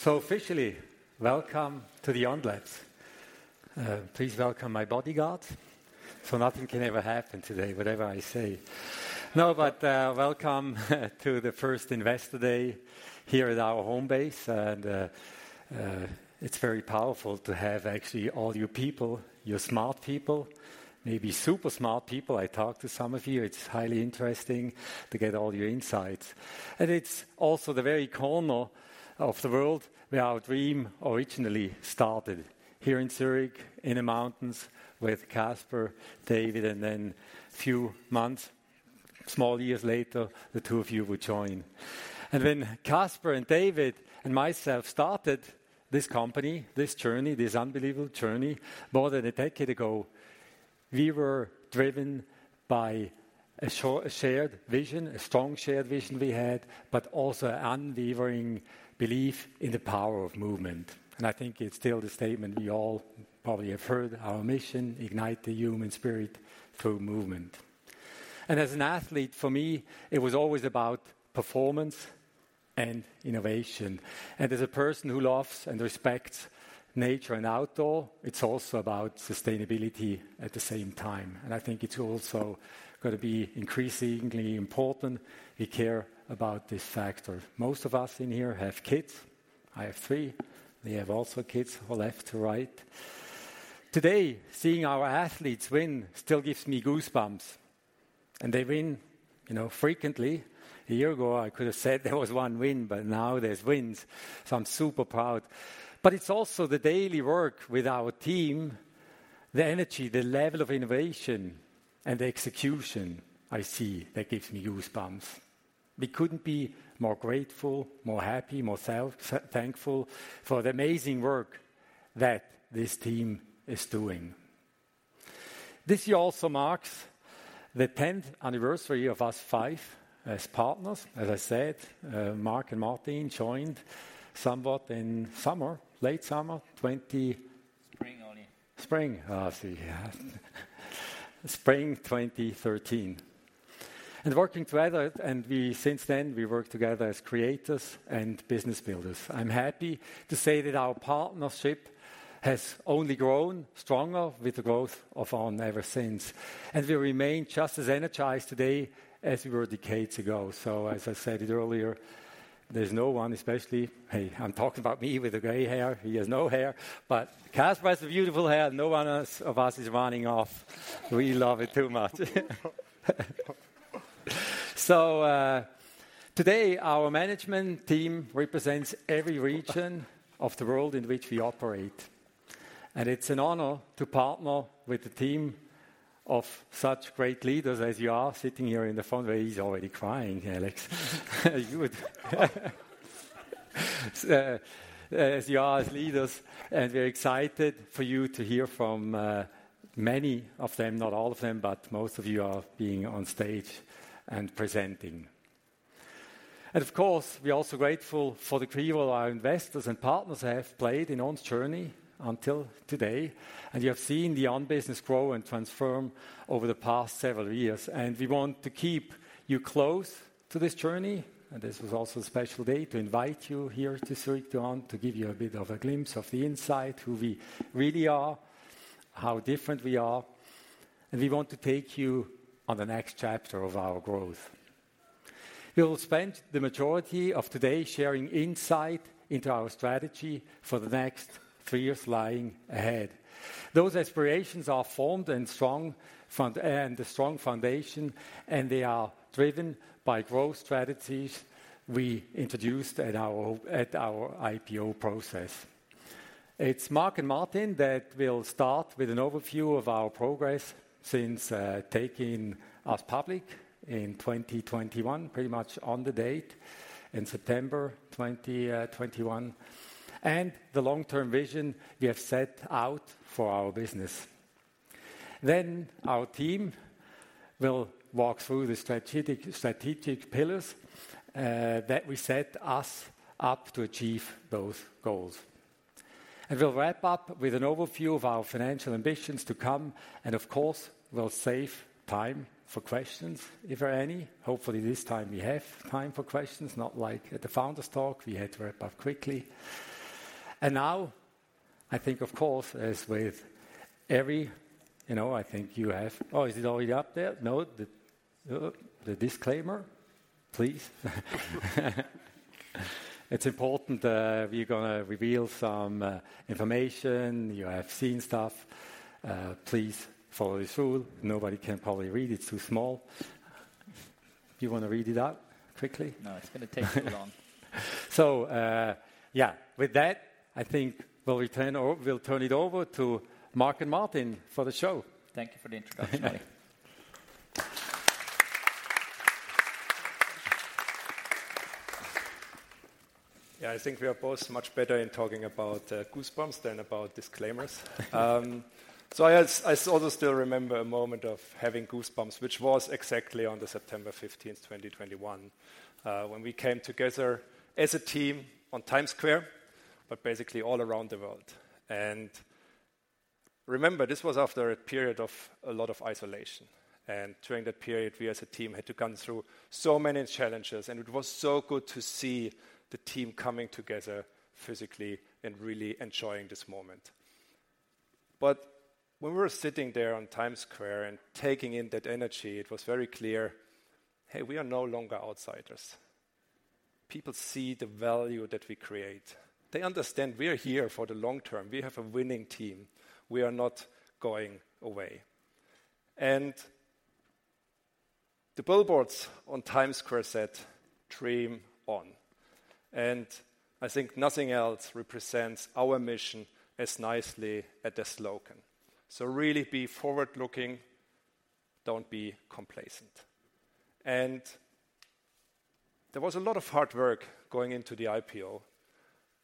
So officially, welcome to the On Labs. Please welcome my bodyguard, so nothing can ever happen today, whatever I say. No, but welcome to the first Investor Day here at our home base, and it's very powerful to have actually all you people, you smart people, maybe super smart people. I talked to some of you. It's highly interesting to get all your insights. And it's also the very corner of the world where our dream originally started, here in Zurich, in the mountains with Caspar, David, and then few months, small years later, the two of you would join. And when Caspar and David and myself started this company, this journey, this unbelievable journey, more than a decade ago, we were driven by a shared vision, a strong shared vision we had, but also unwavering belief in the power of movement. I think it's still the statement you all probably have heard, our mission: Ignite the human spirit through movement. And as an athlete, for me, it was always about performance and innovation, and as a person who loves and respects nature and outdoor, it's also about sustainability at the same time. And I think it's also gonna be increasingly important we care about this factor. Most of us in here have kids. I have three. We have also kids from left to right. Today, seeing our athletes win still gives me goosebumps, and they win, you know, frequently. A year ago, I could have said there was one win, but now there's wins, so I'm super proud. But it's also the daily work with our team, the energy, the level of innovation and the execution I see that gives me goosebumps. We couldn't be more grateful, more happy, more thankful for the amazing work that this team is doing. This year also marks the 10th anniversary of us five as partners. As I said, Marc and Martin joined somewhat in summer, late summer, twenty- Spring, only. Spring. Oh, I see. Yeah, Spring 2013. And working together, and we since then, we work together as creators and business builders. I'm happy to say that our partnership has only grown stronger with the growth of On ever since, and we remain just as energized today as we were a decade ago. So as I said it earlier, there's no one, especially... Hey, I'm talking about me with the gray hair. He has no hair, but Caspar has a beautiful hair. No one us, of us is running off. We love it too much. So, today, our management team represents every region of the world in which we operate, and it's an honor to partner with a team of such great leaders as you are sitting here in the front row. He's already crying, Alex. As you are as leaders, and we're excited for you to hear from many of them, not all of them, but most of you are being on stage and presenting. Of course, we are also grateful for the critical our investors and partners have played in On's journey until today, and you have seen the On business grow and transform over the past several years, and we want to keep you close to this journey. This was also a special day to invite you here to Zurich, to On, to give you a bit of a glimpse of the inside, who we really are, how different we are, and we want to take you on the next chapter of our growth. We will spend the majority of today sharing insight into our strategy for the next three years lying ahead. Those aspirations are formed on a strong foundation, and they are driven by growth strategies we introduced at our IPO process. It's Marc and Martin that will start with an overview of our progress since taking us public in 2021, pretty much on the date, in September 2021, and the long-term vision we have set out for our business. Then, our team will walk through the strategic pillars that we set us up to achieve those goals. We'll wrap up with an overview of our financial ambitions to come, and of course, we'll save time for questions, if there are any. Hopefully, this time we have time for questions, not like at the founders talk, we had to wrap up quickly. Now, I think, of course, as with every... You know, I think you have— Oh, is it already up there? No. The, the disclaimer, please. It's important, we're gonna reveal some information. You have seen stuff. Please follow this rule. Nobody can probably read, it's too small. Do you want to read it out quickly? No, it's going to take too long. So, yeah. With that, I think we'll return over—we'll turn it over to Marc and Martin for the show. Thank you for the introduction. Yeah, I think we are both much better in talking about goosebumps than about disclaimers. So I also, I also still remember a moment of having goosebumps, which was exactly on September fifteenth, 2021, when we came together as a team on Times Square, but basically all around the world. Remember, this was after a period of a lot of isolation, and during that period, we as a team had to come through so many challenges, and it was so good to see the team coming together physically and really enjoying this moment. But when we were sitting there on Times Square and taking in that energy, it was very clear, hey, we are no longer outsiders. People see the value that we create. They understand we are here for the long term. We have a winning team. We are not going away. The billboards on Times Square said, "Dream On," and I think nothing else represents our mission as nicely as the slogan. So really, be forward-looking, don't be complacent. There was a lot of hard work going into the IPO,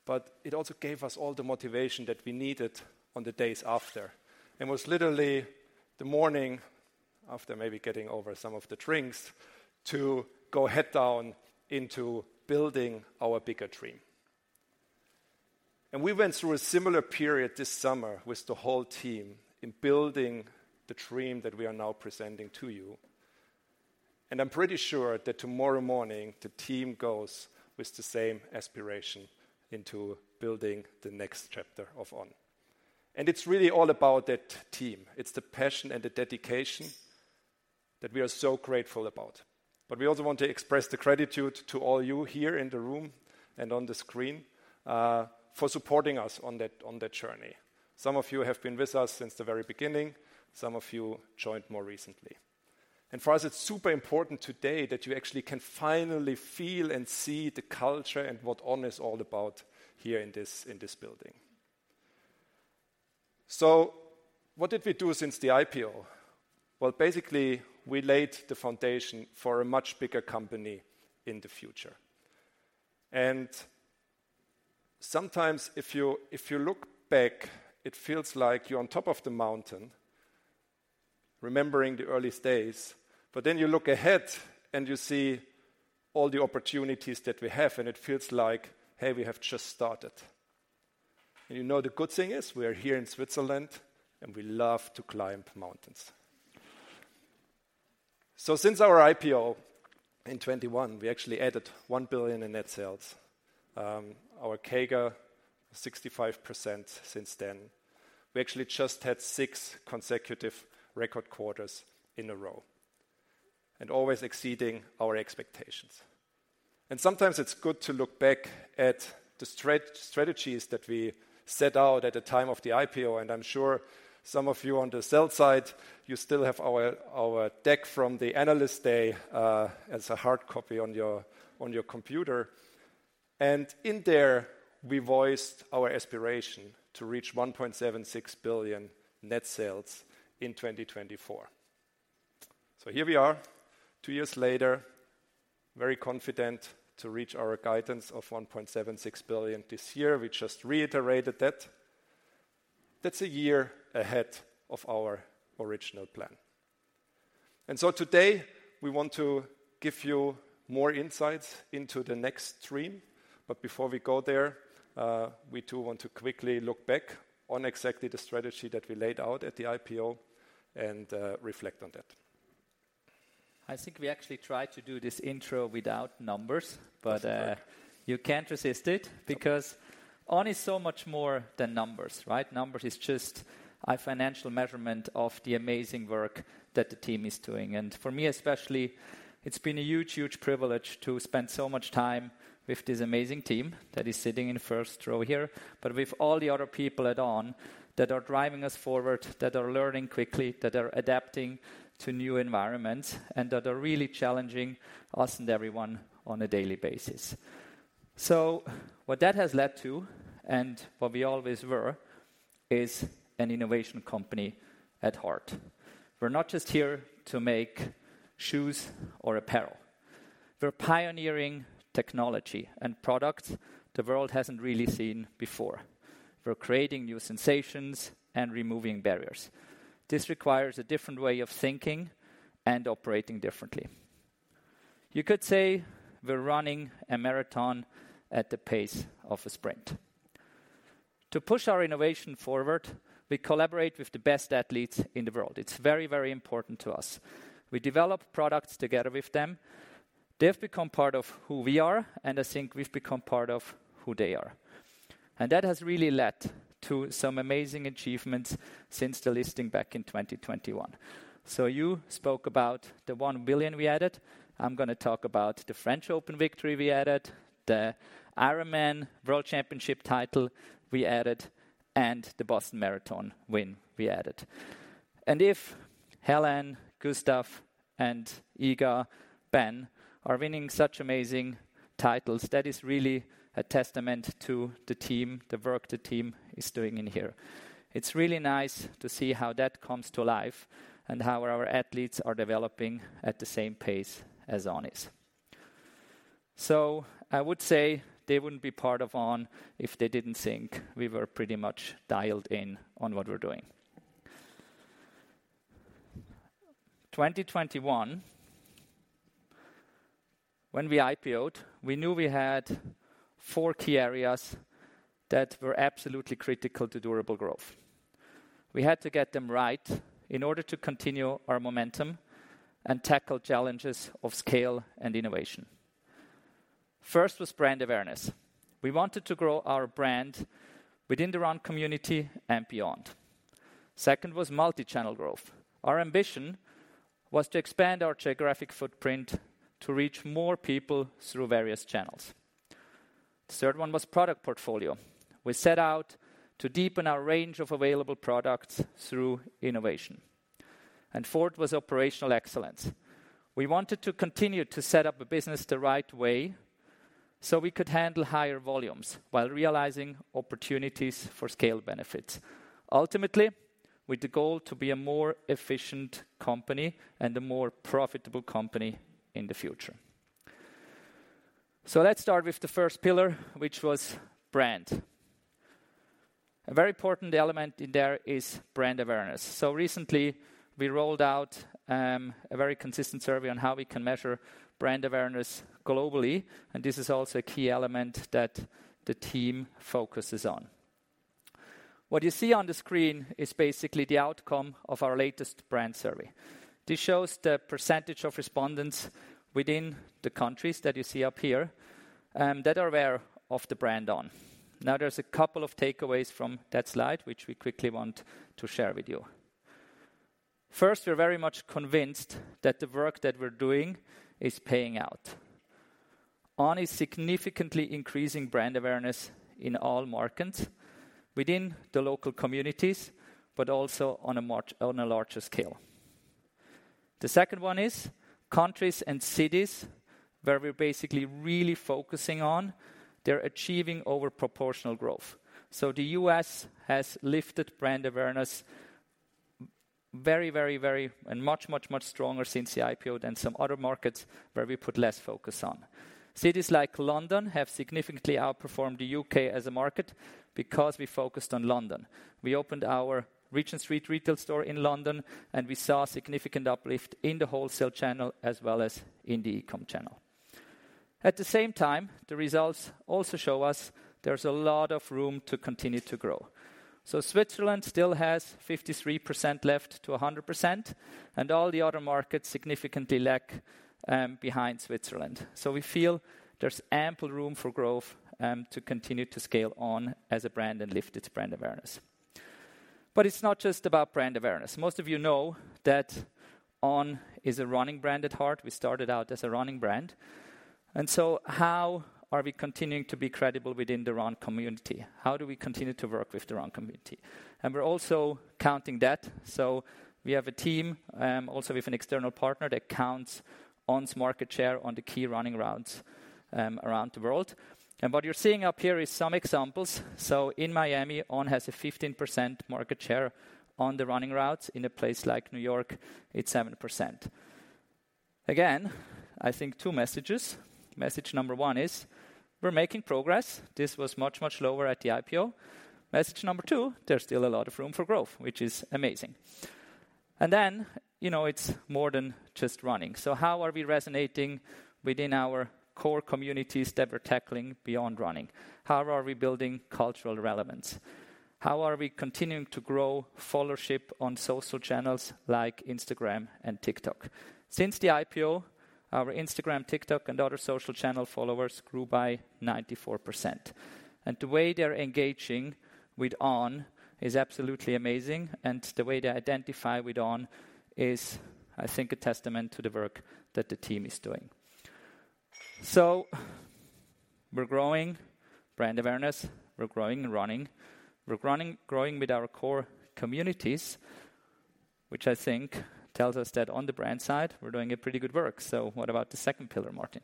but it also gave us all the motivation that we needed on the days after. It was literally the morning, after maybe getting over some of the drinks, to go head down into building our bigger dream. We went through a similar period this summer with the whole team in building the dream that we are now presenting to you. I'm pretty sure that tomorrow morning, the team goes with the same aspiration into building the next chapter of On. It's really all about that team. It's the passion and the dedication that we are so grateful about. We also want to express the gratitude to all you here in the room and on the screen for supporting us on that journey. Some of you have been with us since the very beginning. Some of you joined more recently. For us, it's super important today that you actually can finally feel and see the culture and what On is all about here in this building. So what did we do since the IPO? Well, basically, we laid the foundation for a much bigger company in the future. Sometimes if you look back, it feels like you're on top of the mountain, remembering the earliest days. But then you look ahead, and you see all the opportunities that we have, and it feels like, hey, we have just started. And you know, the good thing is we are here in Switzerland, and we love to climb mountains. So since our IPO in 2021, we actually added 1 billion in net sales. Our CAGR, 65% since then. We actually just had six consecutive record quarters in a row and always exceeding our expectations. And sometimes it's good to look back at the strategies that we set out at the time of the IPO, and I'm sure some of you on the sales side, you still have our deck from the analyst day, as a hard copy on your computer. And in there, we voiced our aspiration to reach 1.76 billion net sales in 2024. So here we are, two years later, very confident to reach our guidance of 1.76 billion this year. We just reiterated that. That's a year ahead of our original plan. And so today, we want to give you more insights into the next dream. But before we go there, we do want to quickly look back on exactly the strategy that we laid out at the IPO and reflect on that. I think we actually tried to do this intro without numbers- That's right. But you can't resist it, because On is so much more than numbers, right? Numbers is just a financial measurement of the amazing work that the team is doing. And for me, especially, it's been a huge, huge privilege to spend so much time with this amazing team that is sitting in the first row here. But with all the other people at On that are driving us forward, that are learning quickly, that are adapting to new environments, and that are really challenging us and everyone on a daily basis. So what that has led to, and what we always were, is an innovation company at heart. We're not just here to make shoes or apparel. We're pioneering technology and products the world hasn't really seen before. We're creating new sensations and removing barriers. This requires a different way of thinking and operating differently. You could say we're running a marathon at the pace of a sprint. To push our innovation forward, we collaborate with the best athletes in the world. It's very, very important to us. We develop products together with them. They've become part of who we are, and I think we've become part of who they are. And that has really led to some amazing achievements since the listing back in 2021. So you spoke about the 1 billion we added. I'm going to talk about the French Open victory we added, the Ironman World Championship title we added, and the Boston Marathon win we added. If Hellen, Gustav, and Iga, Ben are winning such amazing titles, that is really a testament to the team, the work the team is doing in here. It's really nice to see how that comes to life and how our athletes are developing at the same pace as On is. So I would say they wouldn't be part of On if they didn't think we were pretty much dialed in on what we're doing. In 2021, when we IPO'd, we knew we had four key areas that were absolutely critical to durable growth. We had to get them right in order to continue our momentum and tackle challenges of scale and innovation. First was brand awareness. We wanted to grow our brand within the run community and beyond. Second was multi-channel growth. Our ambition was to expand our geographic footprint to reach more people through various channels. The third one was product portfolio. We set out to deepen our range of available products through innovation. Fourth was operational excellence. We wanted to continue to set up a business the right way, so we could handle higher volumes while realizing opportunities for scale benefits. Ultimately, with the goal to be a more efficient company and a more profitable company in the future. Let's start with the first pillar, which was brand. A very important element in there is brand awareness. Recently, we rolled out a very consistent survey on how we can measure brand awareness globally, and this is also a key element that the team focuses on. What you see on the screen is basically the outcome of our latest brand survey. This shows the percentage of respondents within the countries that you see up here that are aware of the brand On. Now, there's a couple of takeaways from that slide, which we quickly want to share with you. First, we're very much convinced that the work that we're doing is paying out. On is significantly increasing brand awareness in all markets within the local communities, but also on a larger scale. The second one is countries and cities where we're basically really focusing on, they're achieving over proportional growth. So the U.S. has lifted brand awareness very, very, very, and much, much, much stronger since the IPO than some other markets where we put less focus on. Cities like London have significantly outperformed the U.K. as a market because we focused on London. We opened our Regent Street retail store in London, and we saw a significant uplift in the wholesale channel as well as in the e-com channel. At the same time, the results also show us there's a lot of room to continue to grow. So Switzerland still has 53% left to 100%, and all the other markets significantly lag behind Switzerland. So we feel there's ample room for growth to continue to scale On as a brand and lift its brand awareness. But it's not just about brand awareness. Most of you know that On is a running brand at heart. We started out as a running brand, and so how are we continuing to be credible within the run community? How do we continue to work with the run community? And we're also counting that. So we have a team, also with an external partner, that counts On's market share on the key running routes around the world. And what you're seeing up here is some examples. So in Miami, On has a 15% market share on the running routes. In a place like New York, it's 7%. Again, I think two messages. Message number one is we're making progress. This was much, much lower at the IPO. Message number two, there's still a lot of room for growth, which is amazing. And then, you know, it's more than just running. So how are we resonating within our core communities that we're tackling beyond running? How are we building cultural relevance? How are we continuing to grow followership on social channels like Instagram and TikTok? Since the IPO, our Instagram, TikTok, and other social channel followers grew by 94%, and the way they're engaging with On is absolutely amazing, and the way they identify with On is, I think, a testament to the work that the team is doing. So we're growing brand awareness, we're growing running, we're growing, growing with our core communities, which I think tells us that On the brand side, we're doing a pretty good work. So what about the second pillar, Martin?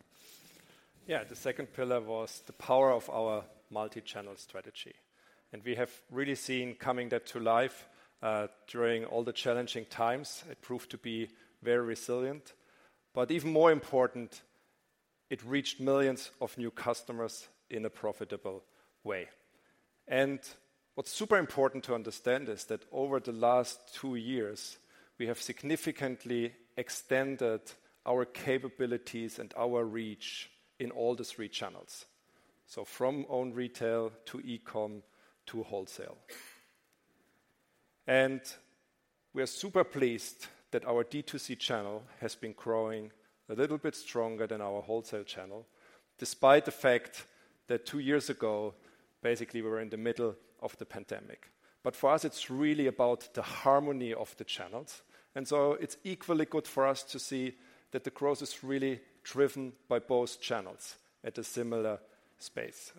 Yeah. The second pillar was the power of our multi-channel strategy, and we have really seen that coming to life during all the challenging times. It proved to be very resilient, but even more important, it reached millions of new customers in a profitable way. What's super important to understand is that over the last two years, we have significantly extended our capabilities and our reach in all three channels. So from On retail to e-com to wholesale. We are super pleased that our D2C channel has been growing a little bit stronger than our wholesale channel, despite the fact that two years ago, basically, we were in the middle of the pandemic. For us, it's really about the harmony of the channels, and so it's equally good for us to see that the growth is really driven by both channels at a similar pace.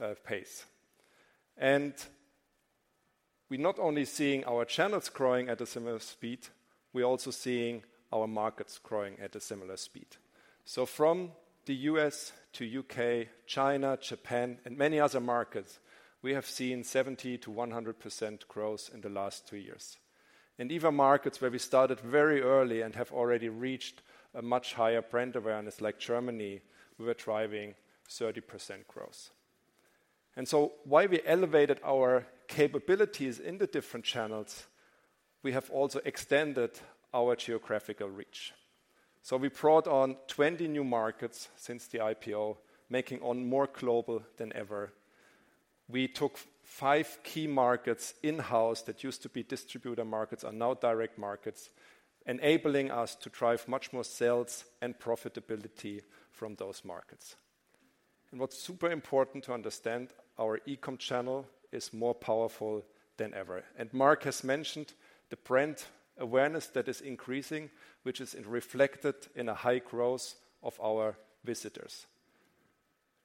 We're not only seeing our channels growing at a similar speed, we're also seeing our markets growing at a similar speed. So from the US to UK, China, Japan, and many other markets, we have seen 70%-100% growth in the last two years. Even markets where we started very early and have already reached a much higher brand awareness, like Germany, we were driving 30% growth. While we elevated our capabilities in the different channels, we have also extended our geographical reach. So we brought on 20 new markets since the IPO, making On more global than ever. We took five key markets in-house that used to be distributor markets, are now direct markets, enabling us to drive much more sales and profitability from those markets. And what's super important to understand, our e-com channel is more powerful than ever, and Marc has mentioned the brand awareness that is increasing, which is reflected in a high growth of our visitors.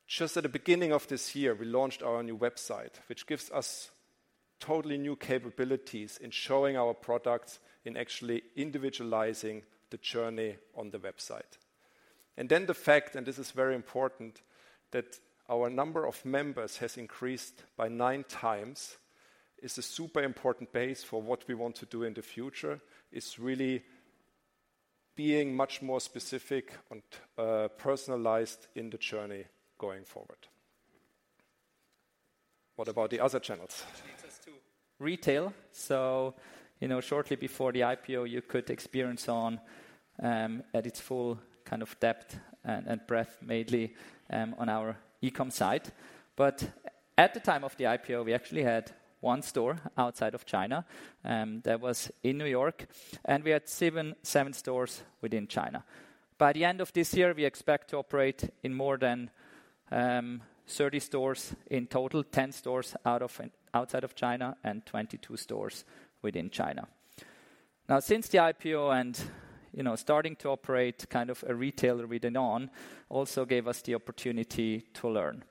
Just at the beginning of this year, we launched our new website, which gives us totally new capabilities in showing our products, in actually individualizing the journey on the website. And then the fact, and this is very important, that our number of members has increased by 9x, is a super important base for what we want to do in the future, is really being much more specific and personalized in the journey going forward. What about the other channels? Which leads us to retail. So, you know, shortly before the IPO, you could experience On at its full kind of depth and breadth, mainly on our e-com site. But at the time of the IPO, we actually had one store outside of China, that was in New York, and we had seven stores within China. By the end of this year, we expect to operate in more than 30 stores in total, 10 stores outside of China and 22 stores within China. Now, since the IPO and, you know, starting to operate kind of a retailer within On, also gave us the opportunity to learn.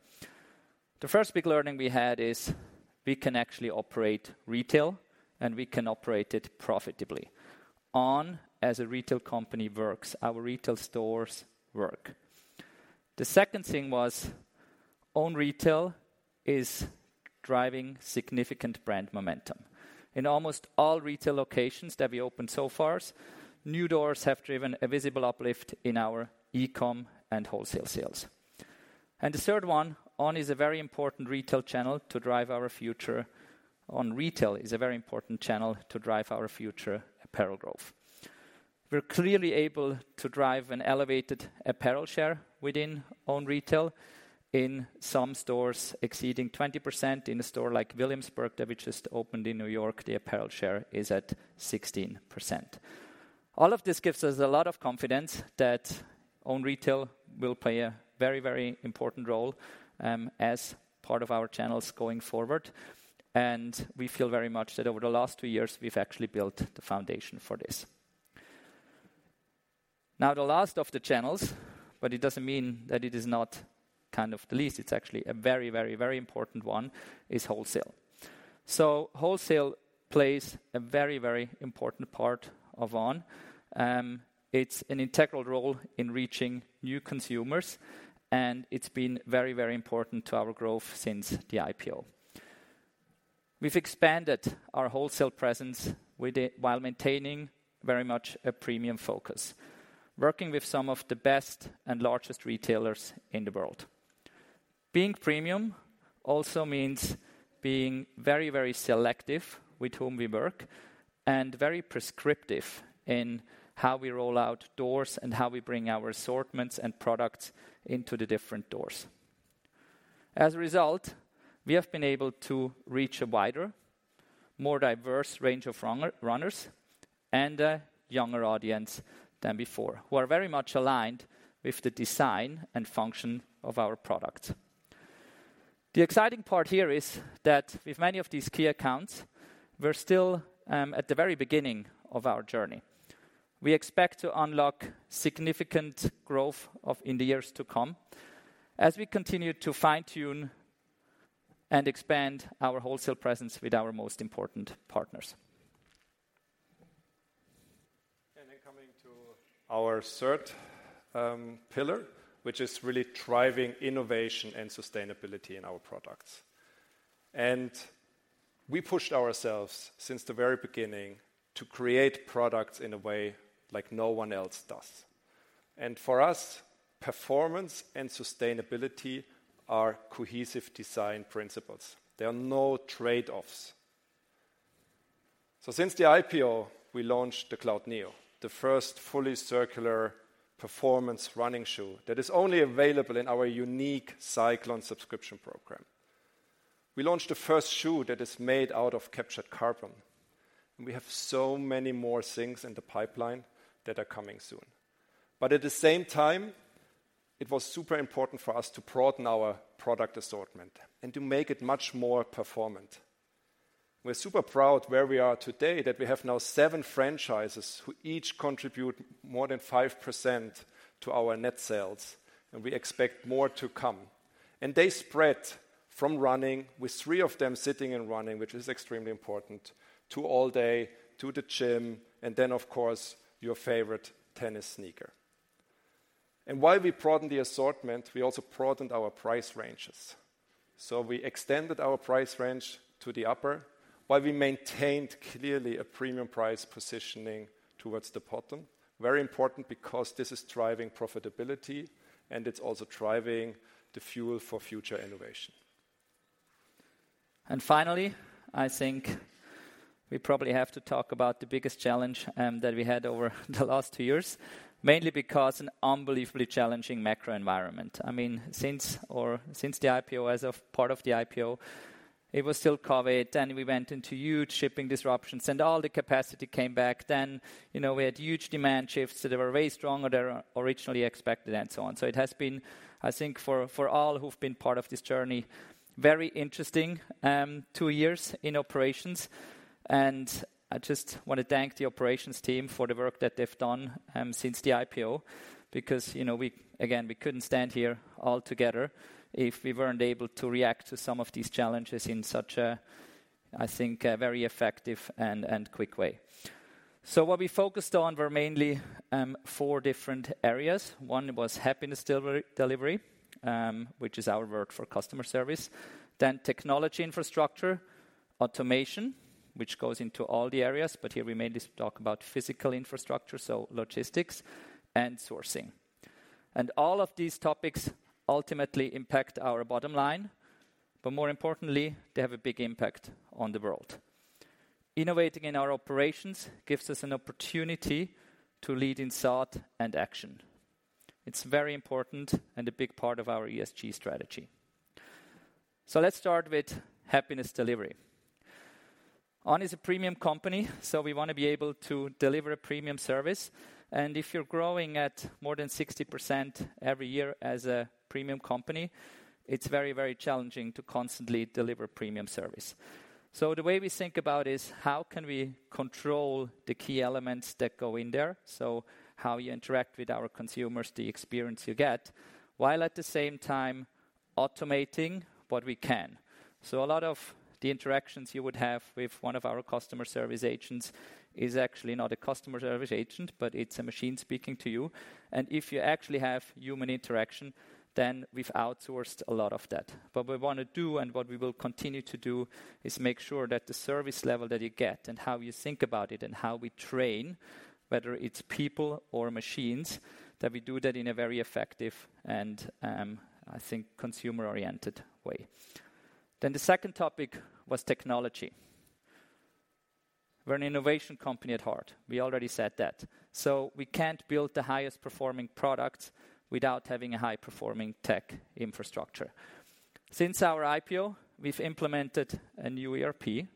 The first big learning we had is we can actually operate retail, and we can operate it profitably. On as a retail company works. Our retail stores work. The second thing was, On retail is driving significant brand momentum. In almost all retail locations that we opened so far, new doors have driven a visible uplift in our e-com and wholesale sales. The third one, On is a very important retail channel to drive our future—On retail is a very important channel to drive our future apparel growth. We're clearly able to drive an elevated apparel share within On retail, in some stores exceeding 20%. In a store like Williamsburg, that we just opened in New York, the apparel share is at 16%. All of this gives us a lot of confidence that On retail will play a very, very important role, as part of our channels going forward. We feel very much that over the last two years, we've actually built the foundation for this. Now, the last of the channels, but it doesn't mean that it is not kind of the least, it's actually a very, very, very important one, is wholesale. So wholesale plays a very, very important part of On, it's an integral role in reaching new consumers, and it's been very, very important to our growth since the IPO. We've expanded our wholesale presence with it, while maintaining very much a premium focus, working with some of the best and largest retailers in the world. Being premium also means being very, very selective with whom we work, and very prescriptive in how we roll out doors and how we bring our assortments and products into the different doors. As a result, we have been able to reach a wider, more diverse range of run-runners and a younger audience than before, who are very much aligned with the design and function of our products. The exciting part here is that with many of these key accounts, we're still at the very beginning of our journey. We expect to unlock significant growth in the years to come, as we continue to fine-tune and expand our wholesale presence with our most important partners. Then coming to our third pillar, which is really driving innovation and sustainability in our products. We pushed ourselves since the very beginning to create products in a way like no one else does. For us, performance and sustainability are cohesive design principles. There are no trade-offs. Since the IPO, we launched the Cloudneo, the first fully circular performance running shoe that is only available in our unique Cyclon subscription program. We launched the first shoe that is made out of captured carbon, and we have so many more things in the pipeline that are coming soon. At the same time, it was super important for us to broaden our product assortment and to make it much more performant. We're super proud where we are today, that we have now seven7 franchises who each contribute more than 5% to our net sales, and we expect more to come. They spread from running, with 3 of them sitting in running, which is extremely important, to all day, to the gym, and then, of course, your favorite tennis sneaker. While we broadened the assortment, we also broadened our price ranges. We extended our price range to the upper-... while we maintained clearly a premium price positioning towards the bottom. Very important, because this is driving profitability, and it's also driving the fuel for future innovation. Finally, I think we probably have to talk about the biggest challenge that we had over the last two years, mainly because an unbelievably challenging macro environment. I mean, since or since the IPO, as of part of the IPO, it was still COVID, and we went into huge shipping disruptions, and all the capacity came back then. You know, we had huge demand shifts that were way stronger than originally expected and so on. So it has been, I think, for all who've been part of this journey, very interesting two years in operations, and I just want to thank the operations team for the work that they've done since the IPO. Because, you know, we again couldn't stand here all together if we weren't able to react to some of these challenges in such a, I think, a very effective and quick way. So what we focused on were mainly four different areas. One was happiness delivery, which is our word for customer service. Then technology infrastructure, automation, which goes into all the areas, but here we mainly talk about physical infrastructure, so logistics and sourcing. And all of these topics ultimately impact our bottom line, but more importantly, they have a big impact on the world. Innovating in our operations gives us an opportunity to lead in thought and action. It's very important and a big part of our ESG strategy. So let's start with happiness delivery. On is a premium company, so we want to be able to deliver a premium service, and if you're growing at more than 60% every year as a premium company, it's very, very challenging to constantly deliver premium service. So the way we think about is, how can we control the key elements that go in there? So how you interact with our consumers, the experience you get, while at the same time automating what we can. So a lot of the interactions you would have with one of our customer service agents is actually not a customer service agent, but it's a machine speaking to you. And if you actually have human interaction, then we've outsourced a lot of that. What we want to do and what we will continue to do, is make sure that the service level that you get and how you think about it and how we train, whether it's people or machines, that we do that in a very effective and, I think, consumer-oriented way. Then the second topic was technology. We're an innovation company at heart. We already said that. So we can't build the highest performing product without having a high-performing tech infrastructure. Since our IPO, we've implemented a new ERP.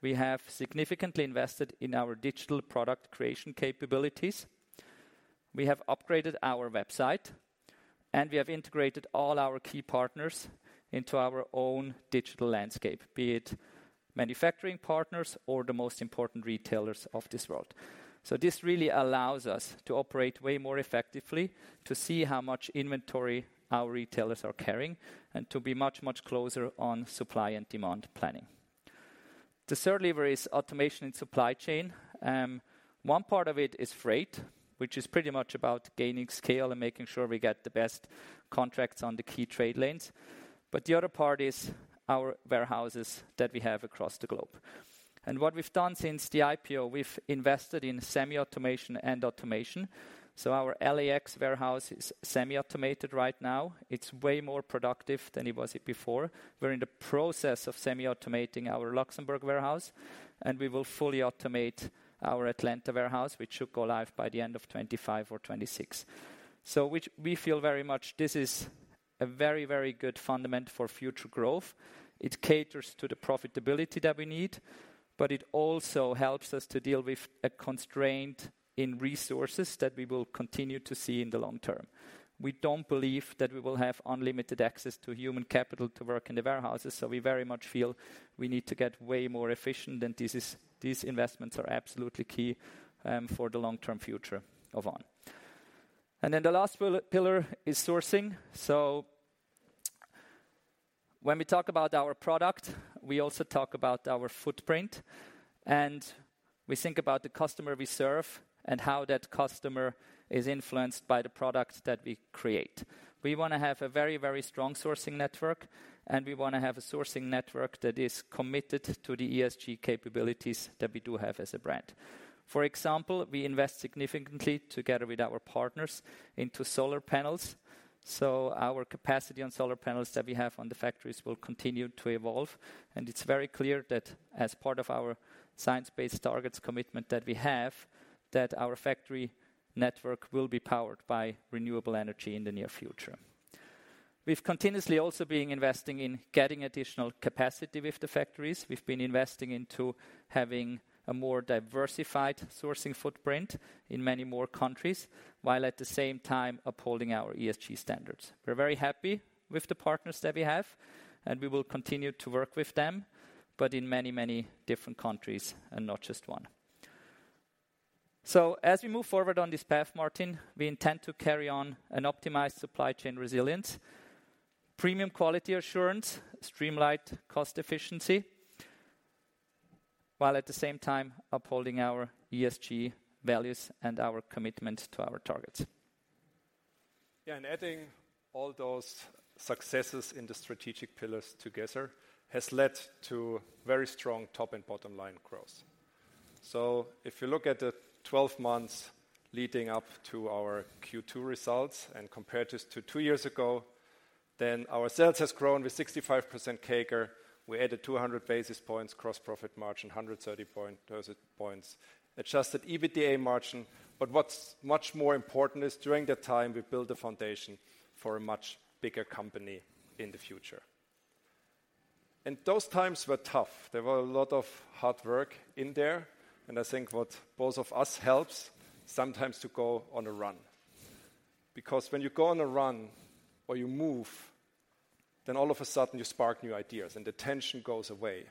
We have significantly invested in our digital product creation capabilities. We have upgraded our website, and we have integrated all our key partners into our own digital landscape, be it manufacturing partners or the most important retailers of this world. So this really allows us to operate way more effectively, to see how much inventory our retailers are carrying, and to be much, much closer on supply and demand planning. The third lever is automation and supply chain. One part of it is freight, which is pretty much about gaining scale and making sure we get the best contracts on the key trade lanes. But the other part is our warehouses that we have across the globe. And what we've done since the IPO, we've invested in semi-automation and automation. So our LAX warehouse is semi-automated right now. It's way more productive than it was before. We're in the process of semi-automating our Luxembourg warehouse, and we will fully automate our Atlanta warehouse, which should go live by the end of 25 or 26. So which we feel very much, this is a very, very good foundation for future growth. It caters to the profitability that we need, but it also helps us to deal with a constraint in resources that we will continue to see in the long term. We don't believe that we will have unlimited access to human capital to work in the warehouses, so we very much feel we need to get way more efficient, and this is, these investments are absolutely key for the long-term future of On. And then the last pillar is sourcing. So when we talk about our product, we also talk about our footprint, and we think about the customer we serve and how that customer is influenced by the products that we create. We want to have a very strong sourcing network, and we want to have a sourcing network that is committed to the ESG capabilities that we do have as a brand. For example, we invest significantly, together with our partners, into solar panels, so our capacity on solar panels that we have on the factories will continue to evolve. It's very clear that as part of our science-based targets commitment that we have, that our factory network will be powered by renewable energy in the near future. We've continuously also been investing in getting additional capacity with the factories. We've been investing into having a more diversified sourcing footprint in many more countries, while at the same time upholding our ESG standards. We're very happy with the partners that we have, and we will continue to work with them, but in many, many different countries and not just one. As we move forward on this path, Martin, we intend to carry on and optimize supply chain resilience, premium quality assurance, streamlined cost efficiency, while at the same time upholding our ESG values and our commitment to our targets. Yeah, and adding all those successes in the strategic pillars together has led to very strong top and bottom-line growth. So if you look at the 12 months leading up to our Q2 results and compare this to two years ago, then our sales has grown with 65% CAGR. We added 200 basis points gross profit margin, 130 percentage points, adjusted EBITDA margin. But what's much more important is during that time, we built a foundation for a much bigger company in the future. And those times were tough. There were a lot of hard work in there, and I think what both of us helps, sometimes to go on a run. Because when you go on a run or you move, then all of a sudden you spark new ideas and the tension goes away.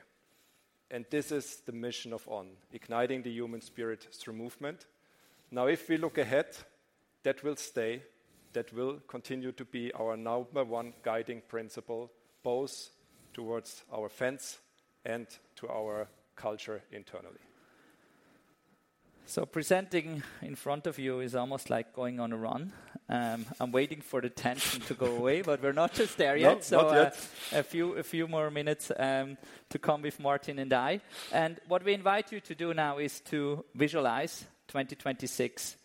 This is the mission of On: igniting the human spirit through movement. Now, if we look ahead, that will stay, that will continue to be our number one guiding principle, both towards our fans and to our culture internally. Presenting in front of you is almost like going on a run. I'm waiting for the tension to go away, but we're not just there yet. No, not yet. So a few more minutes to come with Martin and I. And what we invite you to do now is to visualize 2026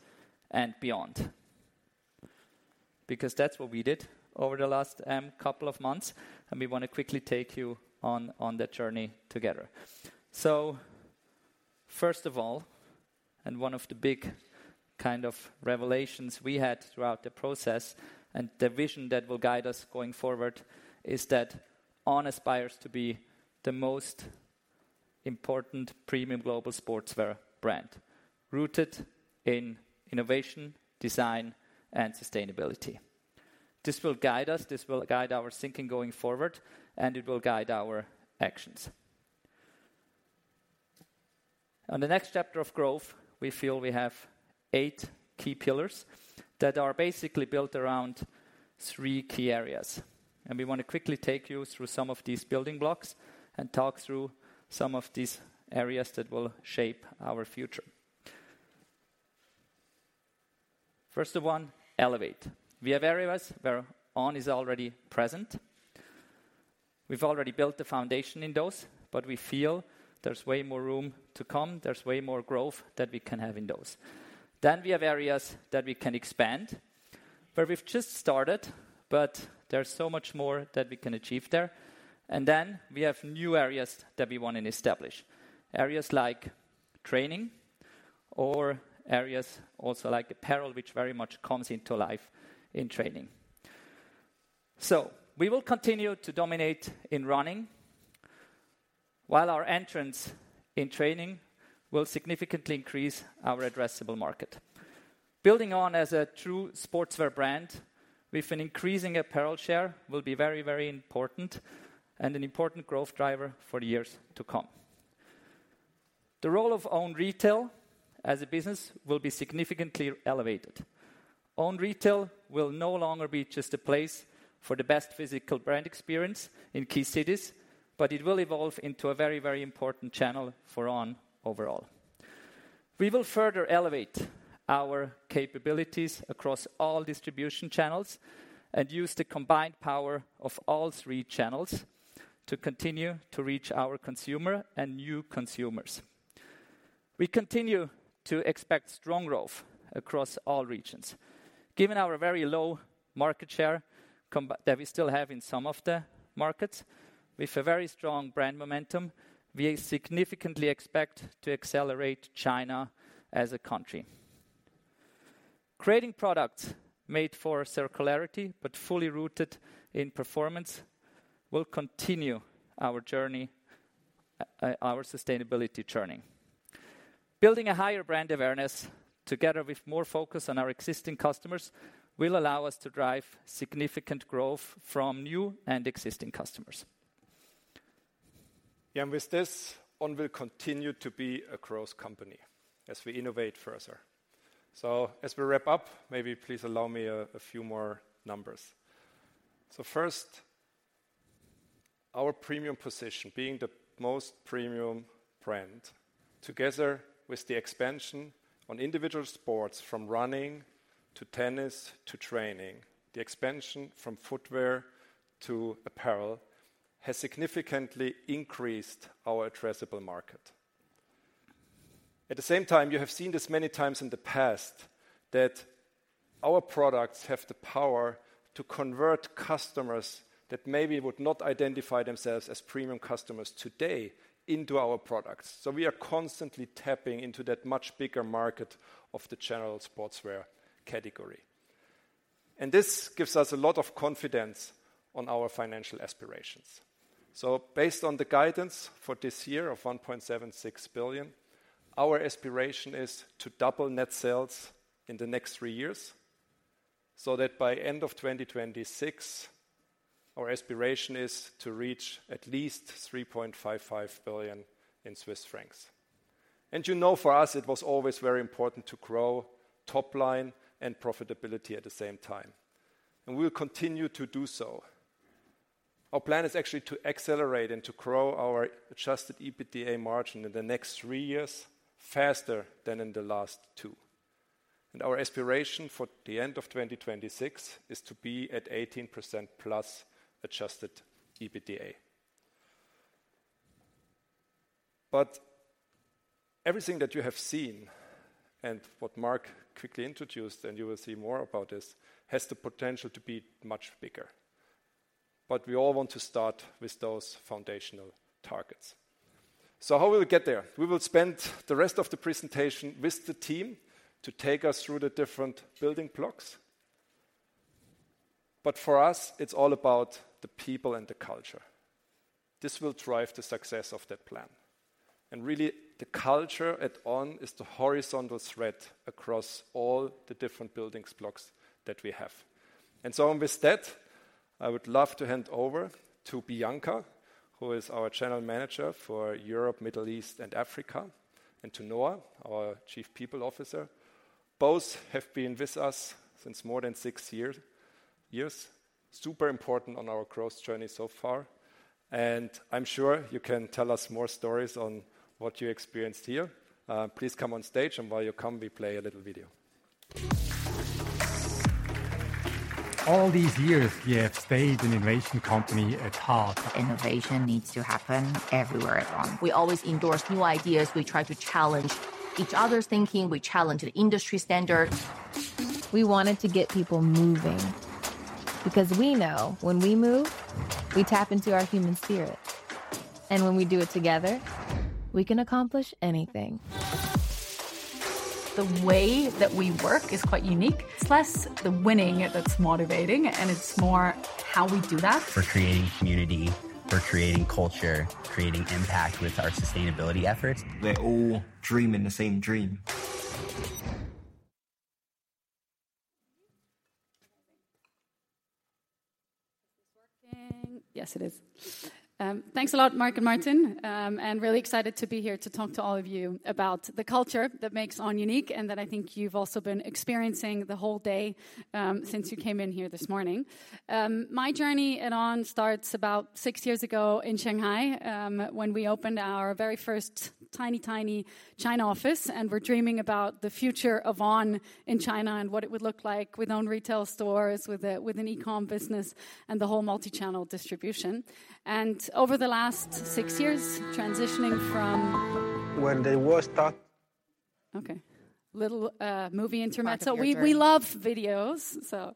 and beyond. Because that's what we did over the last couple of months, and we want to quickly take you on that journey together. So first of all, and one of the big kind of revelations we had throughout the process, and the vision that will guide us going forward, is that On aspires to be the most important premium global sportswear brand, rooted in innovation, design, and sustainability. This will guide us, this will guide our thinking going forward, and it will guide our actions. On the next chapter of growth, we feel we have eight key pillars that are basically built around three key areas, and we want to quickly take you through some of these building blocks and talk through some of these areas that will shape our future. First one, elevate. We have areas where On is already present. We've already built the foundation in those, but we feel there's way more room to come. There's way more growth that we can have in those. Then we have areas that we can expand, where we've just started, but there's so much more that we can achieve there. We have new areas that we want to establish. Areas like training or areas also like apparel, which very much comes into life in training. So we will continue to dominate in running, while our entrance in training will significantly increase our addressable market. Building On as a true sportswear brand with an increasing apparel share will be very, very important, and an important growth driver for years to come. The role of own retail as a business will be significantly elevated. Own retail will no longer be just a place for the best physical brand experience in key cities, but it will evolve into a very, very important channel for On overall. We will further elevate our capabilities across all distribution channels and use the combined power of all three channels to continue to reach our consumer and new consumers. We continue to expect strong growth across all regions. Given our very low market share that we still have in some of the markets, with a very strong brand momentum, we significantly expect to accelerate China as a country. Creating products made for circularity but fully rooted in performance will continue our journey, our sustainability journey. Building a higher brand awareness, together with more focus on our existing customers, will allow us to drive significant growth from new and existing customers. Yeah, and with this, On will continue to be a growth company as we innovate further. So as we wrap up, maybe please allow me a few more numbers. So first, our premium position, being the most premium brand, together with the expansion on individual sports from running to tennis to training, the expansion from footwear to apparel, has significantly increased our addressable market. At the same time, you have seen this many times in the past, that our products have the power to convert customers that maybe would not identify themselves as premium customers today into our products. So we are constantly tapping into that much bigger market of the general sportswear category. And this gives us a lot of confidence on our financial aspirations. So based on the guidance for this year of 1.76 billion, our aspiration is to double net sales in the next three years, so that by end of 2026, our aspiration is to reach at least 3.55 billion in Swiss francs. And you know, for us, it was always very important to grow top line and profitability at the same time, and we will continue to do so. Our plan is actually to accelerate and to grow our adjusted EBITDA margin in the next three years faster than in the last two. And our aspiration for the end of 2026 is to be at 18%+ adjusted EBITDA. But everything that you have seen and what Marc quickly introduced, and you will see more about this, has the potential to be much bigger. But we all want to start with those foundational targets. So how will we get there? We will spend the rest of the presentation with the team to take us through the different building blocks. But for us, it's all about the people and the culture. This will drive the success of that plan. And really, the culture at On is the horizontal thread across all the different building blocks that we have. And so with that, I would love to hand over to Bianca, who is our General Manager for Europe, Middle East, and Africa, and to Noa, our Chief People Officer. Both have been with us since more than six years. Super important on our growth journey so far, and I'm sure you can tell us more stories on what you experienced here. Please come on stage, and while you come, we play a little video. All these years, we have stayed an innovation company at heart. Innovation needs to happen everywhere at On. We always endorse new ideas. We try to challenge each other's thinking. We challenge the industry standard. We wanted to get people moving because we know when we move, we tap into our human spirit, and when we do it together, we can accomplish anything. The way that we work is quite unique. It's less the winning that's motivating, and it's more how we do that. We're creating community, we're creating culture, creating impact with our sustainability efforts. They're all dreaming the same dream. Is this working? Yes, it is. Thanks a lot, Marc and Martin. I'm really excited to be here to talk to all of you about the culture that makes On unique, and that I think you've also been experiencing the whole day, since you came in here this morning. My journey at On starts about six years ago in Shanghai, when we opened our very first tiny, tiny China office, and we're dreaming about the future of On in China and what it would look like with own retail stores, with a, with an e-com business and the whole multi-channel distribution. And over the last six years, transitioning from- When they were starting. Okay. Little movie intermezzo. We love videos, so.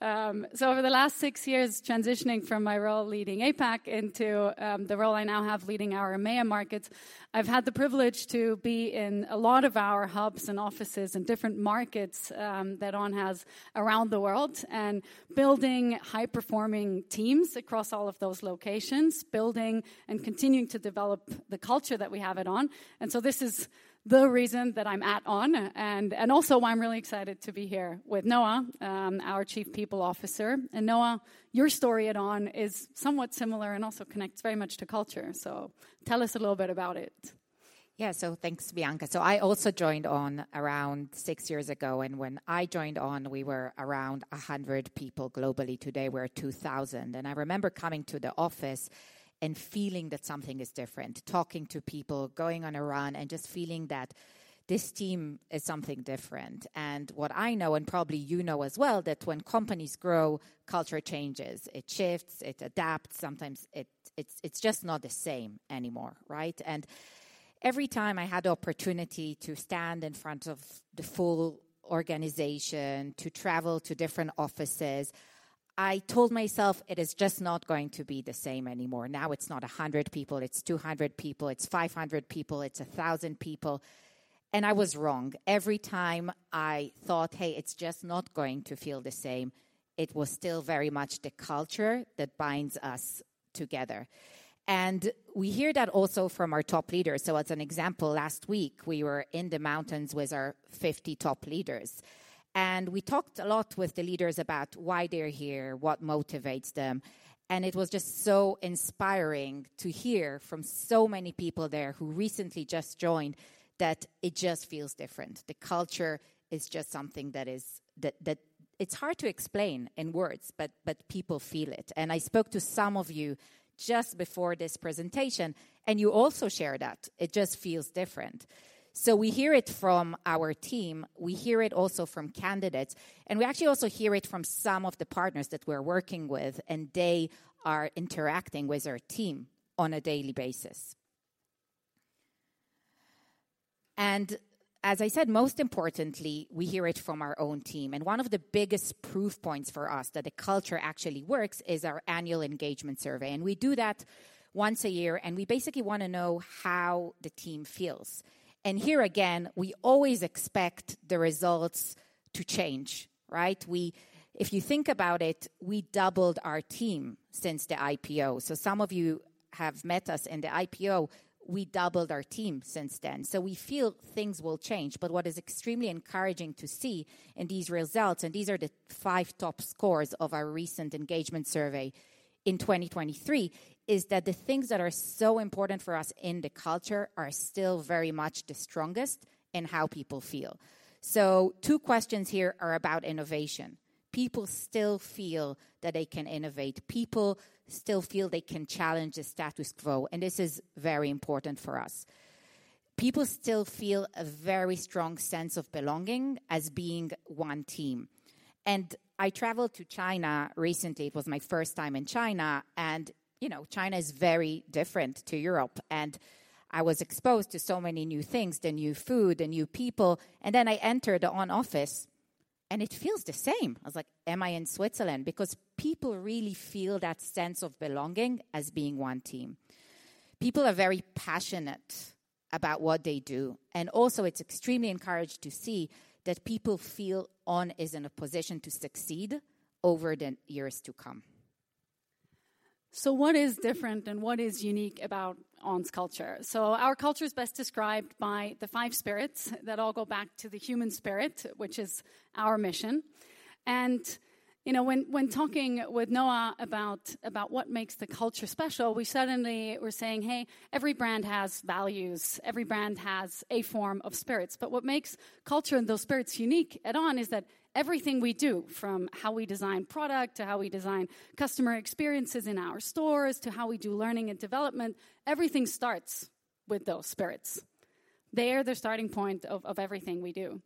Over the last six years, transitioning from my role leading APAC into the role I now have leading our EMEA markets, I've had the privilege to be in a lot of our hubs and offices and different markets that On has around the world, and building high-performing teams across all of those locations, building and continuing to develop the culture that we have at On. And so this is the reason that I'm at On, and also why I'm really excited to be here with Noa, our Chief People Officer. Noa, your story at On is somewhat similar and also connects very much to culture, so tell us a little bit about it. Yeah. So thanks, Bianca. So I also joined On around six years ago, and when I joined On, we were around 100 people globally. Today, we're 2,000. And I remember coming to the office and feeling that something is different, talking to people, going on a run, and just feeling that this team is something different. And what I know, and probably you know as well, that when companies grow, culture changes. It shifts, it adapts, sometimes it, it's, it's just not the same anymore, right? And every time I had the opportunity to stand in front of the full organization, to travel to different offices, I told myself: It is just not going to be the same anymore. Now, it's not 100 people, it's 200 people, it's 500 people, it's 1,000 people. And I was wrong. Every time I thought, "Hey, it's just not going to feel the same," it was still very much the culture that binds us together. And we hear that also from our top leaders. So as an example, last week, we were in the mountains with our 50 top leaders, and we talked a lot with the leaders about why they're here, what motivates them, and it was just so inspiring to hear from so many people there who recently just joined, that it just feels different. The culture is just something that is... That, that, it's hard to explain in words, but, but people feel it. And I spoke to some of you just before this presentation, and you also shared that it just feels different. We hear it from our team, we hear it also from candidates, and we actually also hear it from some of the partners that we're working with, and they are interacting with our team on a daily basis. As I said, most importantly, we hear it from our own team. One of the biggest proof points for us that the culture actually works is our annual engagement survey, and we do that once a year, and we basically wanna know how the team feels. Here again, we always expect the results to change, right? We, if you think about it, doubled our team since the IPO. Some of you have met us in the IPO. We doubled our team since then. So we feel things will change, but what is extremely encouraging to see in these results, and these are the five top scores of our recent engagement survey in 2023, is that the things that are so important for us in the culture are still very much the strongest in how people feel. So two questions here are about innovation. People still feel that they can innovate. People still feel they can challenge the status quo, and this is very important for us... people still feel a very strong sense of belonging as being one team. And I traveled to China recently. It was my first time in China, and, you know, China is very different to Europe, and I was exposed to so many new things: the new food, the new people. And then I entered the On office, and it feels the same. I was like, "Am I in Switzerland?" Because people really feel that sense of belonging as being one team. People are very passionate about what they do, and also it's extremely encouraged to see that people feel On is in a position to succeed over the years to come. So what is different and what is unique about On's culture? Our culture is best described by the five spirits that all go back to the human spirit, which is our mission. And, you know, when, when talking with Noa about, about what makes the culture special, we suddenly were saying: Hey, every brand has values. Every brand has a form of spirits. But what makes culture and those spirits unique at On is that everything we do, from how we design product, to how we design customer experiences in our stores, to how we do learning and development, everything starts with those spirits. They are the starting point of, of everything we do.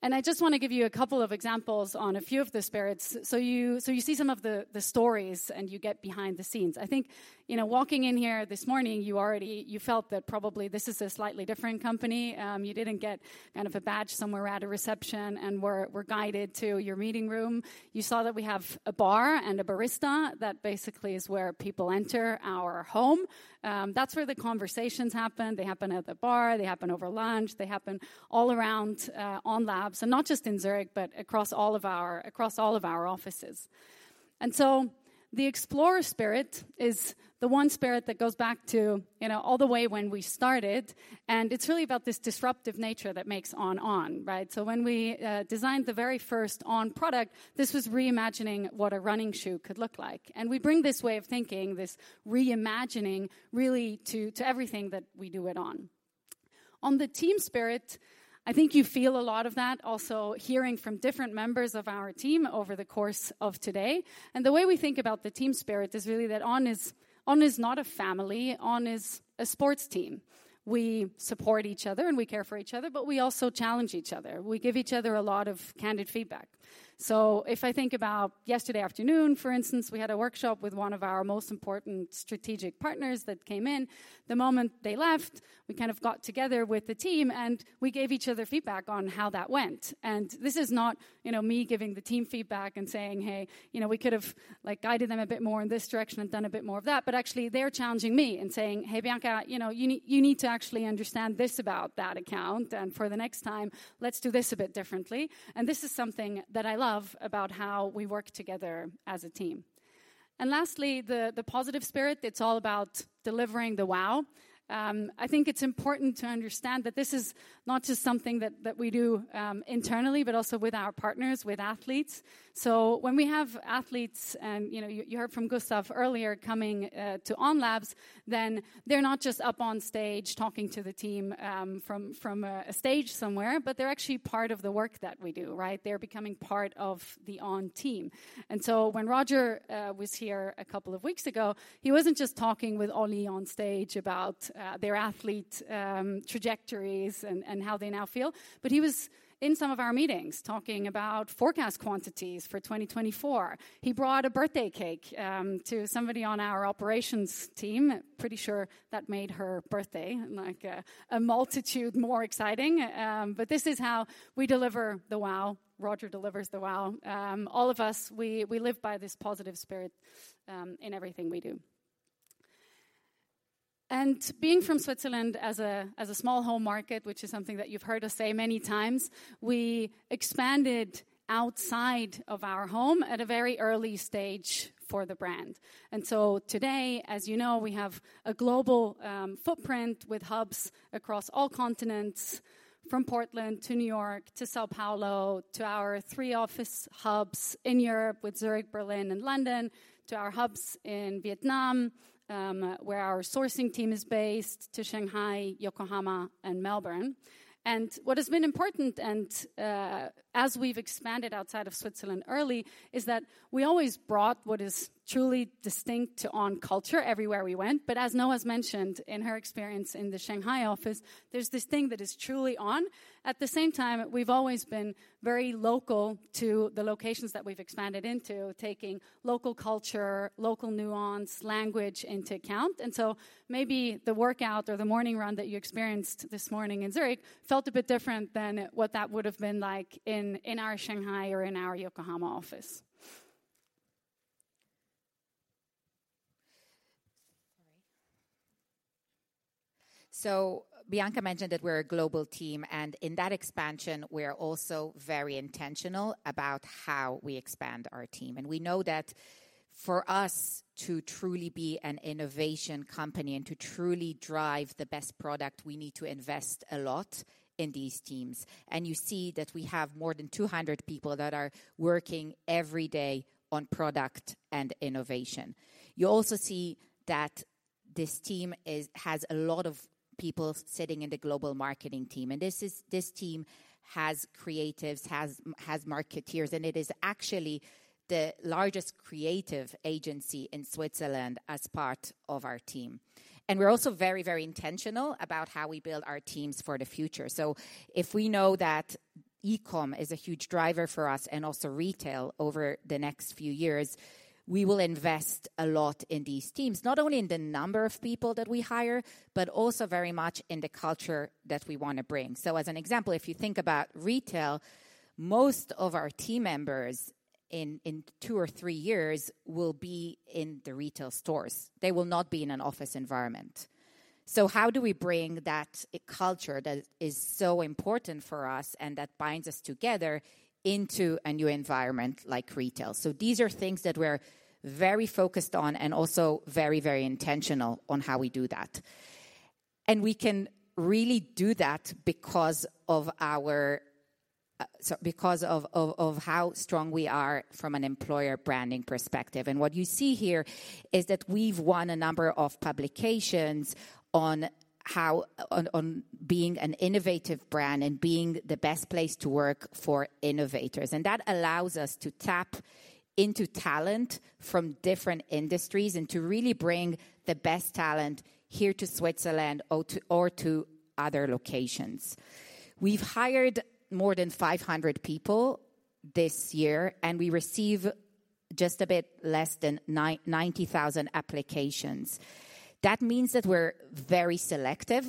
And I just wanna give you a couple of examples on a few of the spirits, so you, so you see some of the, the stories, and you get behind the scenes. I think, you know, walking in here this morning, you already, you felt that probably this is a slightly different company. You didn't get kind of a badge somewhere at a reception, and were, were guided to your meeting room. You saw that we have a bar and a barista. That basically is where people enter our home. That's where the conversations happen. They happen at the bar. They happen over lunch. They happen all around On Labs, and not just in Zurich, but across all of our, across all of our offices. And so the explorer spirit is the one spirit that goes back to, you know, all the way when we started, and it's really about this disruptive nature that makes On, On, right? So when we designed the very first On product, this was reimagining what a running shoe could look like. We bring this way of thinking, this reimagining, really to everything that we do at On. On the team spirit, I think you feel a lot of that also hearing from different members of our team over the course of today. The way we think about the team spirit is really that On is not a family; On is a sports team. We support each other, and we care for each other, but we also challenge each other. We give each other a lot of candid feedback. So if I think about yesterday afternoon, for instance, we had a workshop with one of our most important strategic partners that came in. The moment they left, we kind of got together with the team, and we gave each other feedback on how that went. This is not, you know, me giving the team feedback and saying: Hey, you know, we could have, like, guided them a bit more in this direction and done a bit more of that. But actually, they're challenging me and saying: "Hey, Bianca, you know, you need, you need to actually understand this about that account, and for the next time, let's do this a bit differently." This is something that I love about how we work together as a team. Lastly, the positive spirit, it's all about delivering the wow. I think it's important to understand that this is not just something that we do internally, but also with our partners, with athletes. So when we have athletes, you know, you heard from Gustav earlier, coming to On Labs, then they're not just up on stage talking to the team, from a stage somewhere, but they're actually part of the work that we do, right? They're becoming part of the On team. And so when Roger was here a couple of weeks ago, he wasn't just talking with Oli on stage about their athlete trajectories and how they now feel, but he was in some of our meetings talking about forecast quantities for 2024. He brought a birthday cake to somebody on our operations team. Pretty sure that made her birthday, like, a multitude more exciting, but this is how we deliver the wow. Roger delivers the wow. All of us, we, we live by this positive spirit, in everything we do. And being from Switzerland as a small home market, which is something that you've heard us say many times, we expanded outside of our home at a very early stage for the brand. And so today, as you know, we have a global footprint with hubs across all continents, from Portland to New York to São Paulo, to our three office hubs in Europe, with Zurich, Berlin and London, to our hubs in Vietnam, where our sourcing team is based, to Shanghai, Yokohama and Melbourne. And what has been important, and, as we've expanded outside of Switzerland early, is that we always brought what is truly distinct to On culture everywhere we went. But as Noa has mentioned, in her experience in the Shanghai office, there's this thing that is truly On. At the same time, we've always been very local to the locations that we've expanded into, taking local culture, local nuance, language into account. And so maybe the workout or the morning run that you experienced this morning in Zurich felt a bit different than what that would have been like in our Shanghai or in our Yokohama office. Sorry. So Bianca mentioned that we're a global team, and in that expansion, we are also very intentional about how we expand our team. And we know that for us to truly be an innovation company and to truly drive the best product, we need to invest a lot in these teams. And you see that we have more than 200 people that are working every day on product and innovation. You also see that this team has a lot of people sitting in the global marketing team, and this is this team has creatives, has, has marketeers, and it is actually the largest creative agency in Switzerland as part of our team. And we're also very, very intentional about how we build our teams for the future. So if we know that e-com is a huge driver for us and also retail over the next few years. We will invest a lot in these teams, not only in the number of people that we hire, but also very much in the culture that we wanna bring. So as an example, if you think about retail, most of our team members in two or three years will be in the retail stores. They will not be in an office environment. So how do we bring that culture that is so important for us and that binds us together into a new environment like retail? So these are things that we're very focused on and also very, very intentional on how we do that. And we can really do that because of how strong we are from an employer branding perspective. What you see here is that we've won a number of publications on how On being an innovative brand and being the best place to work for innovators. That allows us to tap into talent from different industries and to really bring the best talent here to Switzerland or to other locations. We've hired more than 500 people this year, and we receive just a bit less than 90,000 applications. That means that we're very selective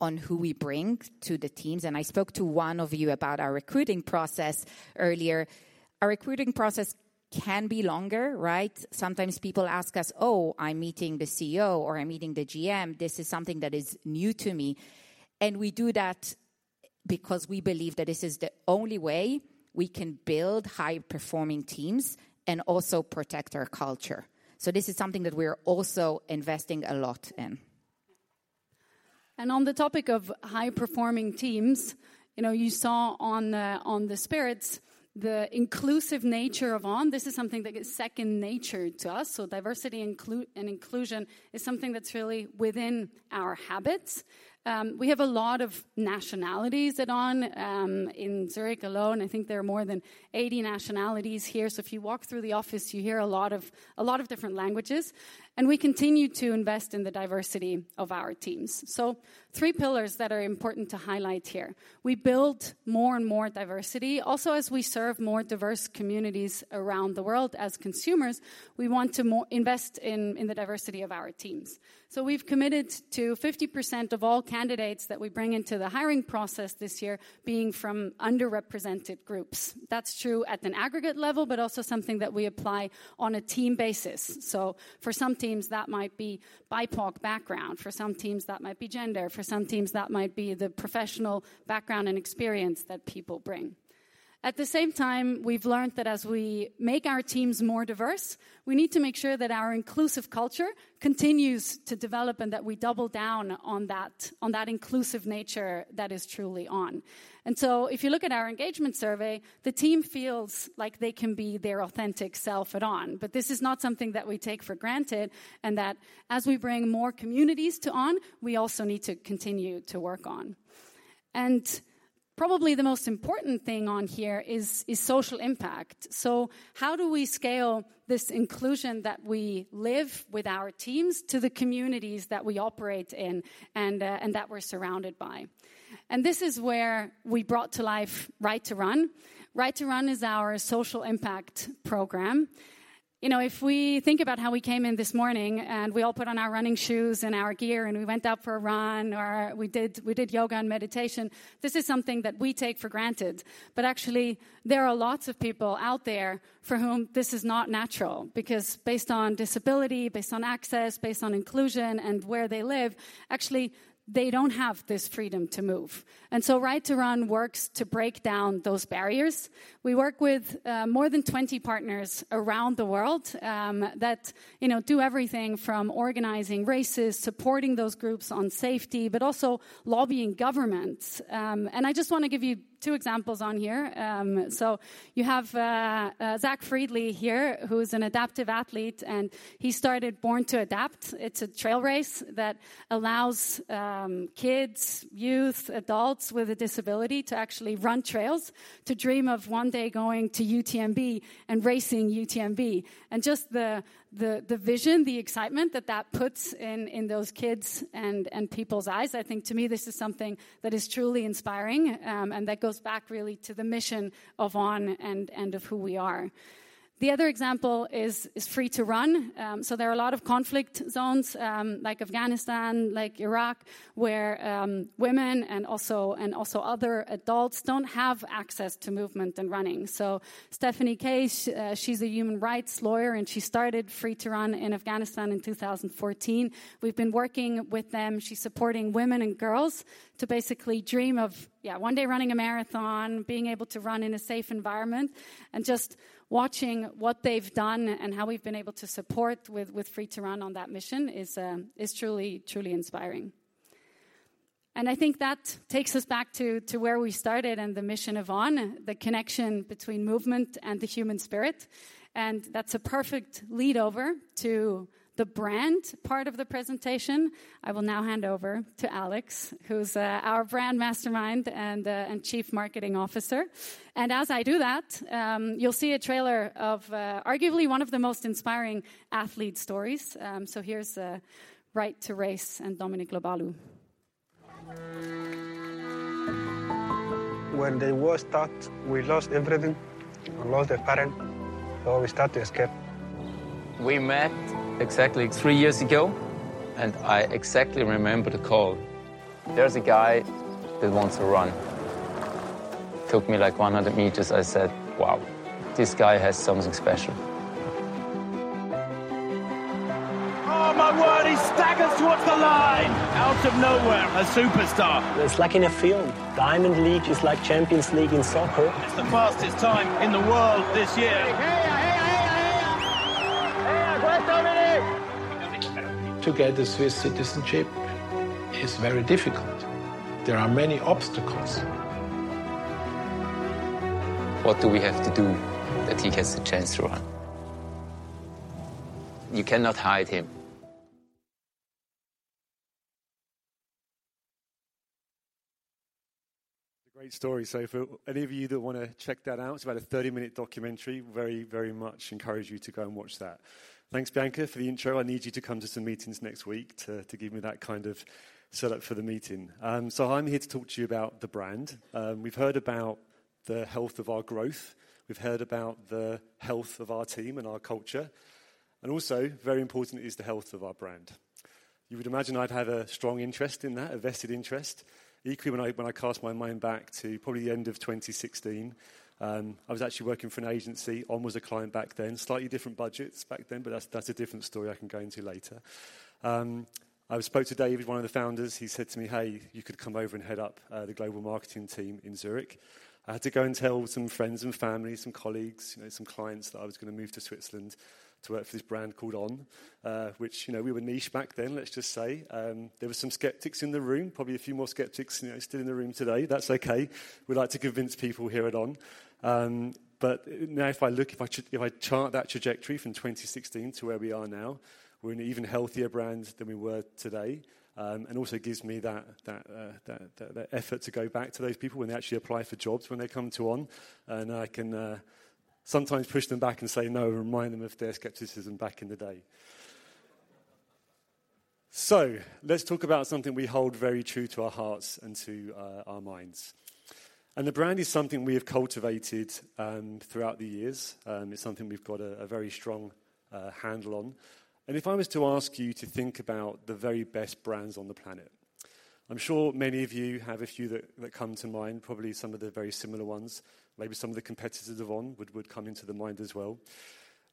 on who we bring to the teams, and I spoke to one of you about our recruiting process earlier. Our recruiting process can be longer, right? Sometimes people ask us, "Oh, I'm meeting the CEO, or I'm meeting the GM. This is something that is new to me." We do that because we believe that this is the only way we can build high-performing teams and also protect our culture. So this is something that we're also investing a lot in. On the topic of high-performing teams, you know, you saw on the, on the spirits, the inclusive nature of On. This is something that is second nature to us, so diversity and inclusion is something that's really within our habits. We have a lot of nationalities at On. In Zurich alone, I think there are more than 80 nationalities here. So if you walk through the office, you hear a lot of, a lot of different languages, and we continue to invest in the diversity of our teams. So three pillars that are important to highlight here: We build more and more diversity. Also, as we serve more diverse communities around the world as consumers, we want to invest more in the diversity of our teams. We've committed to 50% of all candidates that we bring into the hiring process this year being from underrepresented groups. That's true at an aggregate level, but also something that we apply on a team basis. For some teams, that might be BIPOC background, for some teams that might be gender, for some teams that might be the professional background and experience that people bring. At the same time, we've learned that as we make our teams more diverse, we need to make sure that our inclusive culture continues to develop and that we double down on that, on that inclusive nature that is truly On. If you look at our engagement survey, the team feels like they can be their authentic self at On. But this is not something that we take for granted, and that as we bring more communities to On, we also need to continue to work on. Probably the most important thing on here is social impact. So how do we scale this inclusion that we live with our teams, to the communities that we operate in and, and that we're surrounded by? This is where we brought to life Right to Run. Right to Run is our social impact program. You know, if we think about how we came in this morning, and we all put on our running shoes and our gear, and we went out for a run, or we did yoga and meditation, this is something that we take for granted. But actually, there are lots of people out there for whom this is not natural because based on disability, based on access, based on inclusion and where they live, actually, they don't have this freedom to move. And so Right to Run works to break down those barriers. We work with more than 20 partners around the world that, you know, do everything from organizing races, supporting those groups on safety, but also lobbying governments. And I just wanna give you two examples on here. So you have Zach Friedley here, who is an adaptive athlete, and he started Born to Adapt. It's a trail race that allows kids, youth, adults with a disability to actually run trails, to dream of one day going to UTMB and racing UTMB. Just the vision, the excitement that puts in those kids' and people's eyes, I think to me, this is something that is truly inspiring, and that goes back really to the mission of On and of who we are. The other example is Free to Run. So there are a lot of conflict zones, like Afghanistan, like Iraq, where women and also other adults don't have access to movement and running. So Stephanie Case, she's a human rights lawyer, and she started Free to Run in Afghanistan in 2014. We've been working with them. She's supporting women and girls to basically dream of, yeah, one day running a marathon, being able to run in a safe environment, and just watching what they've done and how we've been able to support with Free to Run on that mission is truly inspiring. I think that takes us back to where we started and the mission of On, the connection between movement and the human spirit, and that's a perfect lead over to the brand part of the presentation. I will now hand over to Alex, who's our brand mastermind and Chief Marketing Officer. As I do that, you'll see a trailer of arguably one of the most inspiring athlete stories. So here's Right to Race and Dominic Lobalu. ...When the war start, we lost everything. We lost a parent, so we start to escape. We met exactly three years ago, and I exactly remember the call: "There's a guy that wants to run." Took me like 100 meters. I said, "Wow, this guy has something special. Oh, my word! He staggers towards the line. Out of nowhere, a superstar. It's like in a film. Diamond League is like Champions League in soccer. It's the fastest time in the world this year. Hey, hey, hey, hey, hey, great, Dominic! To get the Swiss citizenship is very difficult. There are many obstacles. What do we have to do that he gets the chance to run? You cannot hide him. A great story. So for any of you that wanna check that out, it's about a 30-minute documentary. Very, very much encourage you to go and watch that. Thanks, Bianca, for the intro. I need you to come to some meetings next week to give me that kind of setup for the meeting. So I'm here to talk to you about the brand. We've heard about the health of our growth, we've heard about the health of our team and our culture, and also, very important, is the health of our brand. You would imagine I'd have a strong interest in that, a vested interest. Equally, when I cast my mind back to probably the end of 2016, I was actually working for an agency. On was a client back then. Slightly different budgets back then, but that's, that's a different story I can go into later. I spoke to David, one of the founders. He said to me, "Hey, you could come over and head up, the global marketing team in Zurich." I had to go and tell some friends and family, some colleagues, you know, some clients that I was gonna move to Switzerland to work for this brand called On. Which, you know, we were niche back then, let's just say. There were some skeptics in the room, probably a few more skeptics, you know, still in the room today. That's okay. We like to convince people here at On. But now, if I look, if I chart that trajectory from 2016 to where we are now, we're an even healthier brand than we were today. And also gives me that, that, effort to go back to those people when they actually apply for jobs, when they come to On, and I can, sometimes push them back and say, "No," and remind them of their skepticism back in the day. So let's talk about something we hold very true to our hearts and to, our minds. The brand is something we have cultivated, throughout the years. It's something we've got a, a very strong, handle on. If I was to ask you to think about the very best brands on the planet, I'm sure many of you have a few that, that come to mind, probably some of the very similar ones. Maybe some of the competitors of On would, would come into the mind as well.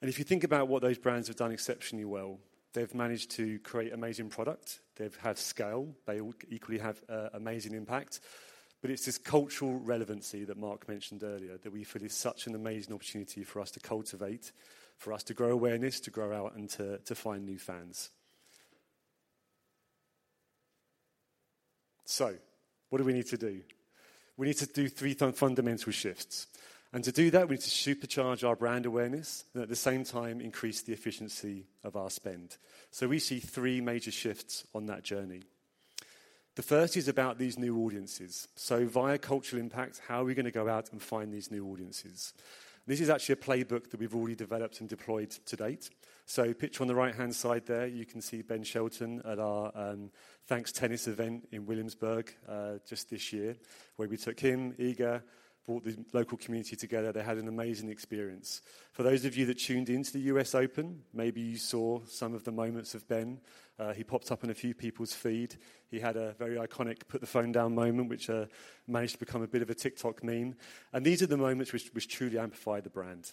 If you think about what those brands have done exceptionally well, they've managed to create amazing product. They've had scale. They all equally have an amazing impact. But it's this cultural relevancy that Marc mentioned earlier, that we feel is such an amazing opportunity for us to cultivate, for us to grow awareness, to grow out, and to find new fans. So what do we need to do? We need to do three fundamental shifts, and to do that, we need to supercharge our brand awareness and at the same time, increase the efficiency of our spend. So we see three major shifts on that journey. The first is about these new audiences. So via cultural impact, how are we gonna go out and find these new audiences? This is actually a playbook that we've already developed and deployed to date. So picture on the right-hand side there, you can see Ben Shelton at our THNKS tennis event in Williamsburg, just this year, where we took him, Iga, brought the local community together. They had an amazing experience. For those of you that tuned into the U.S. Open, maybe you saw some of the moments of Ben. He popped up on a few people's feed. He had a very iconic put-the-phone-down moment, which managed to become a bit of a TikTok meme. And these are the moments which truly amplify the brand.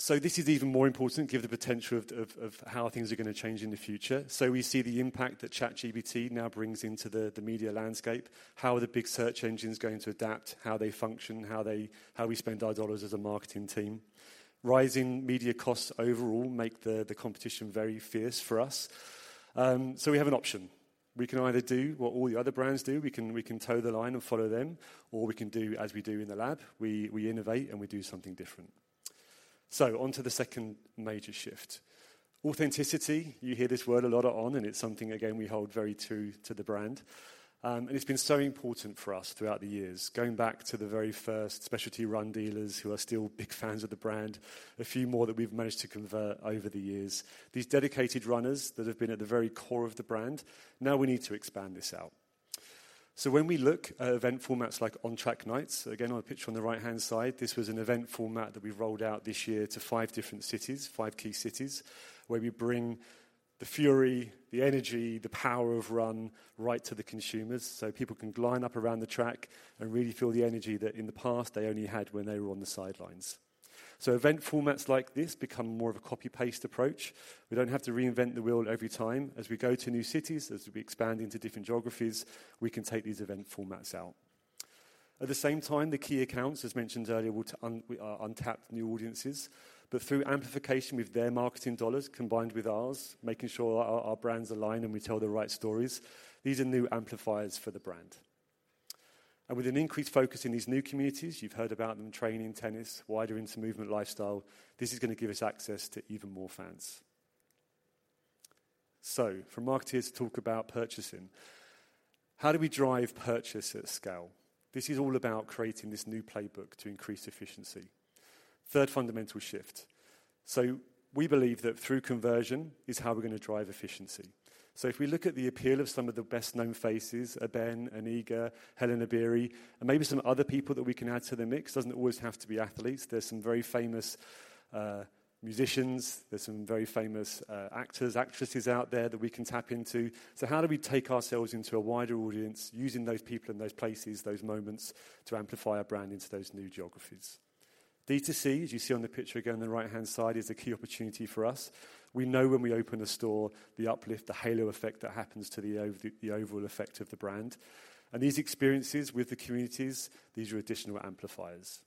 So this is even more important, given the potential of how things are gonna change in the future. So we see the impact that ChatGPT now brings into the media landscape, how the big search engines are going to adapt, how they function, how we spend our dollars as a marketing team. Rising media costs overall make the competition very fierce for us. So we have an option. We can either do what all the other brands do, we can toe the line and follow them, or we can do as we do in the lab, we innovate, and we do something different. So on to the second major shift. Authenticity. You hear this word a lot at On, and it's something, again, we hold very true to the brand. And it's been so important for us throughout the years, going back to the very first specialty run dealers who are still big fans of the brand, a few more that we've managed to convert over the years. These dedicated runners that have been at the very core of the brand. Now we need to expand this out. So when we look at event formats like On Track Nights, again, on a picture on the right-hand side, this was an event format that we rolled out this year to 5 different cities, 5 key cities, where we bring the fury, the energy, the power of Run right to the consumers, so people can line up around the track and really feel the energy that, in the past, they only had when they were on the sidelines. So event formats like this become more of a copy-paste approach. We don't have to reinvent the wheel every time. As we go to new cities, as we expand into different geographies, we can take these event formats out. At the same time, the key accounts, as mentioned earlier, will untapped new audiences, but through amplification with their marketing dollars combined with ours, making sure our, our brands align, and we tell the right stories, these are new amplifiers for the brand. And with an increased focus in these new communities, you've heard about them, training, tennis, wider into movement, lifestyle, this is gonna give us access to even more fans. So for marketers to talk about purchasing, how do we drive purchase at scale? This is all about creating this new playbook to increase efficiency. Third fundamental shift. So we believe that through conversion is how we're gonna drive efficiency. So if we look at the appeal of some of the best-known faces, a Ben, an Iga, Hellen Obiri, and maybe some other people that we can add to the mix. Doesn't always have to be athletes. There's some very famous musicians, there's some very famous actors, actresses out there that we can tap into. So how do we take ourselves into a wider audience using those people and those places, those moments, to amplify our brand into those new geographies? D2C, as you see on the picture again, on the right-hand side, is a key opportunity for us. We know when we open a store, the uplift, the halo effect that happens to the overall effect of the brand. And these experiences with the communities, these are additional amplifiers.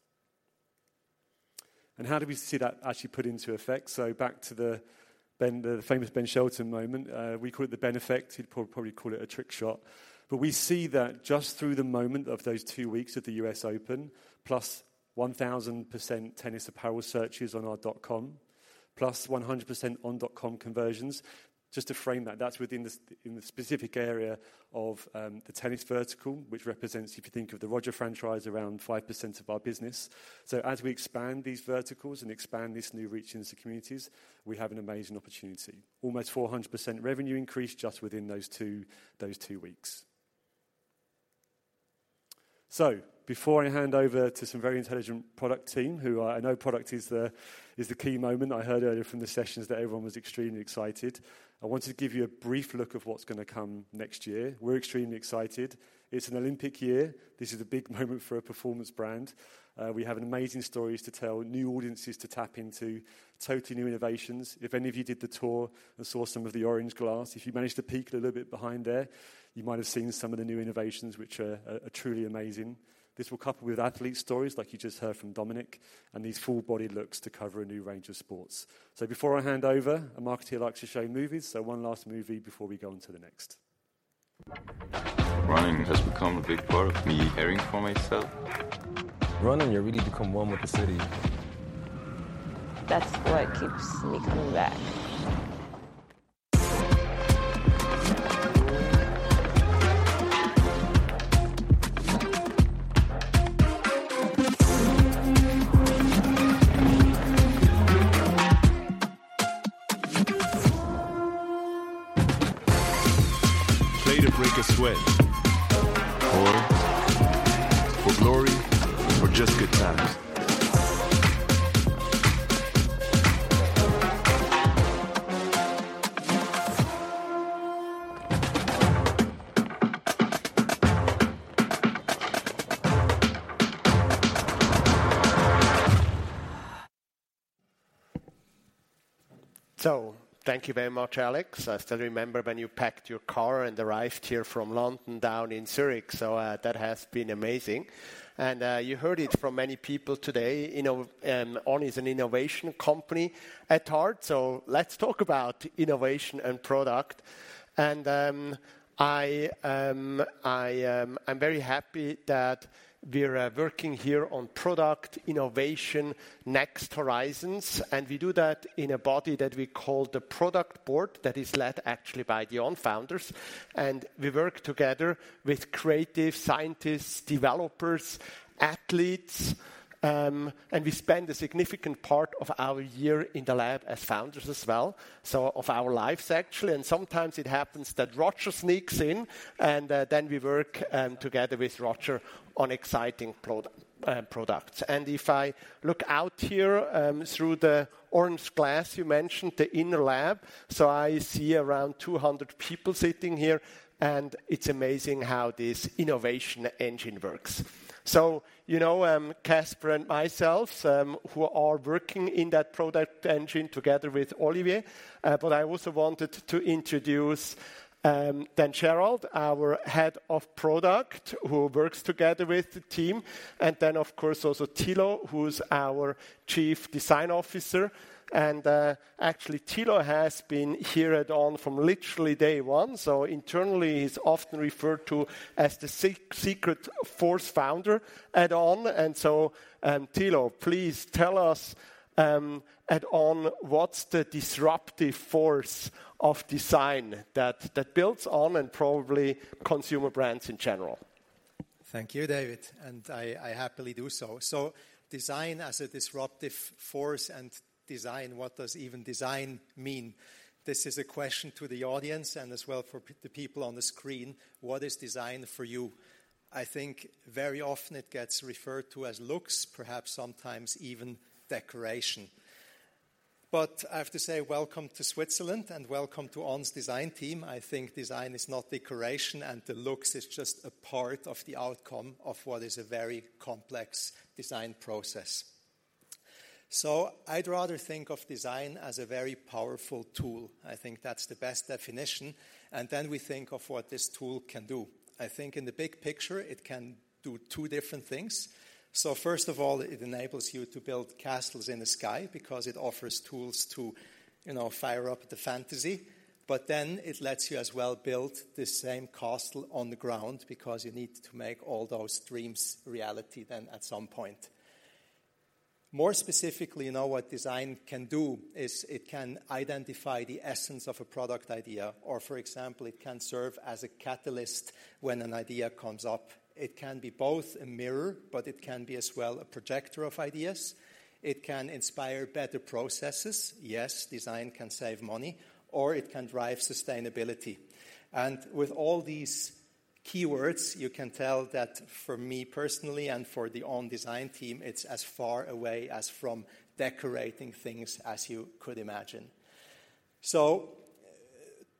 And how do we see that actually put into effect? So back to the Ben, the famous Ben Shelton moment. We call it the Ben effect. He'd probably call it a trick shot. But we see that just through the moment of those two weeks at the U.S. Open, +1,000% tennis apparel searches on our .com, +100% On .com conversions. Just to frame that, that's within the in the specific area of the tennis vertical, which represents, if you think of the Roger franchise, around 5% of our business. So as we expand these verticals and expand this new reach into communities, we have an amazing opportunity. Almost 400% revenue increase just within those two weeks. So before I hand over to some very intelligent product team, who I know product is the key moment. I heard earlier from the sessions that everyone was extremely excited. I wanted to give you a brief look of what's gonna come next year. We're extremely excited. It's an Olympic year. This is a big moment for a performance brand. We have an amazing stories to tell, new audiences to tap into, totally new innovations. If any of you did the tour and saw some of the orange glass, if you managed to peek a little bit behind there, you might have seen some of the new innovations, which are truly amazing. This will couple with athlete stories like you just heard from Dominic, and these full-bodied looks to cover a new range of sports. So before I hand over, a marketer likes to show movies, so one last movie before we go on to the next. Running has become a big part of me caring for myself. Running, you really become one with the city. That's what keeps me coming back. Play to break a sweat or for glory or just good times. So thank you very much, Alex. I still remember when you packed your car and arrived here from London down in Zurich, so that has been amazing. You heard it from many people today, you know, On is an innovation company at heart, so let's talk about innovation and product. I'm very happy that we're working here on product innovation next horizons, and we do that in a body that we call the product board, that is led actually by the On founders. We work together with creative scientists, developers, athletes, and we spend a significant part of our year in the lab as founders as well. So of our lives, actually, and sometimes it happens that Roger sneaks in, and then we work together with Roger on exciting products. If I look out here through the orange glass, you mentioned the inner lab. So I see around 200 people sitting here, and it's amazing how this innovation engine works. So, you know, Caspar and myself, who are working in that product engine together with Olivier, but I also wanted to introduce Michael Gerald, our Head of Product, who works together with the team, and then, of course, also Thilo, who's our Chief Design Officer. And actually, Thilo has been here at On from literally day one. So internally, he's often referred to as the secret fourth founder at On. And so, Thilo, please tell us at On, what's the disruptive force of design that builds On and probably consumer brands in general? Thank you, David, and I happily do so. So design as a disruptive force and design, what does even design mean? This is a question to the audience and as well for the people on the screen. What is design for you? I think very often it gets referred to as looks, perhaps sometimes even decoration. But I have to say welcome to Switzerland and welcome to On's design team. I think design is not decoration, and the looks is just a part of the outcome of what is a very complex design process. So I'd rather think of design as a very powerful tool. I think that's the best definition, and then we think of what this tool can do. I think in the big picture, it can do two different things. First of all, it enables you to build castles in the sky because it offers tools to, you know, fire up the fantasy. Then it lets you as well build the same castle on the ground because you need to make all those dreams reality then at some point. More specifically, you know, what design can do is it can identify the essence of a product idea, or, for example, it can serve as a catalyst when an idea comes up. It can be both a mirror, but it can be as well a projector of ideas. It can inspire better processes. Yes, design can save money, or it can drive sustainability. And with all these keywords, you can tell that for me personally and for the On design team, it's as far away as from decorating things as you could imagine. So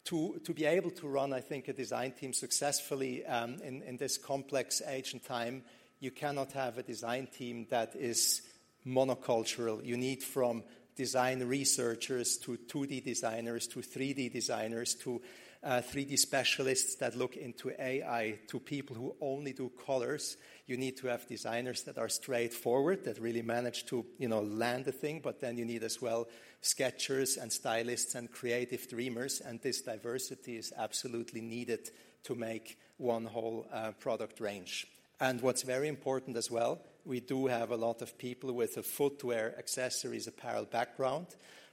to be able to run, I think, a design team successfully in this complex age and time, you cannot have a design team that is monocultural. You need from design researchers, to 2D designers, to 3D designers, to 3D specialists that look into AI, to people who only do colors. You need to have designers that are straightforward, that really manage to, you know, land a thing, but then you need as well sketchers and stylists and creative dreamers, and this diversity is absolutely needed to make one whole product range. And what's very important as well, we do have a lot of people with a footwear, accessories, apparel background,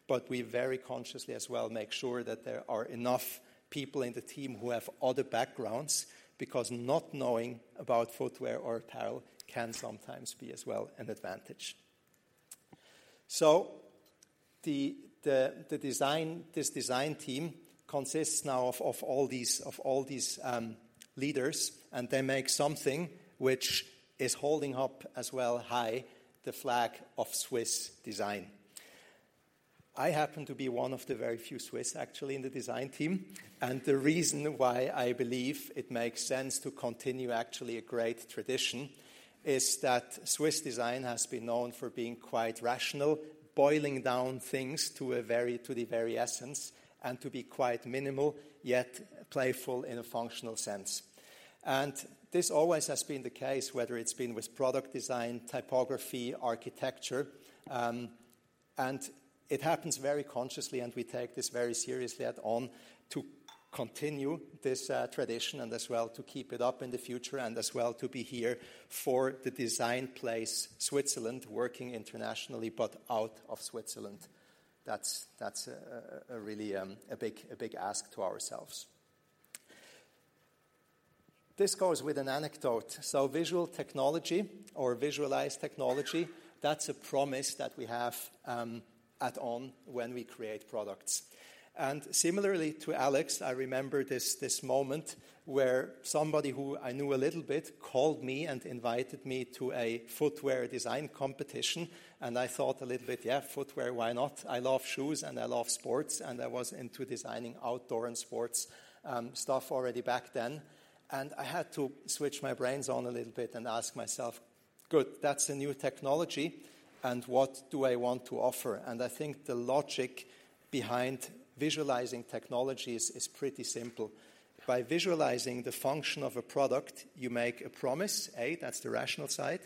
but we very consciously as well make sure that there are enough people in the team who have other backgrounds, because not knowing about footwear or apparel can sometimes be as well an advantage. So the design team consists now of all these leaders, and they make something which is holding up as well high the flag of Swiss design. I happen to be one of the very few Swiss, actually, in the design team, and the reason why I believe it makes sense to continue actually a great tradition is that Swiss design has been known for being quite rational, boiling down things to the very essence, and to be quite minimal, yet playful in a functional sense. And this always has been the case, whether it's been with product design, typography, architecture, and it happens very consciously, and we take this very seriously at On to continue this, tradition and as well to keep it up in the future, and as well to be here for the design place, Switzerland, working internationally, but out of Switzerland. That's a really big ask to ourselves. This goes with an anecdote. So visual technology or visualized technology, that's a promise that we have at On when we create products. And similarly to Alex, I remember this moment where somebody who I knew a little bit called me and invited me to a footwear design competition, and I thought a little bit, "Yeah, footwear, why not? I love shoes, and I love sports," and I was into designing outdoor and sports stuff already back then. And I had to switch my brains on a little bit and ask myself, "Good, that's a new technology, and what do I want to offer?" And I think the logic behind visualizing technologies is pretty simple. By visualizing the function of a product, you make a promise, A, that's the rational side.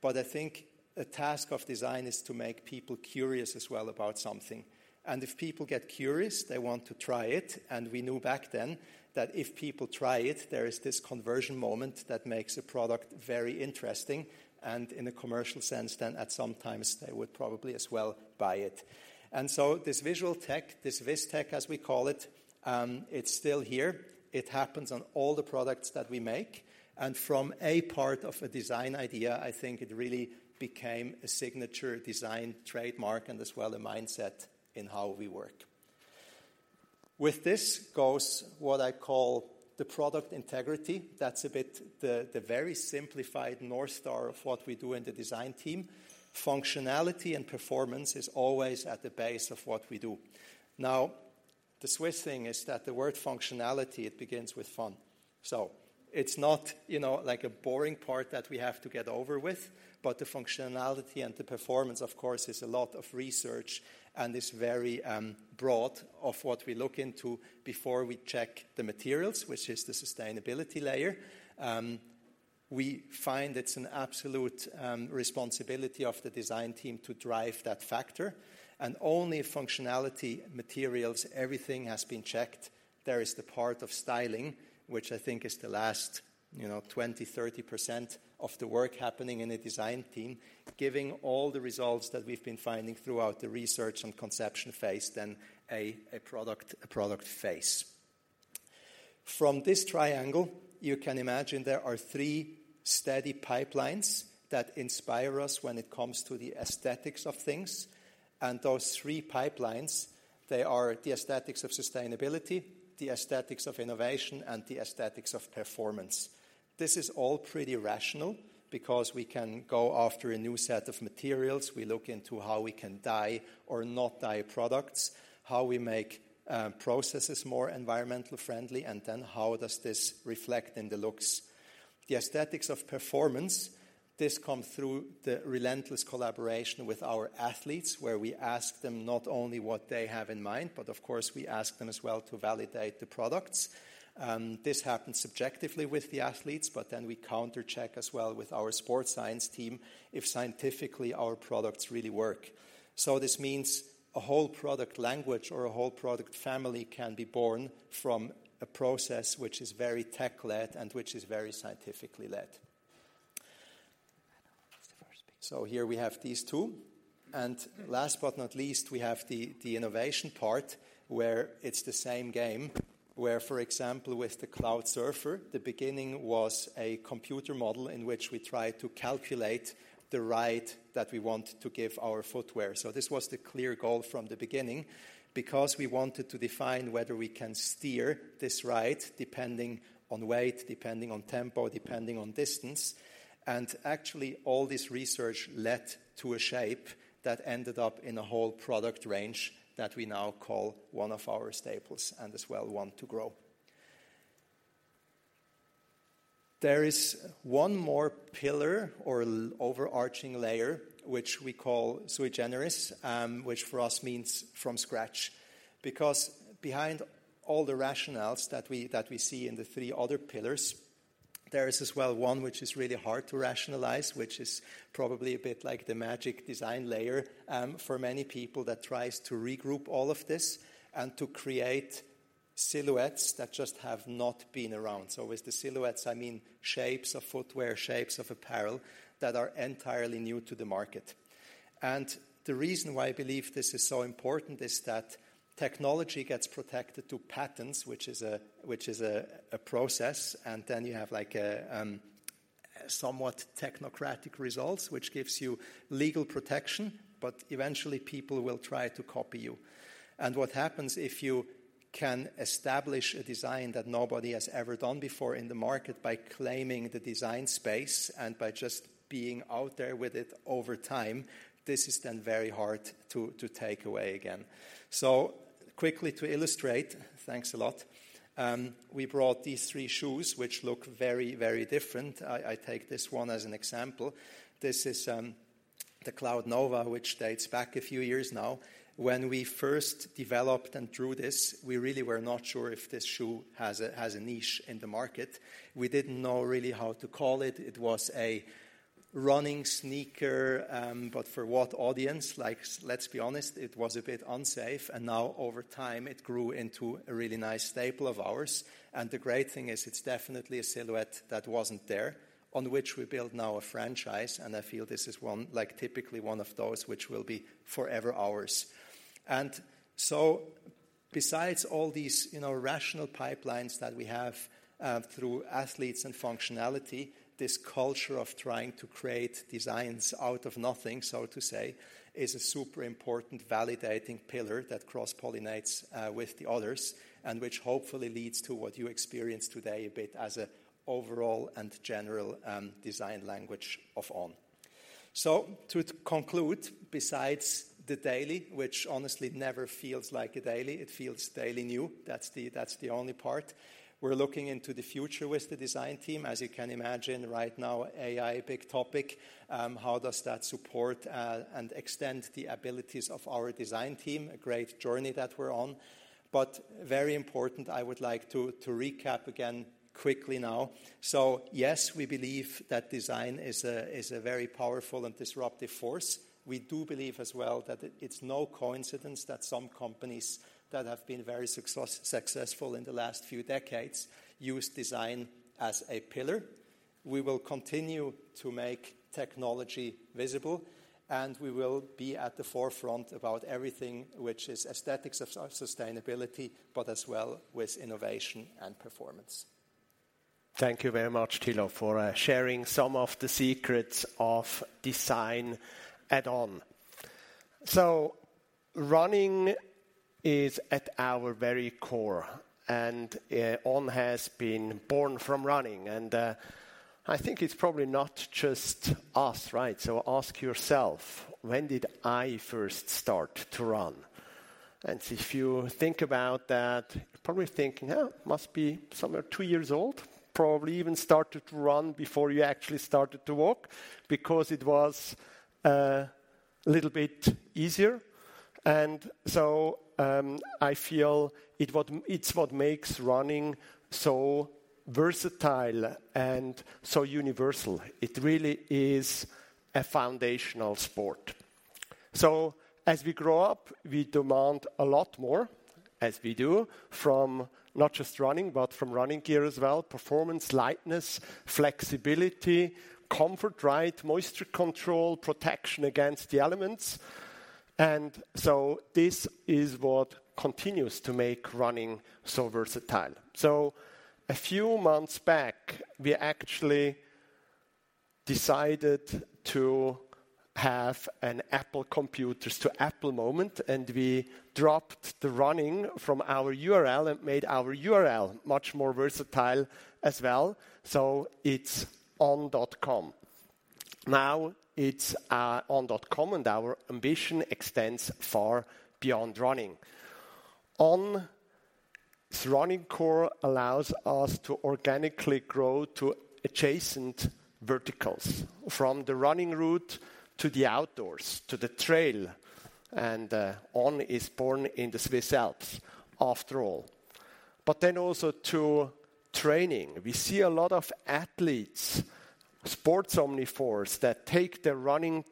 But I think a task of design is to make people curious as well about something. If people get curious, they want to try it, and we knew back then that if people try it, there is this conversion moment that makes a product very interesting, and in a commercial sense, then at some times, they would probably as well buy it. So this visual tech, this Viztech, as we call it, it's still here. It happens on all the products that we make, and from a part of a design idea, I think it really became a signature design trademark and as well, a mindset in how we work. With this goes what I call the product integrity. That's a bit the very simplified North Star of what we do in the design team. Functionality and performance is always at the base of what we do. Now, the Swiss thing is that the word functionality, it begins with fun. So it's not, you know, like a boring part that we have to get over with, but the functionality and the performance, of course, is a lot of research and is very broad of what we look into before we check the materials, which is the sustainability layer. We find it's an absolute responsibility of the design team to drive that factor, and only functionality, materials, everything has been checked. There is the part of styling, which I think is the last, you know, 20%-30% of the work happening in a design team, giving all the results that we've been finding throughout the research and conception phase, then a product face. From this triangle, you can imagine there are three steady pipelines that inspire us when it comes to the aesthetics of things. Those three pipelines, they are the aesthetics of sustainability, the aesthetics of innovation, and the aesthetics of performance. This is all pretty rational because we can go after a new set of materials. We look into how we can dye or not dye products, how we make processes more environmentally friendly, and then how does this reflect in the looks? The aesthetics of performance, this comes through the relentless collaboration with our athletes, where we ask them not only what they have in mind, but of course, we ask them as well to validate the products. This happens subjectively with the athletes, but then we counter-check as well with our sports science team if scientifically our products really work. So this means a whole product language or a whole product family can be born from a process which is very tech-led and which is very scientifically led.... So here we have these two. And last but not least, we have the innovation part, where it's the same game, where, for example, with the Cloudsurfer, the beginning was a computer model in which we tried to calculate the ride that we want to give our footwear. So this was the clear goal from the beginning because we wanted to define whether we can steer this ride, depending on weight, depending on tempo, depending on distance. And actually, all this research led to a shape that ended up in a whole product range that we now call one of our staples and as well want to grow. There is one more pillar or overarching layer, which we call Sui Generis, which for us means from scratch. Because behind all the rationales that we, that we see in the three other pillars, there is as well one which is really hard to rationalize, which is probably a bit like the magic design layer, for many people, that tries to regroup all of this and to create silhouettes that just have not been around. So with the silhouettes, I mean shapes of footwear, shapes of apparel that are entirely new to the market. And the reason why I believe this is so important is that technology gets protected to patents, which is a process, and then you have like a somewhat technocratic results, which gives you legal protection, but eventually, people will try to copy you. What happens if you can establish a design that nobody has ever done before in the market by claiming the design space and by just being out there with it over time, this is then very hard to take away again. Quickly to illustrate, thanks a lot, we brought these three shoes, which look very, very different. I take this one as an example. This is the Cloudnova, which dates back a few years now. When we first developed and drew this, we really were not sure if this shoe has a niche in the market. We didn't know really how to call it. It was a running sneaker, but for what audience? Like, let's be honest, it was a bit unsafe, and now over time it grew into a really nice staple of ours. The great thing is, it's definitely a silhouette that wasn't there, on which we build now a franchise, and I feel this is one—like, typically one of those which will be forever ours. So besides all these, you know, rational pipelines that we have through athletes and functionality, this culture of trying to create designs out of nothing, so to say, is a super important validating pillar that cross-pollinates with the others, and which hopefully leads to what you experience today a bit as a overall and general design language of On. So to conclude, besides the daily, which honestly never feels like a daily, it feels daily new. That's the, that's the only part. We're looking into the future with the design team. As you can imagine, right now, AI, a big topic. How does that support and extend the abilities of our design team? A great journey that we're on. Very important, I would like to recap again quickly now. So yes, we believe that design is a very powerful and disruptive force. We do believe as well that it's no coincidence that some companies that have been very successful in the last few decades use design as a pillar. We will continue to make technology visible, and we will be at the forefront about everything which is aesthetics of sustainability, but as well with innovation and performance. Thank you very much, Thilo, for sharing some of the secrets of design at On. So running is at our very core, and On has been born from running, and I think it's probably not just us, right? So ask yourself, when did I first start to run? And if you think about that, you're probably thinking, "Oh, must be somewhere two years old." Probably even started to run before you actually started to walk, because it was a little bit easier. And so I feel it-- it's what makes running so versatile and so universal. It really is a foundational sport. So as we grow up, we demand a lot more, as we do, from not just running, but from running gear as well. Performance, lightness, flexibility, comfort, right? Moisture control, protection against the elements. This is what continues to make running so versatile. A few months back, we actually decided to have an Apple Computers to Apple moment, and we dropped the running from our URL and made our URL much more versatile as well. It's on.com. Now, it's on.com, and our ambition extends far beyond running. On's running core allows us to organically grow to adjacent verticals, from the running route to the outdoors, to the trail, and On is born in the Swiss Alps after all. But then also to training. We see a lot of athletes, sports omnivores that take their running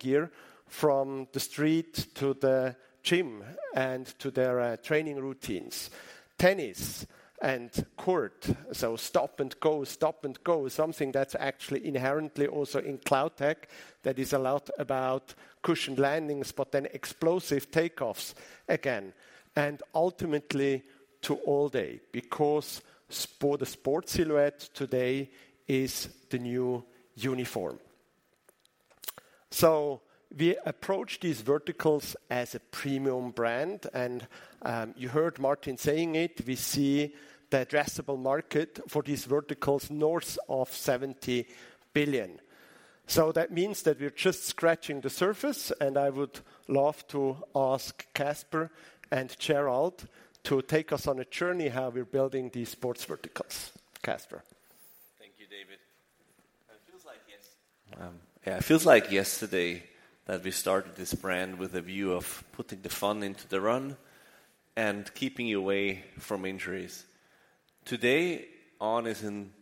gear from the street to the gym and to their training routines. Tennis and court, so stop and go, stop and go, something that's actually inherently also in CloudTec, that is a lot about cushioned landings, but then explosive takeoffs again, and ultimately to all day, because sport. The sport silhouette today is the new uniform. So we approach these verticals as a premium brand, and, you heard Martin saying it, we see the addressable market for these verticals north of 70 billion. So that means that we're just scratching the surface, and I would love to ask Caspar and Gerald to take us on a journey how we're building these sports verticals. Caspar? Thank you, David. It feels like yesterday that we started this brand with a view of putting the fun into the run and keeping you away from injuries. Today, On is in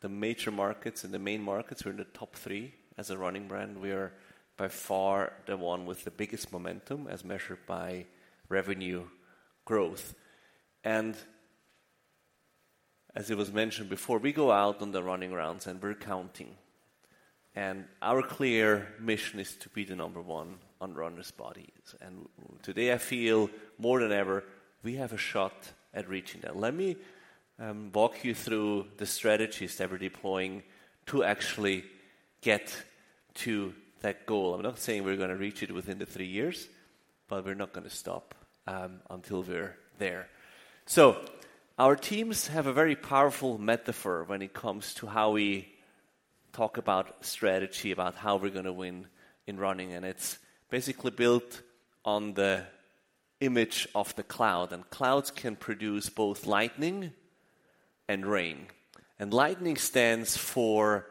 the major markets, in the main markets. We're in the top three as a running brand. We are by far the one with the biggest momentum, as measured by revenue growth. And as it was mentioned before, we go out on the running rounds and we're counting, and our clear mission is to be the number one on runners' bodies. And today I feel more than ever, we have a shot at reaching that. Let me walk you through the strategies that we're deploying to actually get to that goal. I'm not saying we're gonna reach it within the three years, but we're not gonna stop until we're there. So our teams have a very powerful metaphor when it comes to how we talk about strategy, about how we're gonna win in running, and it's basically built on the image of the cloud, and clouds can produce both lightning and rain. And lightning stands for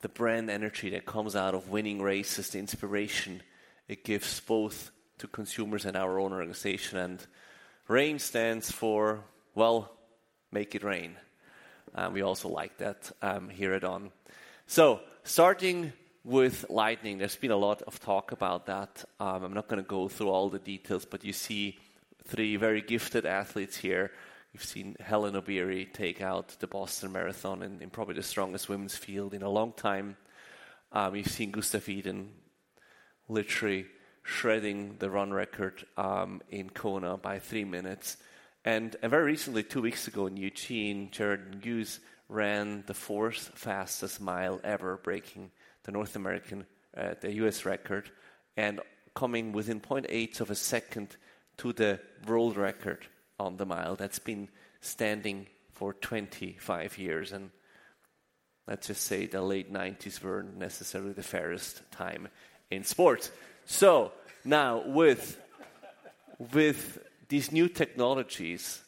the brand energy that comes out of winning races, the inspiration it gives both to consumers and our own organization. And rain stands for, well, make it rain. We also like that here at On. So starting with lightning, there's been a lot of talk about that. I'm not gonna go through all the details, but you see three very gifted athletes here. You've seen Hellen Obiri take out the Boston Marathon in probably the strongest women's field in a long time. We've seen Gustav Iden literally shredding the run record in Kona by three minutes. Very recently, two weeks ago in Eugene, Yared Nuguse ran the fourth fastest mile ever, breaking the North American, the US record, and coming within 0.8 of a second to the world record on the mile. That's been standing for 25 years, and let's just say the late 1990s weren't necessarily the fairest time in sports. So now, with these new technologies,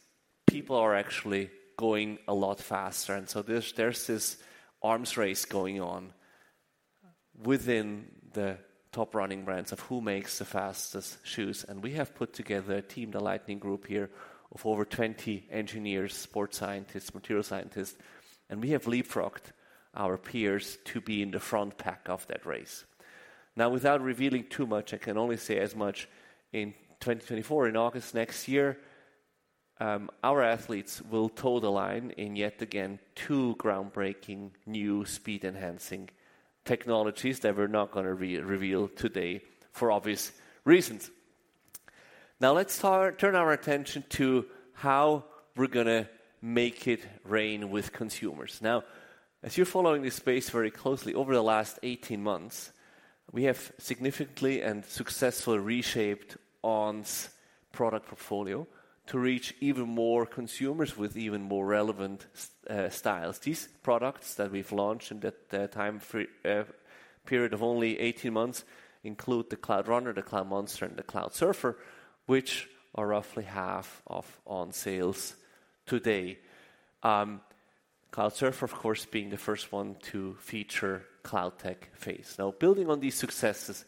people are actually going a lot faster. And so there's this arms race going on within the top running brands of who makes the fastest shoes, and we have put together a team, the Lightning Group here, of over 20 engineers, sports scientists, material scientists, and we have leapfrogged our peers to be in the front pack of that race. Now, without revealing too much, I can only say as much in 2024, in August next year, our athletes will toe the line in yet again, two groundbreaking new speed-enhancing technologies that we're not gonna reveal today, for obvious reasons. Now, let's turn our attention to how we're gonna make it rain with consumers. Now, as you're following this space very closely, over the last 18 months, we have significantly and successfully reshaped On's product portfolio to reach even more consumers with even more relevant styles. These products that we've launched in that timeframe of only 18 months, include the Cloudrunner, the Cloudmonster, and the Cloudsurfer, which are roughly half of On's sales today. Cloudsurfer, of course, being the first one to feature CloudTec Phase. Now, building on these successes,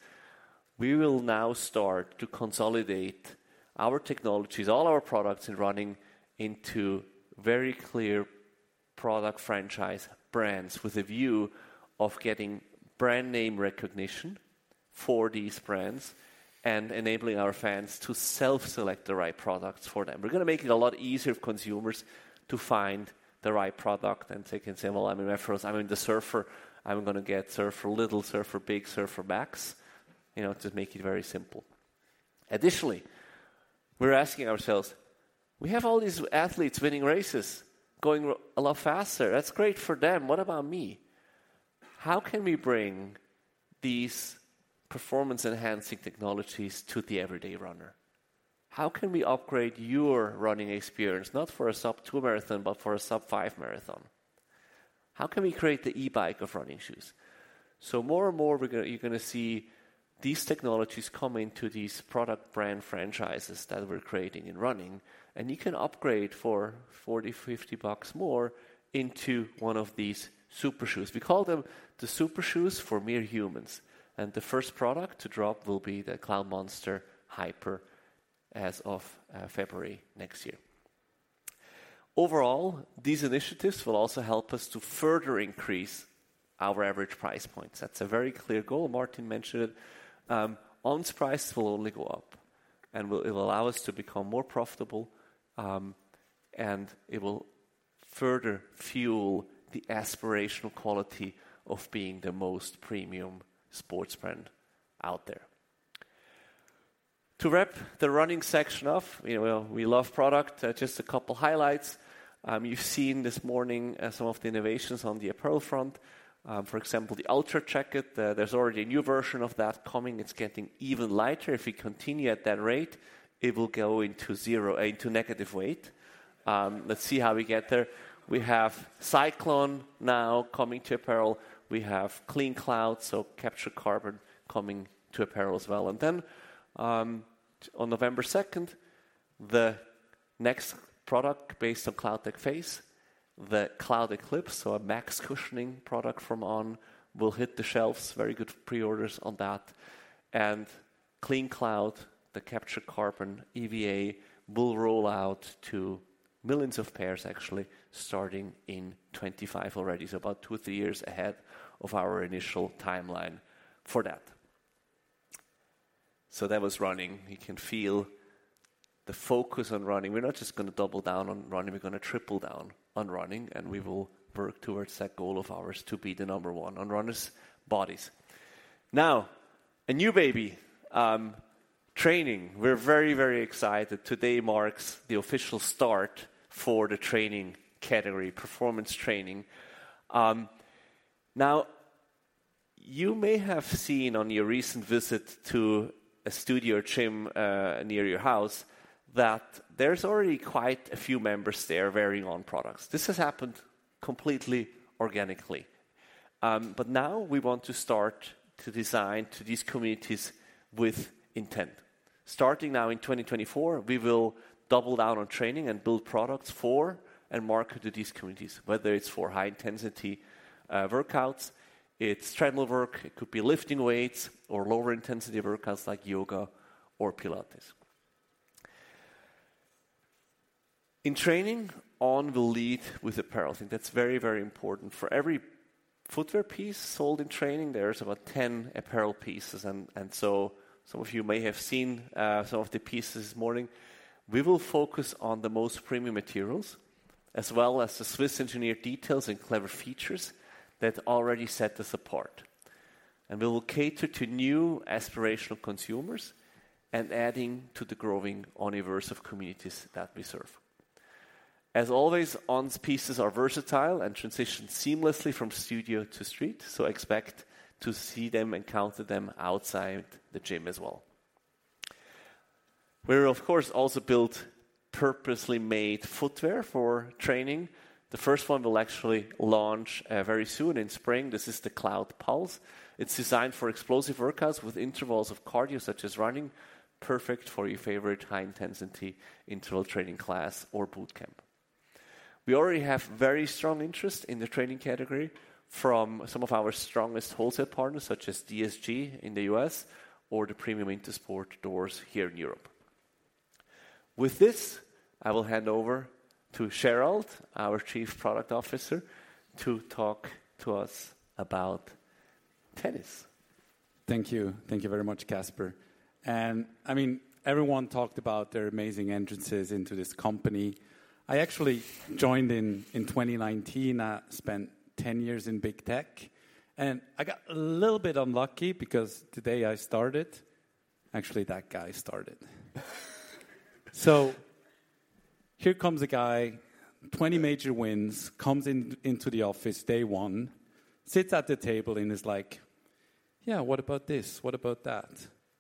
we will now start to consolidate our technologies, all our products in running, into very clear product franchise brands, with a view of getting brand name recognition for these brands and enabling our fans to self-select the right products for them. We're gonna make it a lot easier for consumers to find the right product. And they can say, "Well, I'm a Cloudsurfer-- I'm in the Cloudsurfer. I'm gonna get Cloudsurfer Little, Cloudsurfer Big, Cloudsurfer Max." You know, to make it very simple. Additionally, we're asking ourselves: We have all these athletes winning races, going a lot faster. That's great for them. What about me? How can we bring these performance-enhancing technologies to the everyday runner? How can we upgrade your running experience, not for a sub-2 marathon, but for a sub-5 marathon? How can we create the e-bike of running shoes? So more and more, we're gonna—you're gonna see these technologies come into these product brand franchises that we're creating in running, and you can upgrade for $40, $50 bucks more into one of these super shoes. We call them the super shoes for mere humans, and the first product to drop will be the Cloudmonster Hyper as of February next year. Overall, these initiatives will also help us to further increase our average price points. That's a very clear goal. Martin mentioned it. On's price will only go up, and will—it will allow us to become more profitable, and it will further fuel the aspirational quality of being the most premium sports brand out there. To wrap the running section off, you know, we love product. Just a couple highlights. You've seen this morning some of the innovations on the apparel front. For example, the Ultra Jacket. There's already a new version of that coming. It's getting even lighter. If we continue at that rate, it will go into zero to negative weight. Let's see how we get there. We have Cyclon now coming to apparel. We have CleanCloud, so captured carbon, coming to apparel as well. And then, on November 2nd, the next product based on CloudTec Phase, the Cloud Eclipse, so a max cushioning product from On, will hit the shelves. Very good pre-orders on that. And CleanCloud, the captured carbon EVA, will roll out to millions of pairs actually, starting in 2025 already. So about two or three years ahead of our initial timeline for that. So that was running. You can feel the focus on running. We're not just gonna double down on running, we're gonna triple down on running, and we will work towards that goal of ours to be the number one on runners' bodies. Now, a new baby, training. We're very, very excited. Today marks the official start for the training category, performance training. Now, you may have seen on your recent visit to a studio or gym near your house, that there's already quite a few members there wearing On products. This has happened completely organically. But now we want to start to design to these communities with intent. Starting now in 2024, we will double down on training and build products for and market to these communities, whether it's for high-intensity workouts, it's treadmill work, it could be lifting weights or lower intensity workouts like yoga or Pilates. In training, On will lead with apparel, and that's very, very important. For every footwear piece sold in training, there is about 10 apparel pieces and, and so some of you may have seen some of the pieces this morning. We will focus on the most premium materials, as well as the Swiss engineered details and clever features that already set us apart. We will cater to new aspirational consumers and adding to the growing Oniverse of communities that we serve. As always, On's pieces are versatile and transition seamlessly from studio to street, so expect to see them, encounter them outside the gym as well. We've of course also built purposely made footwear for training. The first one will actually launch very soon in spring. This is the Cloudpulse. It's designed for explosive workouts with intervals of cardio, such as running, perfect for your favorite high-intensity interval training class or boot camp. We already have very strong interest in the training category from some of our strongest wholesale partners, such as DSG in the US or the premium Intersport stores here in Europe. With this, I will hand over to Gerald, our Chief Product Officer, to talk to us about tennis. Thank you. Thank you very much, Caspar. And I mean, everyone talked about their amazing entrances into this company. I actually joined in, in 2019. I spent 10 years in big tech, and I got a little bit unlucky because the day I started, actually, that guy started. So here comes a guy, 20 major wins, comes in, into the office, day one, sits at the table and is like, "Yeah, what about this? What about that?"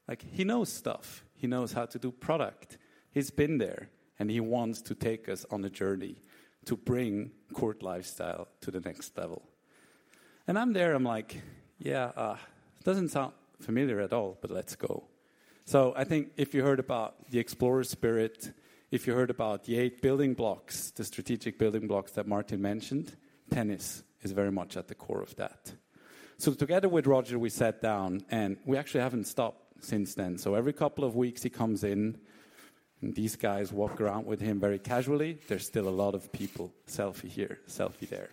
Like, he knows stuff. He knows how to do product. He's been there, and he wants to take us on a journey to bring court lifestyle to the next level. I'm there, I'm like: "Yeah, doesn't sound familiar at all, but let's go." I think if you heard about the explorer spirit, if you heard about the eight building blocks, the strategic building blocks that Martin mentioned, tennis is very much at the core of that. Together with Roger, we sat down, and we actually haven't stopped since then. Every couple of weeks, he comes in, and these guys walk around with him very casually. There's still a lot of people, selfie here, selfie there,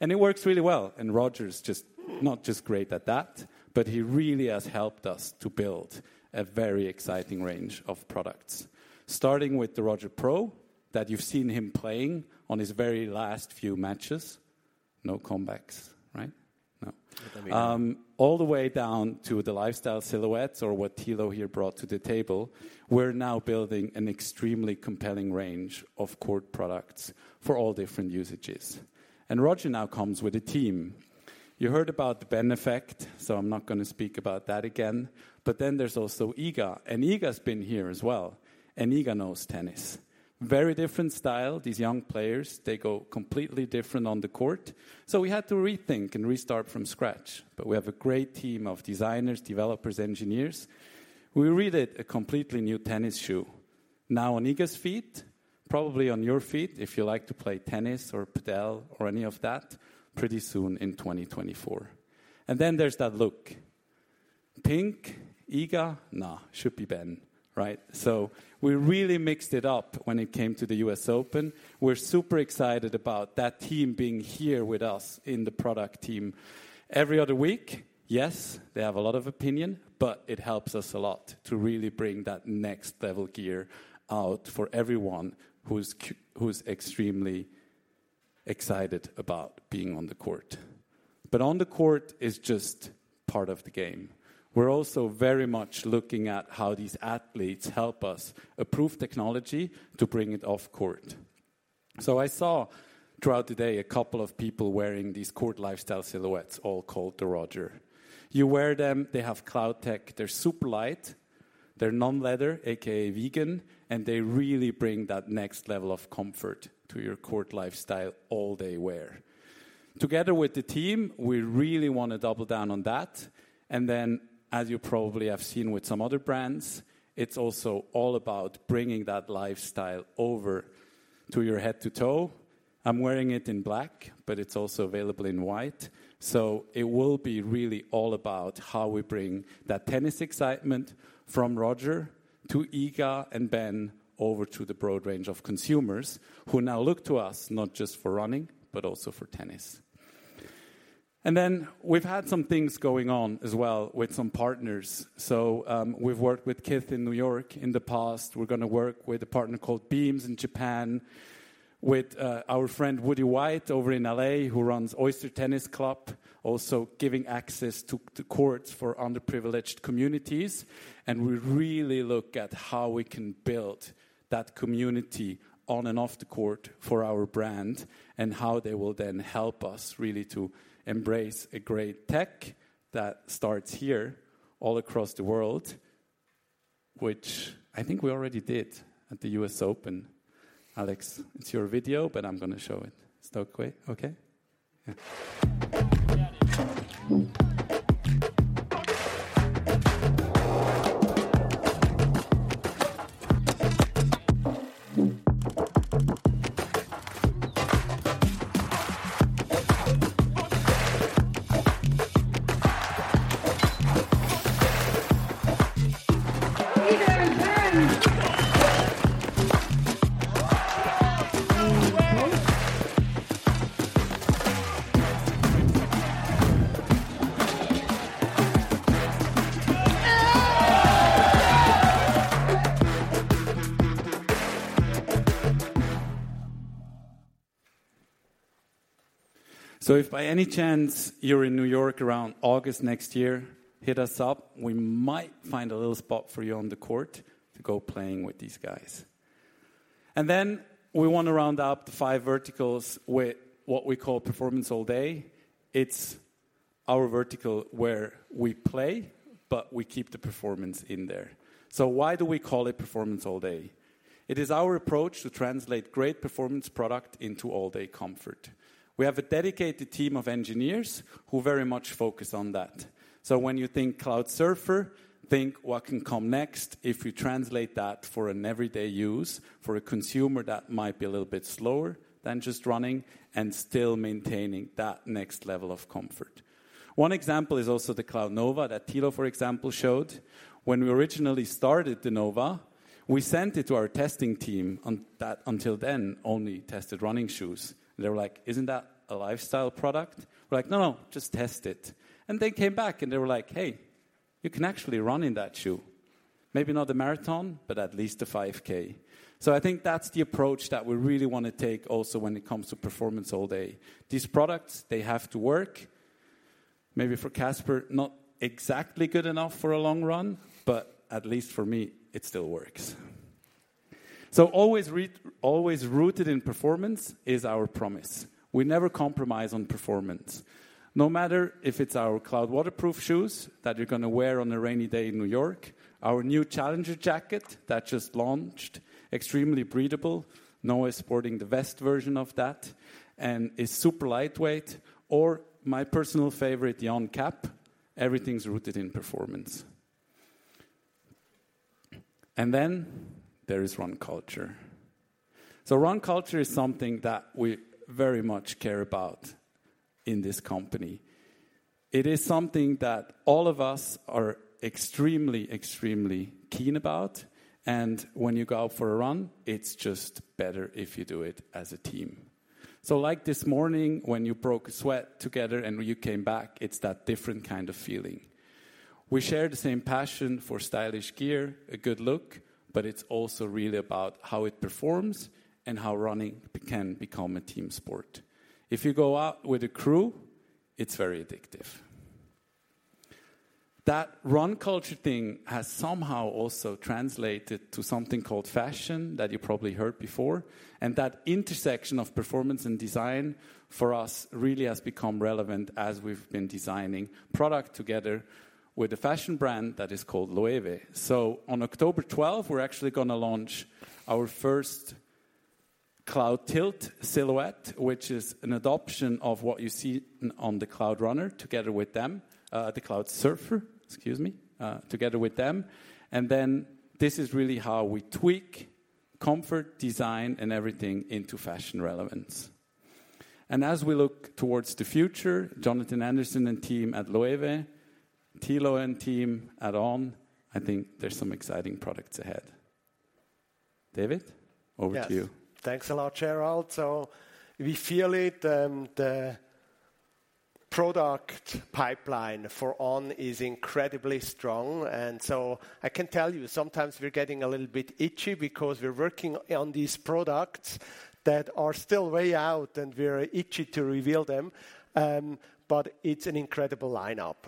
and it works really well. Roger's just, not just great at that, but he really has helped us to build a very exciting range of products. Starting with the Roger Pro, that you've seen him playing on his very last few matches. No comebacks, right? No. All the way down to the lifestyle silhouettes or what Thilo here brought to the table, we're now building an extremely compelling range of court products for all different usages. Roger now comes with a team. You heard about the Ben effect, so I'm not gonna speak about that again. But then there's also Iga, and Iga's been here as well, and Iga knows tennis. Very different style. These young players, they go completely different on the court, so we had to rethink and restart from scratch. But we have a great team of designers, developers, engineers. We redid a completely new tennis shoe. Now on Iga's feet, probably on your feet, if you like to play tennis or padel or any of that, pretty soon in 2024. And then there's that look... Pink, Iga? No, should be Ben, right? So we really mixed it up when it came to the U.S. Open. We're super excited about that team being here with us in the product team. Every other week, yes, they have a lot of opinion, but it helps us a lot to really bring that next level gear out for everyone who's extremely excited about being on the court. But on the court is just part of the game. We're also very much looking at how these athletes help us approve technology to bring it off court. So I saw throughout the day a couple of people wearing these court lifestyle silhouettes, all called the Roger. You wear them, they have CloudTec, they're super light, they're non-leather, AKA vegan, and they really bring that next level of comfort to your court lifestyle all-day wear. Together with the team, we really wanna double down on that, and then, as you probably have seen with some other brands, it's also all about bringing that lifestyle over to your head to toe. I'm wearing it in black, but it's also available in white. So it will be really all about how we bring that tennis excitement from Roger to Iga and Ben over to the broad range of consumers, who now look to us not just for running, but also for tennis. And then we've had some things going on as well with some partners. So, we've worked with Kith in New York in the past. We're gonna work with a partner called Beams in Japan, with our friend Woody White over in L.A., who runs Oyster Tennis Club, also giving access to courts for underprivileged communities. We really look at how we can build that community on and off the court for our brand, and how they will then help us really to embrace a great tech that starts here all across the world, which I think we already did at the U.S. Open. Alex, it's your video, but I'm gonna show it. Is that okay? Okay. Yeah. So if by any chance you're in New York around August next year, hit us up. We might find a little spot for you on the court to go playing with these guys. And then we wanna round up the five verticals with what we call Performance All Day. It's our vertical where we play, but we keep the performance in there. So why do we call it Performance All Day? It is our approach to translate great performance product into all-day comfort. We have a dedicated team of engineers who very much focus on that. So when you think Cloudsurfer, think what can come next if you translate that for an everyday use, for a consumer that might be a little bit slower than just running and still maintaining that next level of comfort. One example is also the Cloudnova that Thilo, for example, showed. When we originally started the Nova, we sent it to our testing team on that—until then, only tested running shoes. They were like: "Isn't that a lifestyle product?" We're like: "No, no, just test it." And they came back, and they were like, "Hey, you can actually run in that shoe. Maybe not the marathon, but at least a 5K." So I think that's the approach that we really wanna take also when it comes to Performance All Day. These products, they have to work. Maybe for Caspar, not exactly good enough for a long run, but at least for me, it still works. So always rooted in performance is our promise. We never compromise on performance. No matter if it's our Cloud waterproof shoes that you're gonna wear on a rainy day in New York, our new Challenger jacket that just launched, extremely breathable. Noa is sporting the vest version of that, and it's super lightweight. Or my personal favorite, the On cap, everything's rooted in performance. And then there is Run Culture. So Run Culture is something that we very much care about in this company. It is something that all of us are extremely, extremely keen about, and when you go out for a run, it's just better if you do it as a team. So like this morning, when you broke a sweat together and you came back, it's that different kind of feeling. We share the same passion for stylish gear, a good look, but it's also really about how it performs and how running can become a team sport. If you go out with a crew, it's very addictive. That Run Culture thing has somehow also translated to something called fashion that you probably heard before, and that intersection of performance and design for us really has become relevant as we've been designing product together with a fashion brand that is called Loewe. So on October 12, we're actually gonna launch our first Cloudtilt silhouette, which is an adoption of what you see on the Cloudsurfer, together with them. And then this is really how we tweak comfort, design, and everything into fashion relevance.... And as we look towards the future, Jonathan Anderson and team at Loewe, Thilo and team at On, I think there's some exciting products ahead. David, over to you. Yes. Thanks a lot, Gerald. So we feel it, and the product pipeline for On is incredibly strong. I can tell you, sometimes we're getting a little bit itchy because we're working on these products that are still way out, and we're itchy to reveal them. But it's an incredible lineup.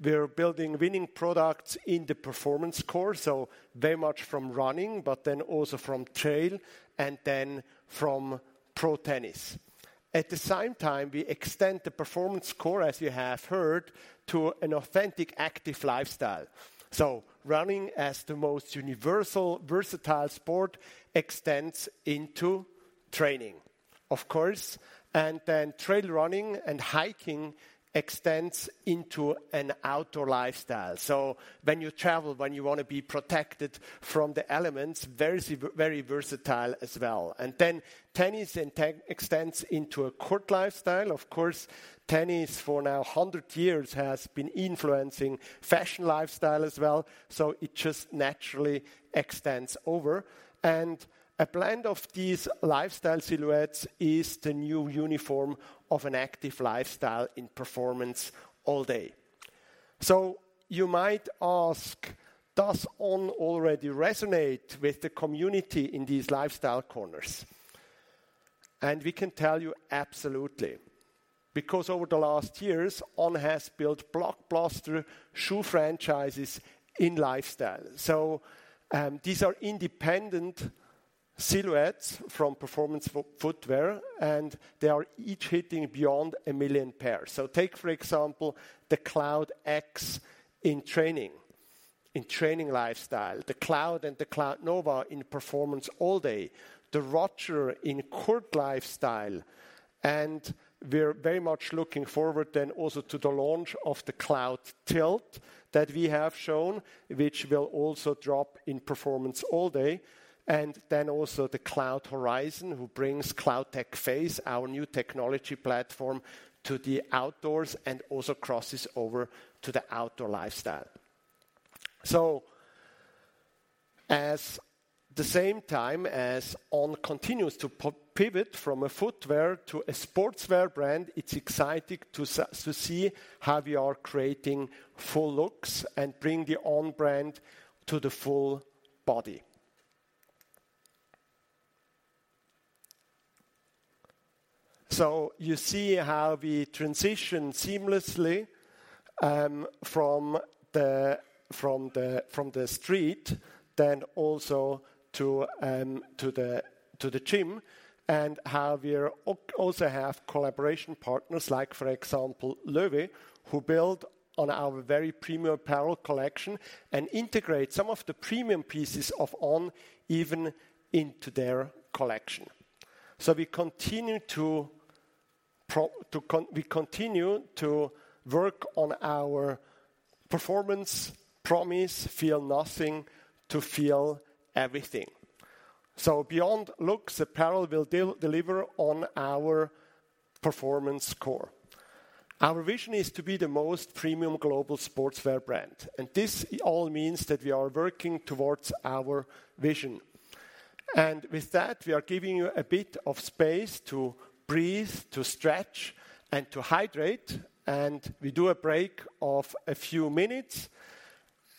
We're building winning products in the performance core, so very much from running, but then also from trail and then from pro tennis. At the same time, we extend the performance core, as you have heard, to an authentic, active lifestyle. Running as the most universal, versatile sport extends into training, of course, and then trail running and hiking extends into an outdoor lifestyle. When you travel, when you want to be protected from the elements, very versatile as well. Tennis extends into a court lifestyle. Of course, tennis over a hundred years has been influencing fashion lifestyle as well, so it just naturally extends over. A blend of these lifestyle silhouettes is the new uniform of an active lifestyle in Performance All Day. So you might ask, does On already resonate with the community in these lifestyle corners? We can tell you absolutely, because over the last years, On has built blockbuster shoe franchises in lifestyle. So these are independent silhouettes from performance footwear, and they are each hitting beyond 1 million pairs. So take, for example, the Cloud X in training, in training lifestyle; the Cloud and the Cloudnova in Performance All Day; the Roger in court lifestyle. We're very much looking forward then also to the launch of the Cloudtilt that we have shown, which will also drop in Performance All Day. Then also the Cloudhorizon, who brings CloudTec Phase, our new technology platform, to the outdoors and also crosses over to the outdoor lifestyle. So at the same time, as On continues to pivot from a footwear to a sportswear brand, it's exciting to see how we are creating full looks and bring the On brand to the full body. So you see how we transition seamlessly from the street, then also to the gym, and how we're also have collaboration partners like, for example, Loewe, who build on our very premium apparel collection and integrate some of the premium pieces of On even into their collection. So we continue to work on our performance promise, feel nothing, to feel everything. Beyond looks, apparel will deliver on our performance core. Our vision is to be the most premium global sportswear brand, and this all means that we are working towards our vision. With that, we are giving you a bit of space to breathe, to stretch, and to hydrate, and we do a break of a few minutes,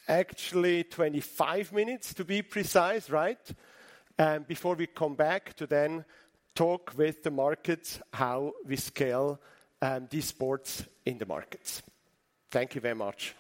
actually 25 minutes to be precise, right? Before we come back to then talk with the markets, how we scale these sports in the markets. Thank you very much. ...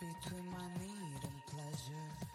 Hello? Test,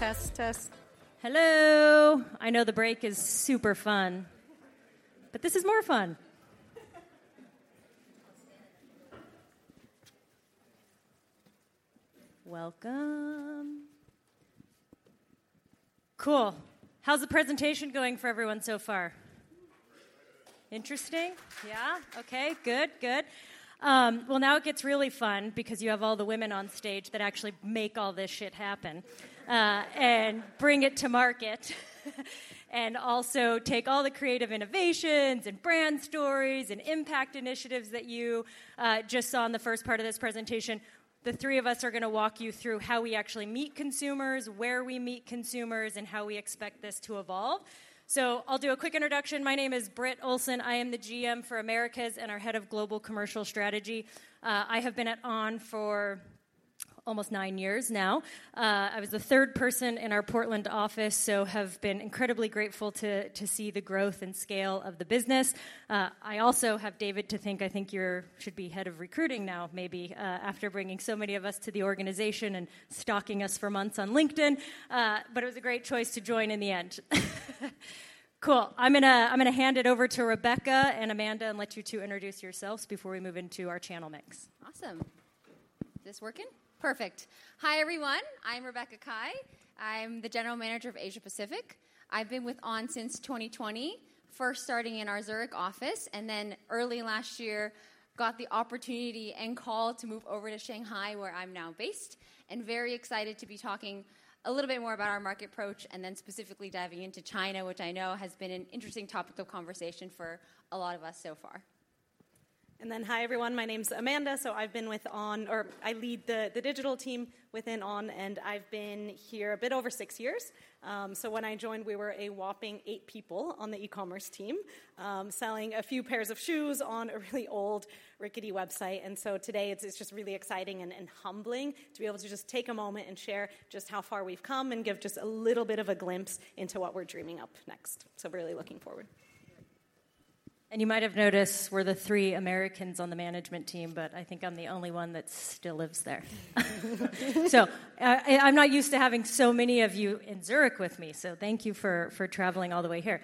test. Hello! I know the break is super fun, but this is more fun. Welcome. Cool. How's the presentation going for everyone so far? Interesting? Yeah. Okay, good. Good. Well, now it gets really fun because you have all the women on stage that actually make all this happen, and bring it to market. Also take all the creative innovations, and brand stories, and impact initiatives that you just saw in the first part of this presentation. The three of us are gonna walk you through how we actually meet consumers, where we meet consumers, and how we expect this to evolve. So I'll do a quick introduction. My name is Britt Olsen. I am the GM for Americas and our head of Global Commercial Strategy. I have been at On for almost nine years now. I was the third person in our Portland office, so have been incredibly grateful to see the growth and scale of the business. I also have David to thank. I think you should be head of recruiting now, maybe, after bringing so many of us to the organization and stalking us for months on LinkedIn. But it was a great choice to join in the end. Cool. I'm gonna hand it over to Rebecca and Amanda, and let you two introduce yourselves before we move into our channel mix. Awesome. This working? Perfect. Hi, everyone. I'm Rebecca Cai. I'm the General Manager of Asia Pacific. I've been with On since 2020, first starting in our Zurich office, and then early last year, got the opportunity and call to move over to Shanghai, where I'm now based, and very excited to be talking a little bit more about our market approach, and then specifically diving into China, which I know has been an interesting topic of conversation for a lot of us so far. Hi, everyone. My name's Amanda. So I've been with On. Or I lead the digital team within On, and I've been here a bit over six years. So when I joined, we were a whopping 8 people on the e-commerce team, selling a few pairs of shoes on a really old, rickety website. And so today it's just really exciting and humbling to be able to just take a moment and share just how far we've come and give just a little bit of a glimpse into what we're dreaming up next. So really looking forward. You might have noticed we're the three Americans on the management team, but I think I'm the only one that still lives there. So, and I'm not used to having so many of you in Zurich with me, so thank you for, for traveling all the way here.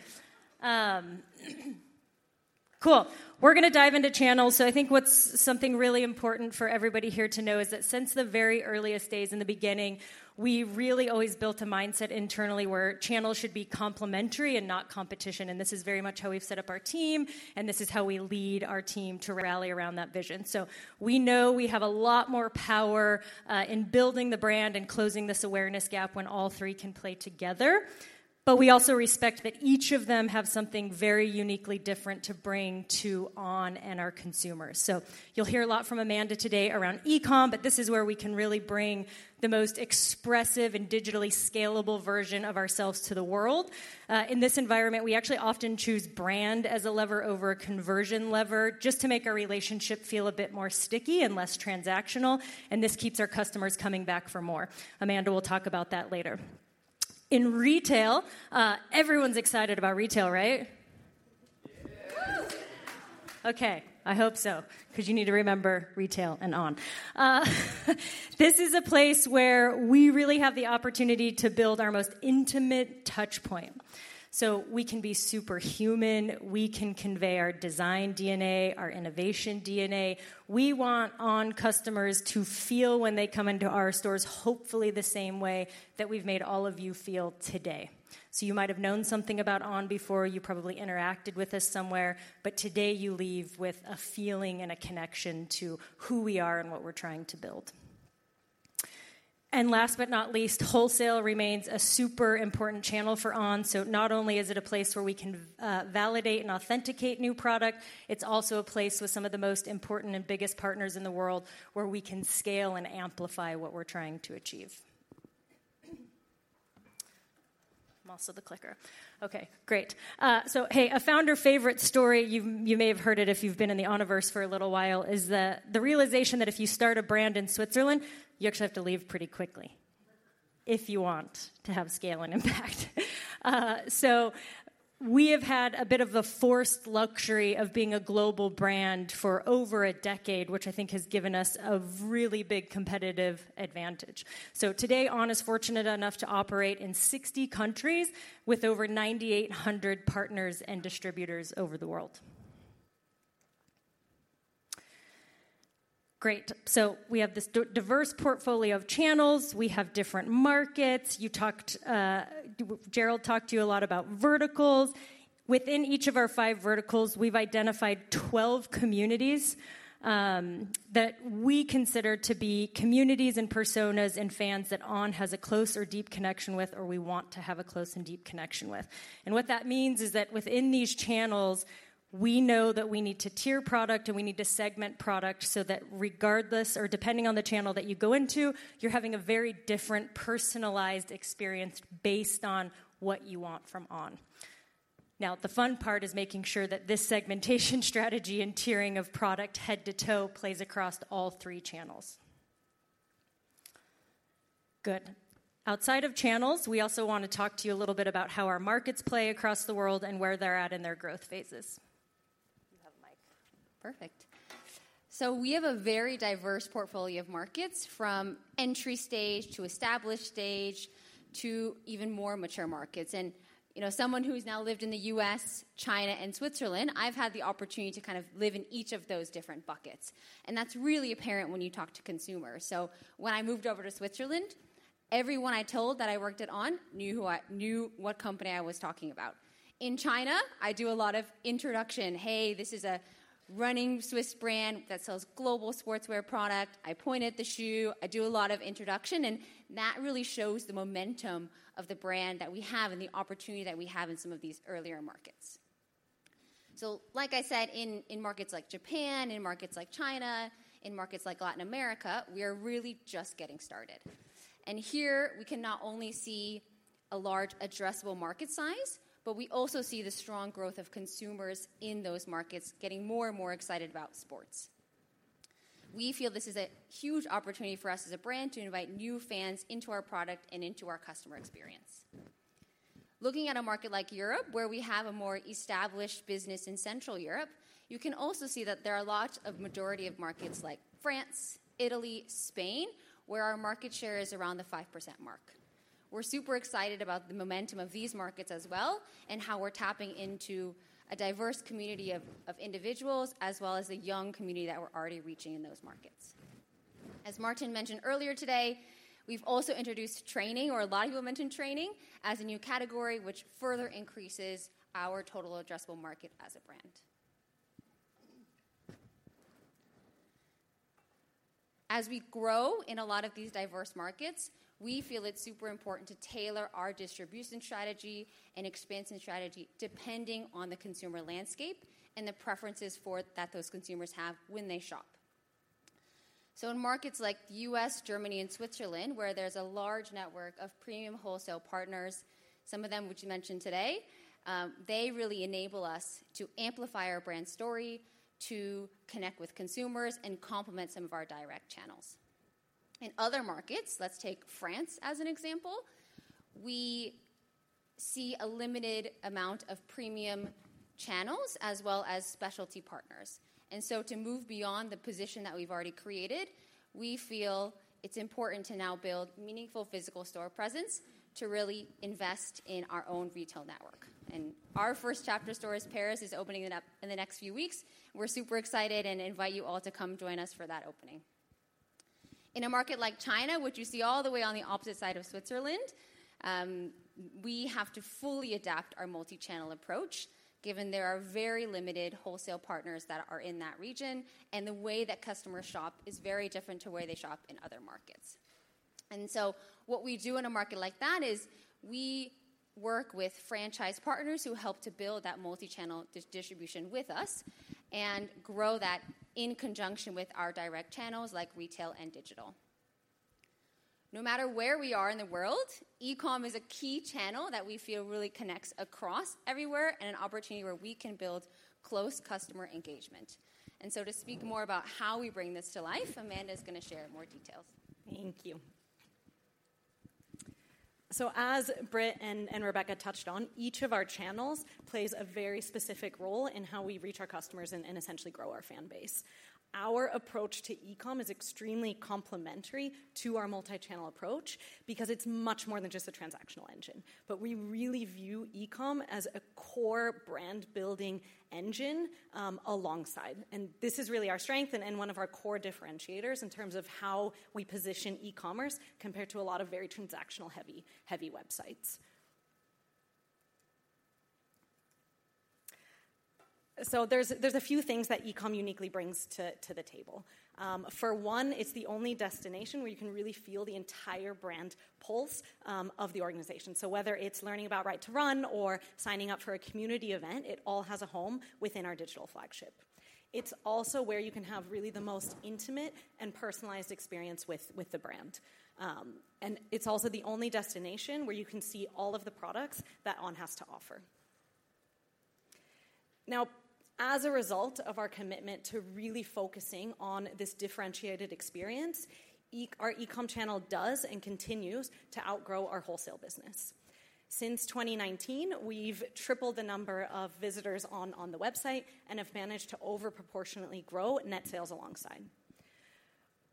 Cool. We're gonna dive into channels. So I think what's something really important for everybody here to know is that since the very earliest days in the beginning, we really always built a mindset internally where channels should be complementary and not competition, and this is very much how we've set up our team, and this is how we lead our team to rally around that vision. So we know we have a lot more power in building the brand and closing this awareness gap when all three can play together. But we also respect that each of them have something very uniquely different to bring to On and our consumers. So you'll hear a lot from Amanda today around e-com, but this is where we can really bring the most expressive and digitally scalable version of ourselves to the world. In this environment, we actually often choose brand as a lever over conversion lever, just to make our relationship feel a bit more sticky and less transactional, and this keeps our customers coming back for more. Amanda will talk about that later. In retail... Everyone's excited about retail, right? Okay, I hope so, 'cause you need to remember retail and On. This is a place where we really have the opportunity to build our most intimate touch point, so we can be super human. We can convey our design DNA, our innovation DNA. We want On customers to feel when they come into our stores, hopefully the same way that we've made all of you feel today. So you might have known something about On before, you probably interacted with us somewhere, but today you leave with a feeling and a connection to who we are and what we're trying to build. And last but not least, wholesale remains a super important channel for On. So not only is it a place where we can validate and authenticate new product, it's also a place with some of the most important and biggest partners in the world, where we can scale and amplify what we're trying to achieve. I'm also the clicker. Okay, great. So, hey, a founder favorite story, you, you may have heard it if you've been in the Oniverse for a little while, is that the realization that if you start a brand in Switzerland, you actually have to leave pretty quickly, if you want to have scale and impact. So we have had a bit of the forced luxury of being a global brand for over a decade, which I think has given us a really big competitive advantage. Today, On is fortunate enough to operate in 60 countries with over 9,800 partners and distributors over the world. ... Great. So we have this diverse portfolio of channels. We have different markets. You talked, Gerald talked to you a lot about verticals. Within each of our five verticals, we've identified twelve communities that we consider to be communities and personas and fans that On has a close or deep connection with, or we want to have a close and deep connection with. And what that means is that within these channels, we know that we need to tier product, and we need to segment product so that regardless or depending on the channel that you go into, you're having a very different personalized experience based on what you want from On. Now, the fun part is making sure that this segmentation strategy and tiering of product, head to toe, plays across all three channels. Good. Outside of channels, we also wanna talk to you a little bit about how our markets play across the world and where they're at in their growth phases. You have the mic. Perfect. So we have a very diverse portfolio of markets, from entry stage to established stage to even more mature markets. And, you know, someone who's now lived in the U.S., China, and Switzerland, I've had the opportunity to kind of live in each of those different buckets, and that's really apparent when you talk to consumers. So when I moved over to Switzerland, everyone I told that I worked at On knew who I-- knew what company I was talking about. In China, I do a lot of introduction: "Hey, this is a running Swiss brand that sells global sportswear product." I point at the shoe. I do a lot of introduction, and that really shows the momentum of the brand that we have and the opportunity that we have in some of these earlier markets. So like I said, in markets like Japan, in markets like China, in markets like Latin America, we are really just getting started. And here, we can not only see a large addressable market size, but we also see the strong growth of consumers in those markets getting more and more excited about sports. We feel this is a huge opportunity for us as a brand to invite new fans into our product and into our customer experience. Looking at a market like Europe, where we have a more established business in Central Europe, you can also see that there are a lot of majority of markets like France, Italy, Spain, where our market share is around the 5% mark. We're super excited about the momentum of these markets as well, and how we're tapping into a diverse community of, of individuals, as well as the young community that we're already reaching in those markets. As Martin mentioned earlier today, we've also introduced training, or a lot of you mentioned training, as a new category, which further increases our total addressable market as a brand. As we grow in a lot of these diverse markets, we feel it's super important to tailor our distribution strategy and expansion strategy, depending on the consumer landscape and the preferences for-- that those consumers have when they shop. So in markets like the U.S., Germany, and Switzerland, where there's a large network of premium wholesale partners, some of them, which we mentioned today, they really enable us to amplify our brand story, to connect with consumers, and complement some of our direct channels. In other markets, let's take France as an example, we see a limited amount of premium channels as well as specialty partners. So to move beyond the position that we've already created, we feel it's important to now build meaningful physical store presence to really invest in our own retail network. Our first chapter store is Paris, is opening it up in the next few weeks. We're super excited and invite you all to come join us for that opening. In a market like China, which you see all the way on the opposite side of Switzerland, we have to fully adapt our multi-channel approach, given there are very limited wholesale partners that are in that region, and the way that customers shop is very different to the way they shop in other markets. So what we do in a market like that is we work with franchise partners who help to build that multi-channel distribution with us and grow that in conjunction with our direct channels, like retail and digital. No matter where we are in the world, e-com is a key channel that we feel really connects across everywhere and an opportunity where we can build close customer engagement. To speak more about how we bring this to life, Amanda is gonna share more details. Thank you. So as Britt and Rebecca touched on, each of our channels plays a very specific role in how we reach our customers and essentially grow our fan base. Our approach to e-com is extremely complementary to our multi-channel approach because it's much more than just a transactional engine. But we really view e-com as a core brand-building engine alongside. And this is really our strength and one of our core differentiators in terms of how we position e-commerce compared to a lot of very transactional, heavy, heavy websites. So there's a few things that e-com uniquely brings to the table. For one, it's the only destination where you can really feel the entire brand pulse of the organization. So whether it's learning about Right to Run or signing up for a community event, it all has a home within our digital flagship. It's also where you can have really the most intimate and personalized experience with, with the brand. And it's also the only destination where you can see all of the products that On has to offer. Now, as a result of our commitment to really focusing on this differentiated experience, our e-com channel does and continues to outgrow our wholesale business. Since 2019, we've tripled the number of visitors on, on the website and have managed to over-proportionately grow net sales alongside....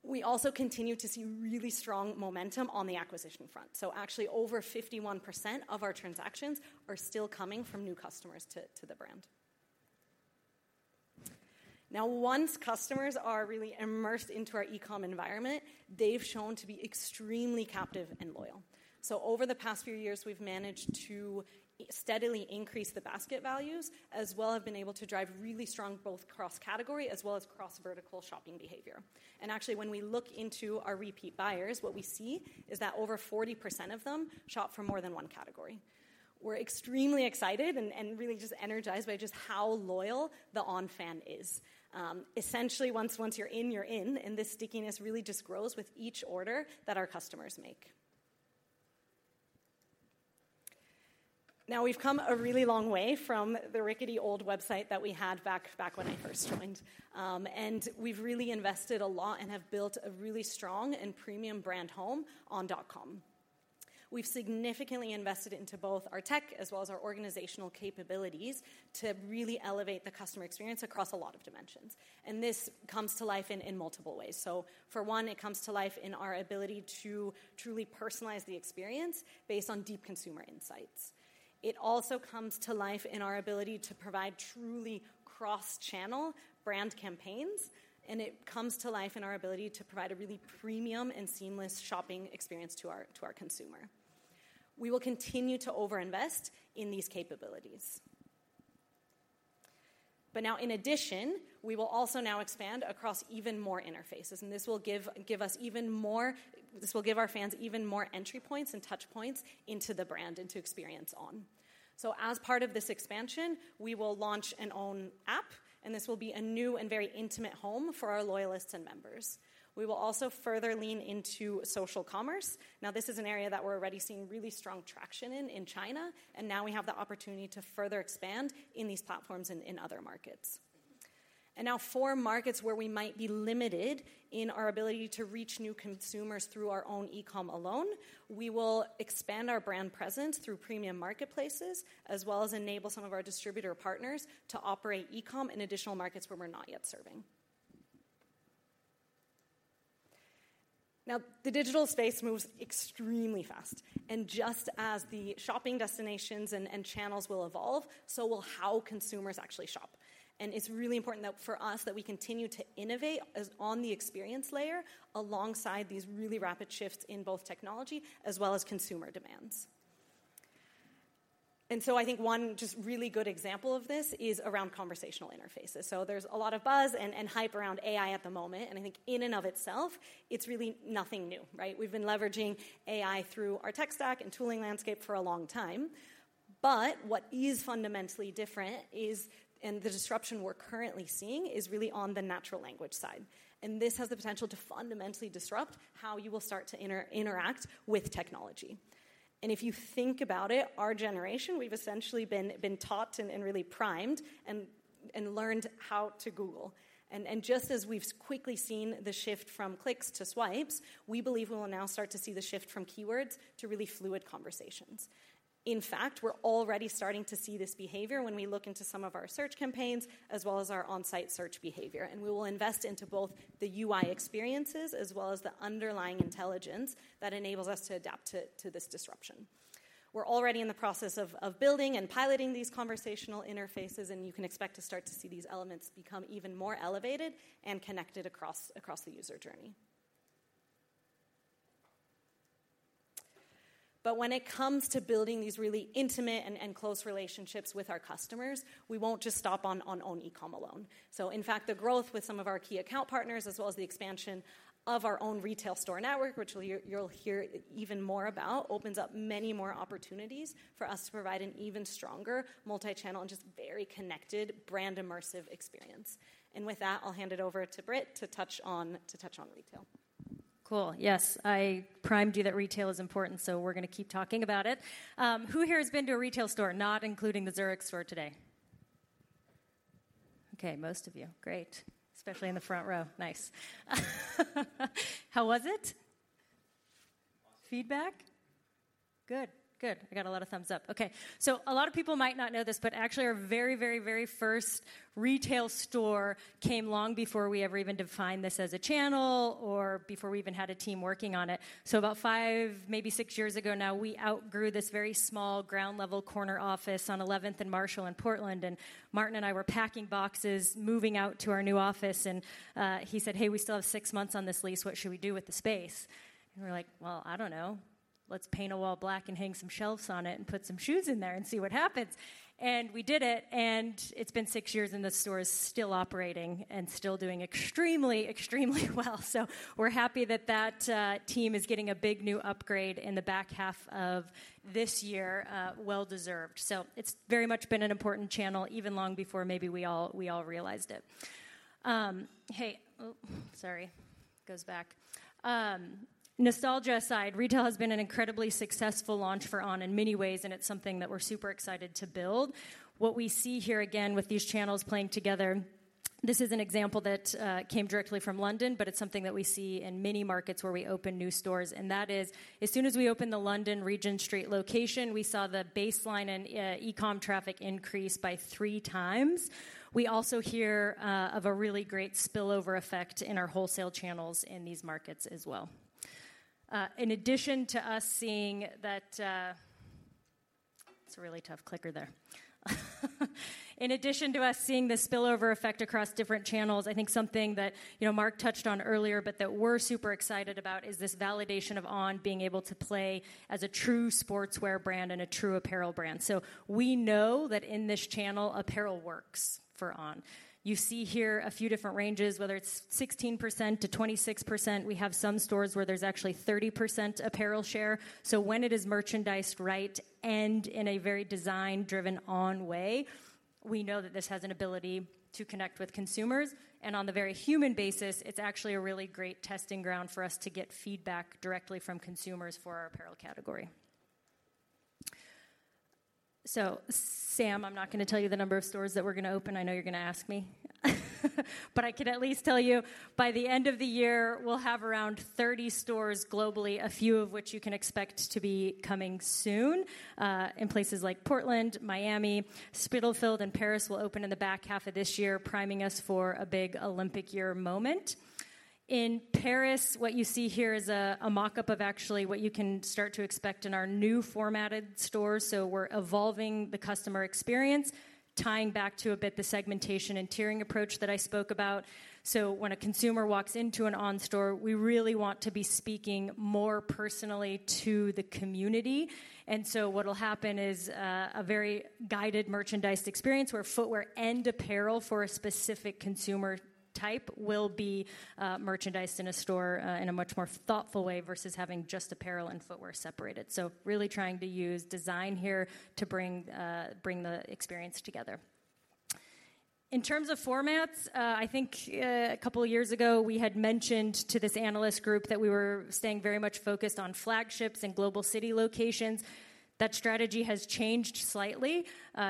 We also continue to see really strong momentum on the acquisition front. So actually, over 51% of our transactions are still coming from new customers to, to the brand. Now, once customers are really immersed into our E-com environment, they've shown to be extremely captive and loyal. So over the past few years, we've managed to steadily increase the basket values, as well have been able to drive really strong both cross-category as well as cross-vertical shopping behavior. Actually, when we look into our repeat buyers, what we see is that over 40% of them shop for more than one category. We're extremely excited and, and really just energized by just how loyal the On fan is. Essentially, once you're in, you're in, and this stickiness really just grows with each order that our customers make. Now, we've come a really long way from the rickety old website that we had back when I first joined. We've really invested a lot and have built a really strong and premium brand home on.com. We've significantly invested into both our tech as well as our organizational capabilities to really elevate the customer experience across a lot of dimensions, and this comes to life in multiple ways. For one, it comes to life in our ability to truly personalize the experience based on deep consumer insights. It also comes to life in our ability to provide truly cross-channel brand campaigns, and it comes to life in our ability to provide a really premium and seamless shopping experience to our consumer. We will continue to over-invest in these capabilities. But now, in addition, we will also now expand across even more interfaces, and this will give, give us even more—this will give our fans even more entry points and touch points into the brand and to experience On. So as part of this expansion, we will launch an On app, and this will be a new and very intimate home for our loyalists and members. We will also further lean into social commerce. Now, this is an area that we're already seeing really strong traction in, in China, and now we have the opportunity to further expand in these platforms in, in other markets. And now, for markets where we might be limited in our ability to reach new consumers through our own e-com alone, we will expand our brand presence through premium marketplaces, as well as enable some of our distributor partners to operate e-com in additional markets where we're not yet serving. Now, the digital space moves extremely fast, and just as the shopping destinations and, and channels will evolve, so will how consumers actually shop. And it's really important that for us, that we continue to innovate as-- on the experience layer, alongside these really rapid shifts in both technology as well as consumer demands. And so I think one just really good example of this is around conversational interfaces. So there's a lot of buzz and, and hype around AI at the moment, and I think in and of itself, it's really nothing new, right? We've been leveraging AI through our tech stack and tooling landscape for a long time. But what is fundamentally different is... and the disruption we're currently seeing, is really on the natural language side. And this has the potential to fundamentally disrupt how you will start to interact with technology. And if you think about it, our generation, we've essentially been taught and really primed and learned how to Google. And just as we've quickly seen the shift from clicks to swipes, we believe we will now start to see the shift from keywords to really fluid conversations. In fact, we're already starting to see this behavior when we look into some of our search campaigns, as well as our on-site search behavior. We will invest into both the UI experiences, as well as the underlying intelligence that enables us to adapt to this disruption. We're already in the process of building and piloting these conversational interfaces, and you can expect to start to see these elements become even more elevated and connected across the user journey. But when it comes to building these really intimate and close relationships with our customers, we won't just stop on On's e-com alone. So in fact, the growth with some of our key account partners, as well as the expansion of our own retail store network, which you'll hear even more about, opens up many more opportunities for us to provide an even stronger multi-channel and just very connected, brand-immersive experience. With that, I'll hand it over to Britt to touch on retail. Cool. Yes, I primed you that retail is important, so we're gonna keep talking about it. Who here has been to a retail store, not including the Zurich store today? Okay, most of you. Great, especially in the front row. Nice. How was it? Feedback? Good. Good. I got a lot of thumbs up. Okay, so a lot of people might not know this, but actually, our very, very, very first retail store came long before we ever even defined this as a channel or before we even had a team working on it. So about five, maybe six years ago now, we outgrew this very small ground-level corner office on 11th and Marshall in Portland, and Martin and I were packing boxes, moving out to our new office, and he said, "Hey, we still have six months on this lease. What should we do with the space?" And we're like: "Well, I don't know. Let's paint a wall black and hang some shelves on it and put some shoes in there and see what happens." And we did it, and it's been six years, and the store is still operating and still doing extremely, extremely well. So we're happy that that team is getting a big new upgrade in the back half of this year. Well-deserved. So it's very much been an important channel, even long before maybe we all realized it. Hey... Oh, sorry. It goes back. Nostalgia aside, retail has been an incredibly successful launch for On in many ways, and it's something that we're super excited to build. What we see here, again, with these channels playing together, this is an example that came directly from London, but it's something that we see in many markets where we open new stores, and that is, as soon as we opened the London Regent Street location, we saw the baseline and e-com traffic increase by three times. We also hear of a really great spillover effect in our wholesale channels in these markets as well. In addition to us seeing that, in addition to us seeing the spillover effect across different channels, I think something that, you know, Marc touched on earlier, but that we're super excited about, is this validation of On being able to play as a true sportswear brand and a true apparel brand. So we know that in this channel, apparel works for On. You see here a few different ranges, whether it's 16%-26%. We have some stores where there's actually 30% apparel share. So when it is merchandised right, and in a very design-driven On way, we know that this has an ability to connect with consumers, and on the very human basis, it's actually a really great testing ground for us to get feedback directly from consumers for our apparel category. So, Sam, I'm not gonna tell you the number of stores that we're gonna open. I know you're gonna ask me. But I can at least tell you, by the end of the year, we'll have around 30 stores globally, a few of which you can expect to be coming soon, in places like Portland, Miami. Spitalfields in Paris will open in the back half of this year, priming us for a big Olympic year moment. In Paris, what you see here is a mock-up of actually what you can start to expect in our new formatted stores. So we're evolving the customer experience, tying back to a bit the segmentation and tiering approach that I spoke about. So when a consumer walks into an On store, we really want to be speaking more personally to the community. And so what'll happen is a very guided, merchandised experience, where footwear and apparel for a specific consumer type will be merchandised in a store in a much more thoughtful way, versus having just apparel and footwear separated. So really trying to use design here to bring, bring the experience together. In terms of formats, I think a couple of years ago, we had mentioned to this analyst group that we were staying very much focused on flagships and global city locations. That strategy has changed slightly,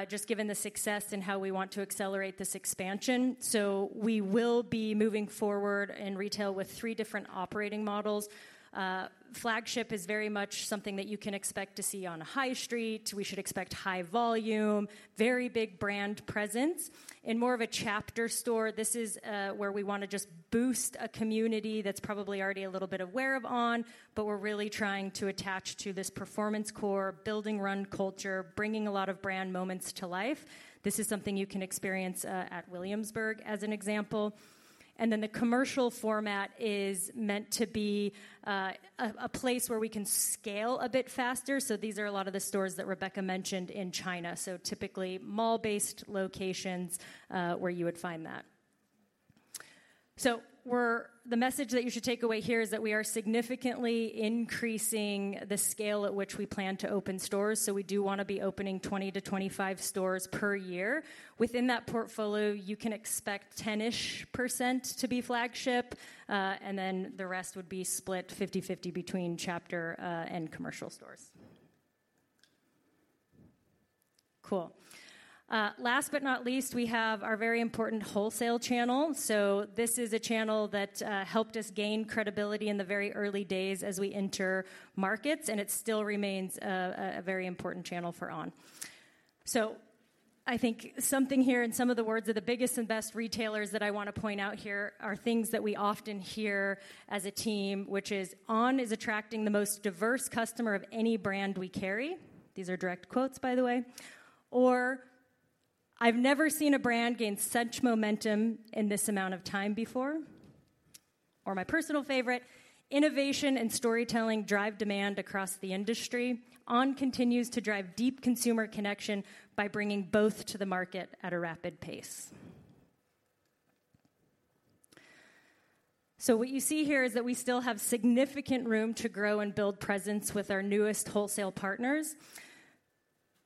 just given the success and how we want to accelerate this expansion. So we will be moving forward in retail with three different operating models. Flagship is very much something that you can expect to see on a high street. We should expect high volume, very big brand presence. In more of a chapter store, this is where we wanna just boost a community that's probably already a little bit aware of On, but we're really trying to attach to this performance core, building run culture, bringing a lot of brand moments to life. This is something you can experience at Williamsburg, as an example. The commercial format is meant to be a place where we can scale a bit faster, so these are a lot of the stores that Rebecca mentioned in China. So typically, mall-based locations, where you would find that. So, the message that you should take away here is that we are significantly increasing the scale at which we plan to open stores, so we do wanna be opening 20-25 stores per year. Within that portfolio, you can expect 10-ish% to be flagship, and then the rest would be split 50/50 between chapter and commercial stores. Cool. Last but not least, we have our very important wholesale channel. So this is a channel that helped us gain credibility in the very early days as we enter markets, and it still remains a very important channel for On. So I think something here, and some of the words of the biggest and best retailers that I wanna point out here, are things that we often hear as a team, which is, "On is attracting the most diverse customer of any brand we carry." These are direct quotes, by the way. Or, "I've never seen a brand gain such momentum in this amount of time before." Or my personal favorite: "Innovation and storytelling drive demand across the industry. On continues to drive deep consumer connection by bringing both to the market at a rapid pace." So what you see here is that we still have significant room to grow and build presence with our newest wholesale partners.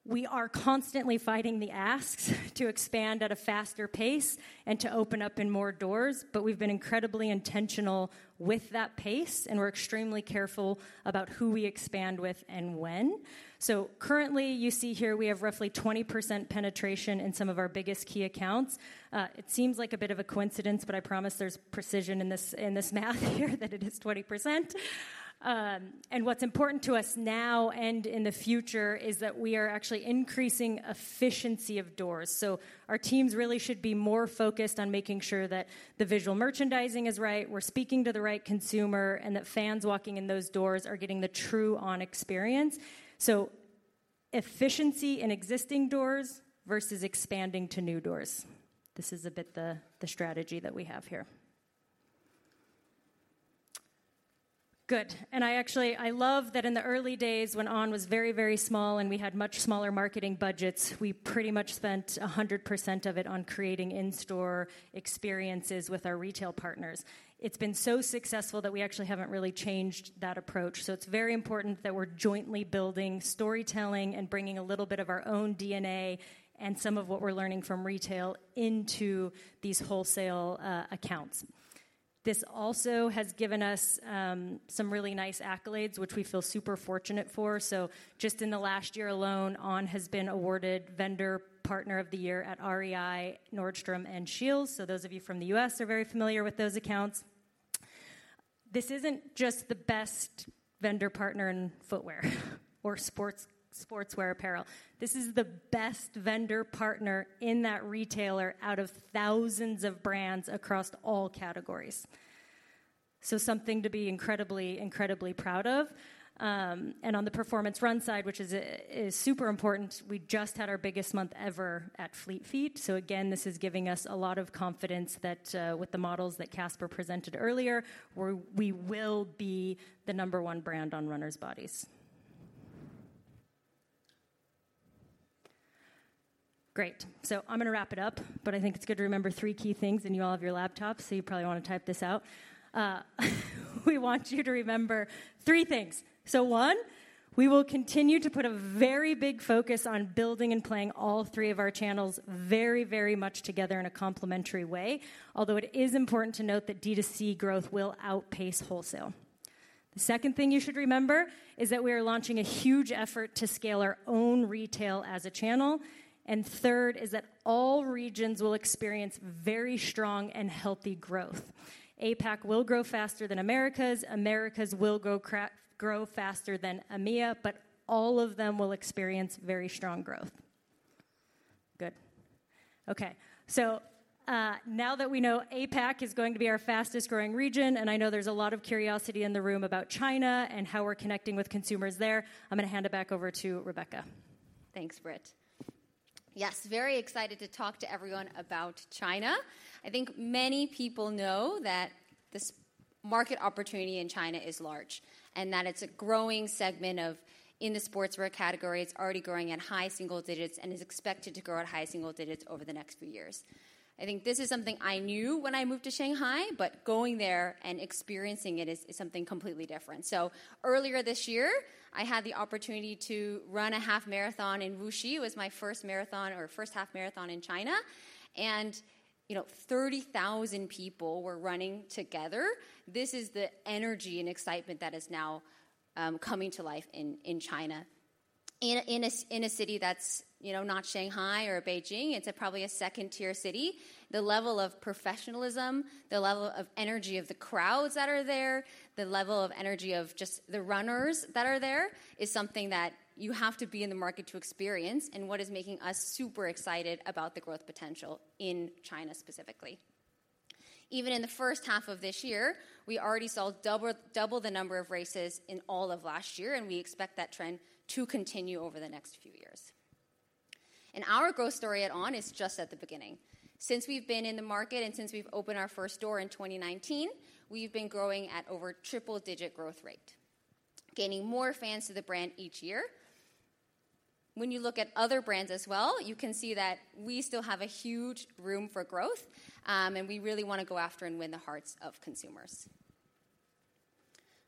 We are constantly fighting the asks to expand at a faster pace and to open up in more doors, but we've been incredibly intentional with that pace, and we're extremely careful about who we expand with and when. So currently, you see here we have roughly 20% penetration in some of our biggest key accounts. It seems like a bit of a coincidence, but I promise there's precision in this, in this math here, that it is 20%. And what's important to us now and in the future is that we are actually increasing efficiency of doors. So our teams really should be more focused on making sure that the visual merchandising is right, we're speaking to the right consumer, and that fans walking in those doors are getting the true On experience. So efficiency in existing doors versus expanding to new doors. This is a bit of the strategy that we have here. Good. I actually love that in the early days, when On was very, very small, and we had much smaller marketing budgets, we pretty much spent 100% of it on creating in-store experiences with our retail partners. It's been so successful that we actually haven't really changed that approach. So it's very important that we're jointly building storytelling and bringing a little bit of our own DNA and some of what we're learning from retail into these wholesale accounts. This also has given us some really nice accolades, which we feel super fortunate for. So just in the last year alone, On has been awarded Vendor Partner of the Year at REI, Nordstrom, and Scheels. So those of you from the US are very familiar with those accounts. This isn't just the best vendor partner in footwear or sports, sportswear apparel. This is the best vendor partner in that retailer, out of thousands of brands across all categories... so something to be incredibly, incredibly proud of. And on the performance run side, which is super important, we just had our biggest month ever at Fleet Feet. So again, this is giving us a lot of confidence that, with the models that Caspar presented earlier, we're we will be the number one brand on runners' bodies. Great! So I'm gonna wrap it up, but I think it's good to remember three key things, and you all have your laptops, so you probably wanna type this out. We want you to remember three things: so one, we will continue to put a very big focus on building and playing all three of our channels very, very much together in a complementary way. Although it is important to note that D2C growth will outpace wholesale. The second thing you should remember is that we are launching a huge effort to scale our own retail as a channel. And third is that all regions will experience very strong and healthy growth. APAC will grow faster than Americas, Americas will grow faster than EMEA, but all of them will experience very strong growth. Good. Okay. So, now that we know APAC is going to be our fastest-growing region, and I know there's a lot of curiosity in the room about China and how we're connecting with consumers there, I'm gonna hand it back over to Rebecca. Thanks, Britt. Yes, very excited to talk to everyone about China. I think many people know that this market opportunity in China is large, and that it's a growing segment of, in the sportswear category. It's already growing at high single digits and is expected to grow at high single digits over the next few years. I think this is something I knew when I moved to Shanghai, but going there and experiencing it is something completely different. So earlier this year, I had the opportunity to run a half marathon in Wuxi. It was my first marathon or first half marathon in China, and, you know, 30,000 people were running together. This is the energy and excitement that is now coming to life in China. In a city that's, you know, not Shanghai or Beijing, it's probably a second-tier city. The level of professionalism, the level of energy of the crowds that are there, the level of energy of just the runners that are there, is something that you have to be in the market to experience, and what is making us super excited about the growth potential in China specifically. Even in the first half of this year, we already saw double the number of races in all of last year, and we expect that trend to continue over the next few years. Our growth story at On is just at the beginning. Since we've been in the market and since we've opened our first store in 2019, we've been growing at over triple-digit growth rate, gaining more fans to the brand each year. When you look at other brands as well, you can see that we still have a huge room for growth, and we really wanna go after and win the hearts of consumers.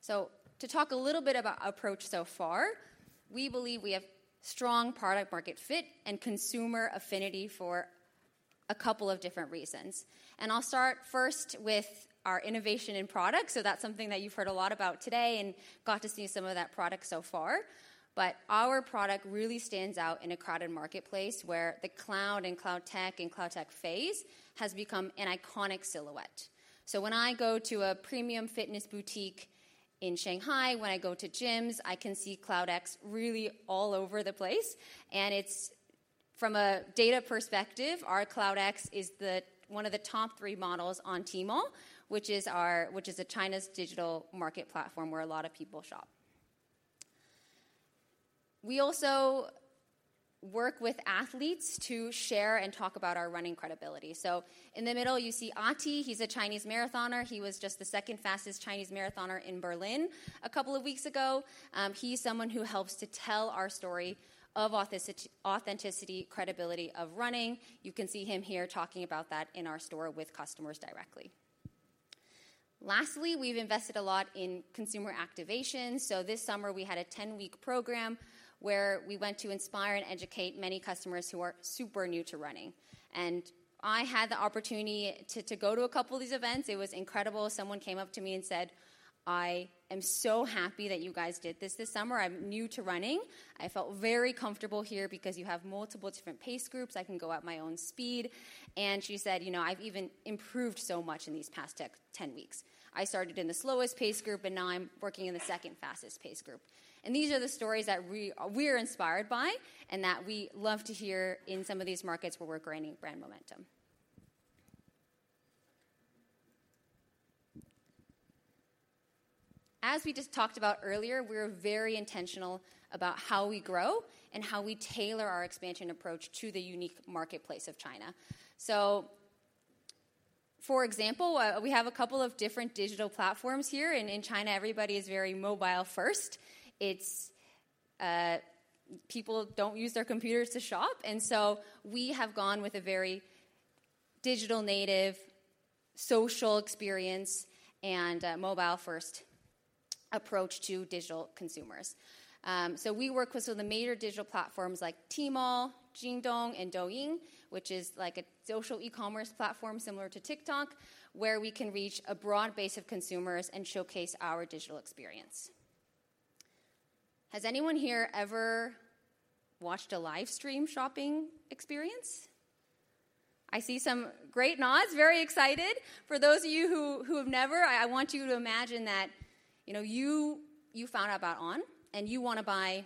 So to talk a little bit about our approach so far, we believe we have strong product market fit and consumer affinity for a couple of different reasons. I'll start first with our innovation in products. So that's something that you've heard a lot about today and got to see some of that product so far. But our product really stands out in a crowded marketplace, where the Cloud and CloudTec and CloudTec Phase has become an iconic silhouette. So when I go to a premium fitness boutique in Shanghai, when I go to gyms, I can see Cloud X really all over the place. And it's... From a data perspective, our Cloud X is the one of the top three models on Tmall, which is our which is a China's digital market platform where a lot of people shop. We also work with athletes to share and talk about our running credibility. So in the middle, you see He Jie, he's a Chinese marathoner. He was just the second fastest Chinese marathoner in Berlin a couple of weeks ago. He's someone who helps to tell our story of authenticity, credibility of running. You can see him here talking about that in our store with customers directly. Lastly, we've invested a lot in consumer activation. So this summer, we had a 10-week program where we went to inspire and educate many customers who are super new to running. And I had the opportunity to, to go to a couple of these events. It was incredible. Someone came up to me and said, "I am so happy that you guys did this this summer. I'm new to running. I felt very comfortable here because you have multiple different pace groups. I can go at my own speed." And she said, "You know, I've even improved so much in these past ten weeks. I started in the slowest pace group, and now I'm working in the second fastest pace group." And these are the stories that we, we are inspired by, and that we love to hear in some of these markets where we're growing brand momentum. As we just talked about earlier, we're very intentional about how we grow and how we tailor our expansion approach to the unique marketplace of China. So, for example, we have a couple of different digital platforms here, and in China, everybody is very mobile first. It's... People don't use their computers to shop, and so we have gone with a very digital native, social experience, and mobile-first approach to digital consumers. So we work with some of the major digital platforms like Tmall, JingDong, and Douyin, which is like a social e-commerce platform similar to TikTok, where we can reach a broad base of consumers and showcase our digital experience. Has anyone here ever watched a live stream shopping experience? I see some great nods, very excited. For those of you who have never, I want you to imagine that, you know, you found out about On, and you wanna buy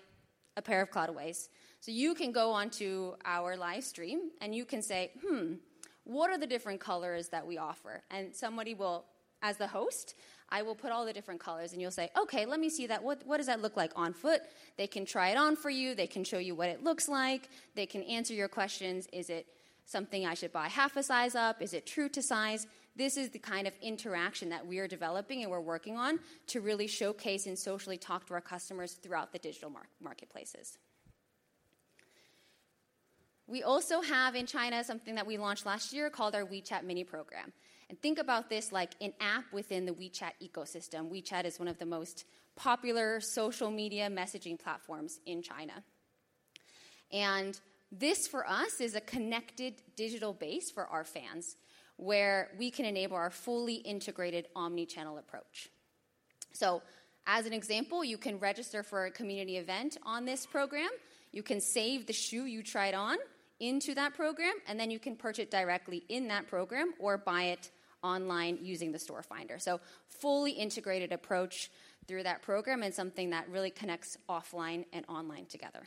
a pair of Clouds. So you can go onto our live stream, and you can say, "Hmm, what are the different colors that we offer?" And somebody will, as the host, I will put all the different colors, and you'll say, "Okay, let me see that. What, what does that look like on foot?" They can try it on for you. They can show you what it looks like. They can answer your questions: "Is it something I should buy half a size up? Is it true to size?" This is the kind of interaction that we are developing and we're working on to really showcase and socially talk to our customers throughout the digital marketplaces. We also have in China something that we launched last year called our WeChat Mini Program. And think about this like an app within the WeChat ecosystem. WeChat is one of the most popular social media messaging platforms in China. This, for us, is a connected digital base for our fans, where we can enable our fully integrated omni-channel approach. As an example, you can register for a community event on this program. You can save the shoe you tried on into that program, and then you can purchase it directly in that program or buy it online using the store finder. Fully integrated approach through that program and something that really connects offline and online together.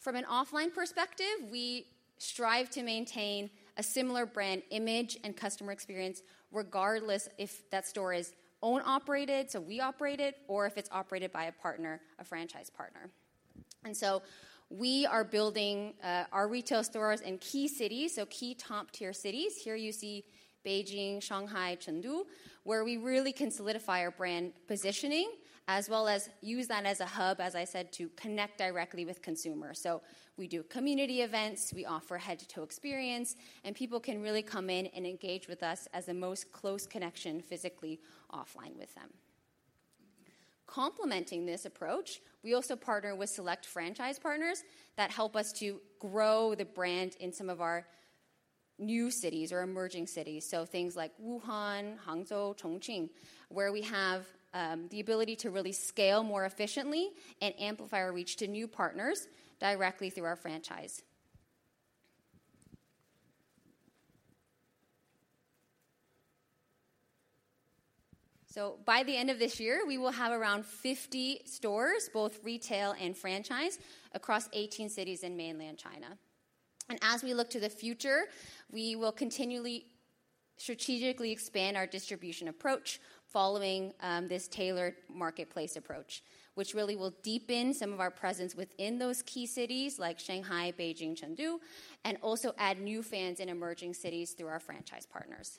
From an offline perspective, we strive to maintain a similar brand image and customer experience, regardless if that store is owned operated, so we operate it, or if it's operated by a partner, a franchise partner. We are building our retail stores in key cities, so key top-tier cities. Here you see Beijing, Shanghai, Chengdu, where we really can solidify our brand positioning, as well as use that as a hub, as I said, to connect directly with consumers. So we do community events, we offer head-to-toe experience, and people can really come in and engage with us as the most close connection physically offline with them. Complementing this approach, we also partner with select franchise partners that help us to grow the brand in some of our new cities or emerging cities. So things like Wuhan, Hangzhou, Chongqing, where we have the ability to really scale more efficiently and amplify our reach to new partners directly through our franchise. So by the end of this year, we will have around 50 stores, both retail and franchise, across 18 cities in mainland China. As we look to the future, we will continually strategically expand our distribution approach following this tailored marketplace approach, which really will deepen some of our presence within those key cities like Shanghai, Beijing, Chengdu, and also add new fans in emerging cities through our franchise partners.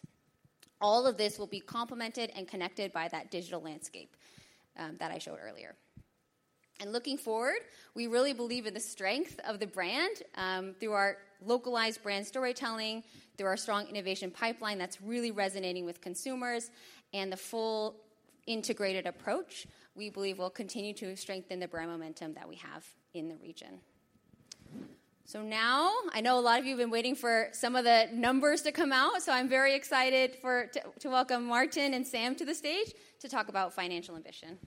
All of this will be complemented and connected by that digital landscape that I showed earlier. Looking forward, we really believe in the strength of the brand through our localized brand storytelling, through our strong innovation pipeline that's really resonating with consumers, and the full integrated approach, we believe will continue to strengthen the brand momentum that we have in the region. So now, I know a lot of you have been waiting for some of the numbers to come out, so I'm very excited to welcome Martin and Sam to the stage to talk about financial ambition.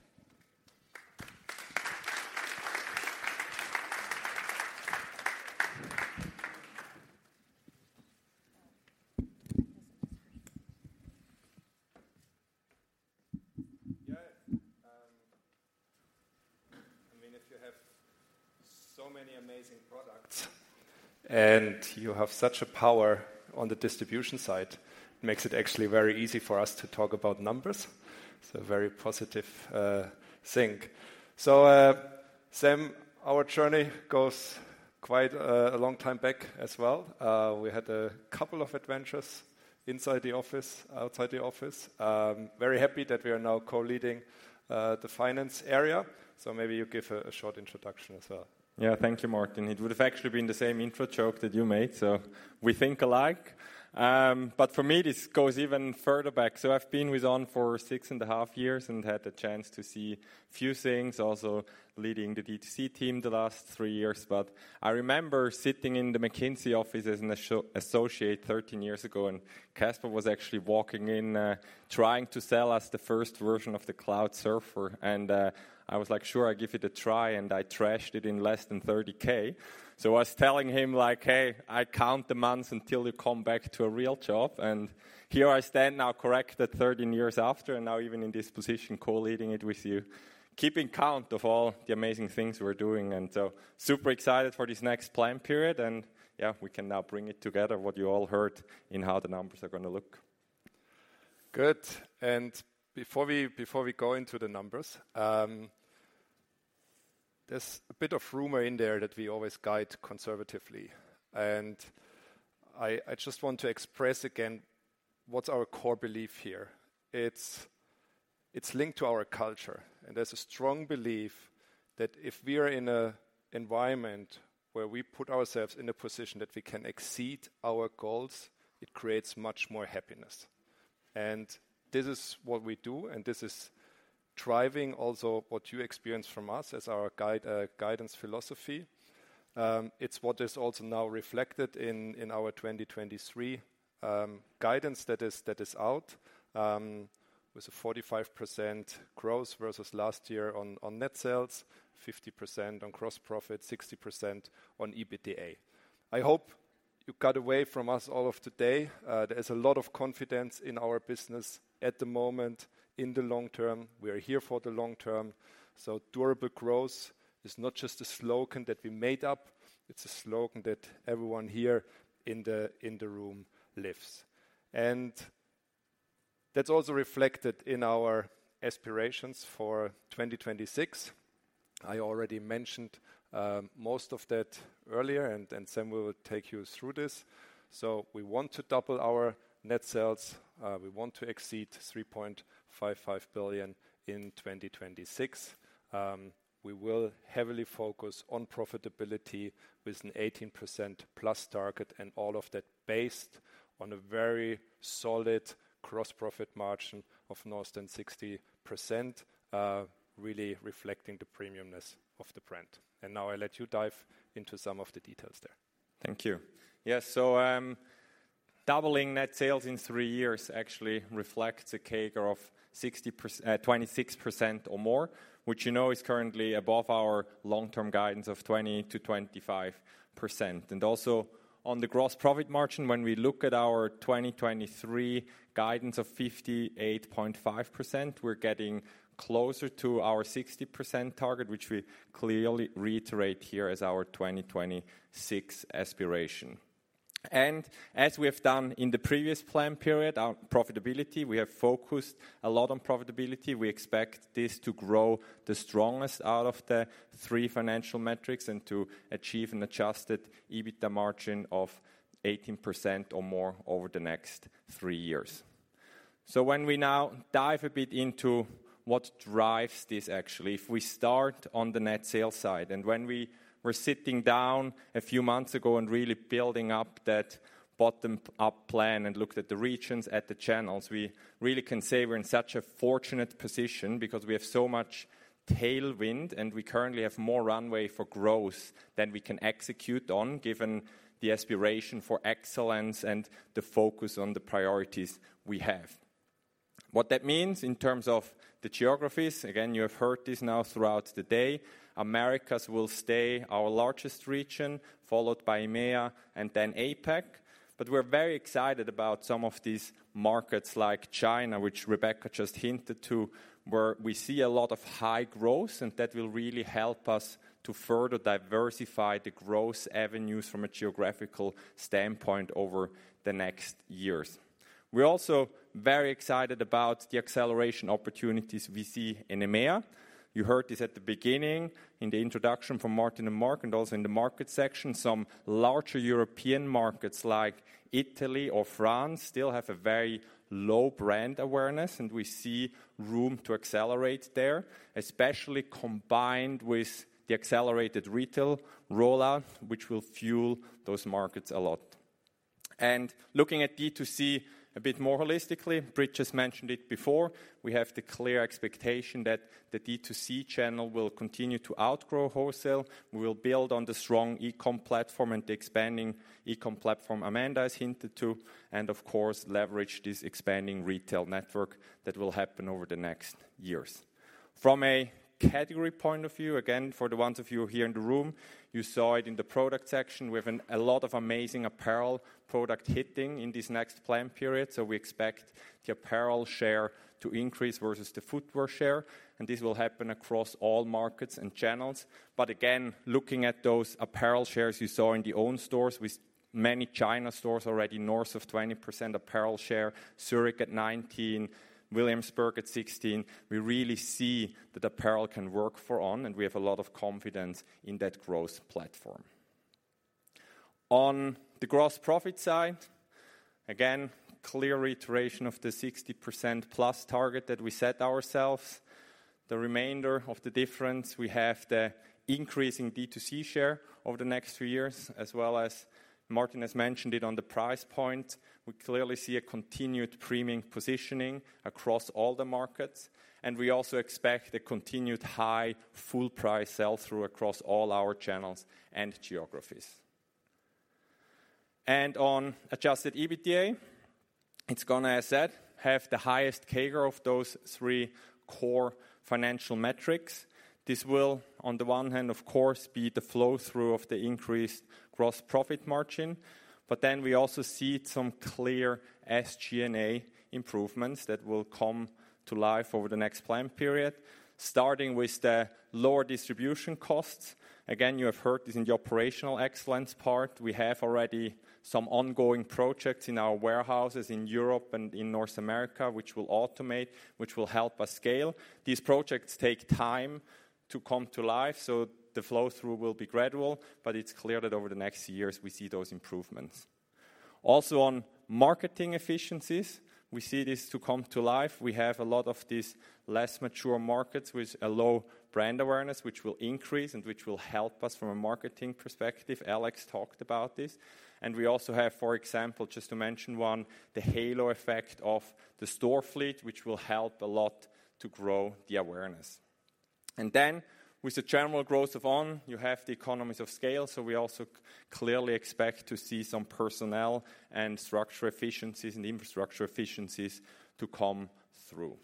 Yeah, I mean, if you have so many amazing products and you have such a power on the distribution side, it makes it actually very easy for us to talk about numbers. It's a very positive thing. So, Sam, our journey goes quite a long time back as well. We had a couple of adventures inside the office, outside the office. Very happy that we are now co-leading the finance area. So maybe you give a short introduction as well. Yeah. Thank you, Martin. It would have actually been the same intro joke that you made, so we think alike. But for me, this goes even further back. So I've been with On for six and a half years and had the chance to see a few things, also leading the D2C team the last three years. But I remember sitting in the McKinsey office as an associate 13 years ago, and Caspar was actually walking in, trying to sell us the first version of the Cloudsurfer, and I was like: Sure, I give it a try, and I trashed it in less than 30K. So I was telling him, like: "Hey, I count the months until you come back to a real job," and here I stand now, corrected 13 years after, and now even in this position, co-leading it with you, keeping count of all the amazing things we're doing. And so, super excited for this next plan period, and yeah, we can now bring it together, what you all heard in how the numbers are gonna look. Good. Before we go into the numbers, there's a bit of rumor in there that we always guide conservatively, and I just want to express again what's our core belief here. It's linked to our culture, and there's a strong belief that if we are in a environment where we put ourselves in a position that we can exceed our goals, it creates much more happiness. And this is what we do, and this is driving also what you experience from us as our guidance philosophy. It's what is also now reflected in our 2023 guidance that is out with a 45% growth versus last year on net sales, 50% on gross profit, 60% on EBITDA. I hope-... You got away from us all of today. There's a lot of confidence in our business at the moment, in the long term. We are here for the long term. So durable growth is not just a slogan that we made up, it's a slogan that everyone here in the, in the room lives. And that's also reflected in our aspirations for 2026. I already mentioned most of that earlier, and Sam will take you through this. So we want to double our net sales. We want to exceed 3.55 billion in 2026. We will heavily focus on profitability with an 18%+ target, and all of that based on a very solid gross profit margin of more than 60%, really reflecting the premiumness of the brand. And now I let you dive into some of the details there. Thank you. Yes, so, doubling net sales in three years actually reflects a CAGR of 60%-- twenty-six percent or more, which you know is currently above our long-term guidance of 20%-25%. And also, on the gross profit margin, when we look at our 2023 guidance of 58.5%, we're getting closer to our 60% target, which we clearly reiterate here as our 2026 aspiration. And as we have done in the previous plan period, our profitability, we have focused a lot on profitability. We expect this to grow the strongest out of the three financial metrics and to achieve an adjusted EBITDA margin of 18% or more over the next three years. So when we now dive a bit into what drives this actually, if we start on the net sales side, and when we were sitting down a few months ago and really building up that bottom-up plan and looked at the regions, at the channels, we really can say we're in such a fortunate position because we have so much tailwind, and we currently have more runway for growth than we can execute on, given the aspiration for excellence and the focus on the priorities we have. What that means in terms of the geographies, again, you have heard this now throughout the day, Americas will stay our largest region, followed by EMEA and then APAC. We're very excited about some of these markets, like China, which Rebecca just hinted to, where we see a lot of high growth, and that will really help us to further diversify the growth avenues from a geographical standpoint over the next years. We're also very excited about the acceleration opportunities we see in EMEA. You heard this at the beginning in the introduction from Martin and Marc, and also in the market section. Some larger European markets like Italy or France, still have a very low brand awareness, and we see room to accelerate there, especially combined with the accelerated retail rollout, which will fuel those markets a lot. Looking at D2C a bit more holistically, Brit just mentioned it before, we have the clear expectation that the D2C channel will continue to outgrow wholesale. We will build on the strong e-com platform and the expanding e-com platform Amanda has hinted to, and of course, leverage this expanding retail network that will happen over the next years. From a category point of view, again, for the ones of you here in the room, you saw it in the product section. We have a lot of amazing apparel product hitting in this next plan period, so we expect the apparel share to increase versus the footwear share, and this will happen across all markets and channels. But again, looking at those apparel shares you saw in the own stores, with many China stores already north of 20% apparel share, Zurich at 19, Williamsburg at 16, we really see that apparel can work for On, and we have a lot of confidence in that growth platform. On the gross profit side, again, clear iteration of the 60%+ target that we set ourselves. The remainder of the difference, we have the increasing D2C share over the next few years, as well as Martin has mentioned it on the price point. We clearly see a continued premium positioning across all the markets, and we also expect a continued high full price sell-through across all our channels and geographies. On adjusted EBITDA, it's gonna, as said, have the highest CAGR of those three core financial metrics. This will, on the one hand, of course, be the flow-through of the increased gross profit margin, but then we also see some clear SG&A improvements that will come to life over the next plan period, starting with the lower distribution costs. Again, you have heard this in the operational excellence part. We have already some ongoing projects in our warehouses in Europe and in North America, which will automate, which will help us scale. These projects take time to come to life, so the flow-through will be gradual, but it's clear that over the next years we see those improvements. Also, on marketing efficiencies, we see this to come to life. We have a lot of these less mature markets with a low brand awareness, which will increase and which will help us from a marketing perspective. Alex talked about this. And we also have, for example, just to mention one, the halo effect of the store fleet, which will help a lot to grow the awareness. And then with the general growth of On, you have the economies of scale, so we also clearly expect to see some personnel and structure efficiencies and infrastructure efficiencies to come through.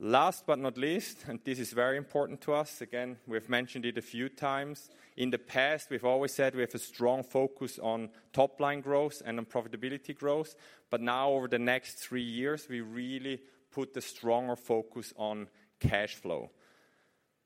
Last but not least, and this is very important to us. Again, we have mentioned it a few times. In the past, we've always said we have a strong focus on top-line growth and on profitability growth, but now over the next three years, we really put a stronger focus on cash flow.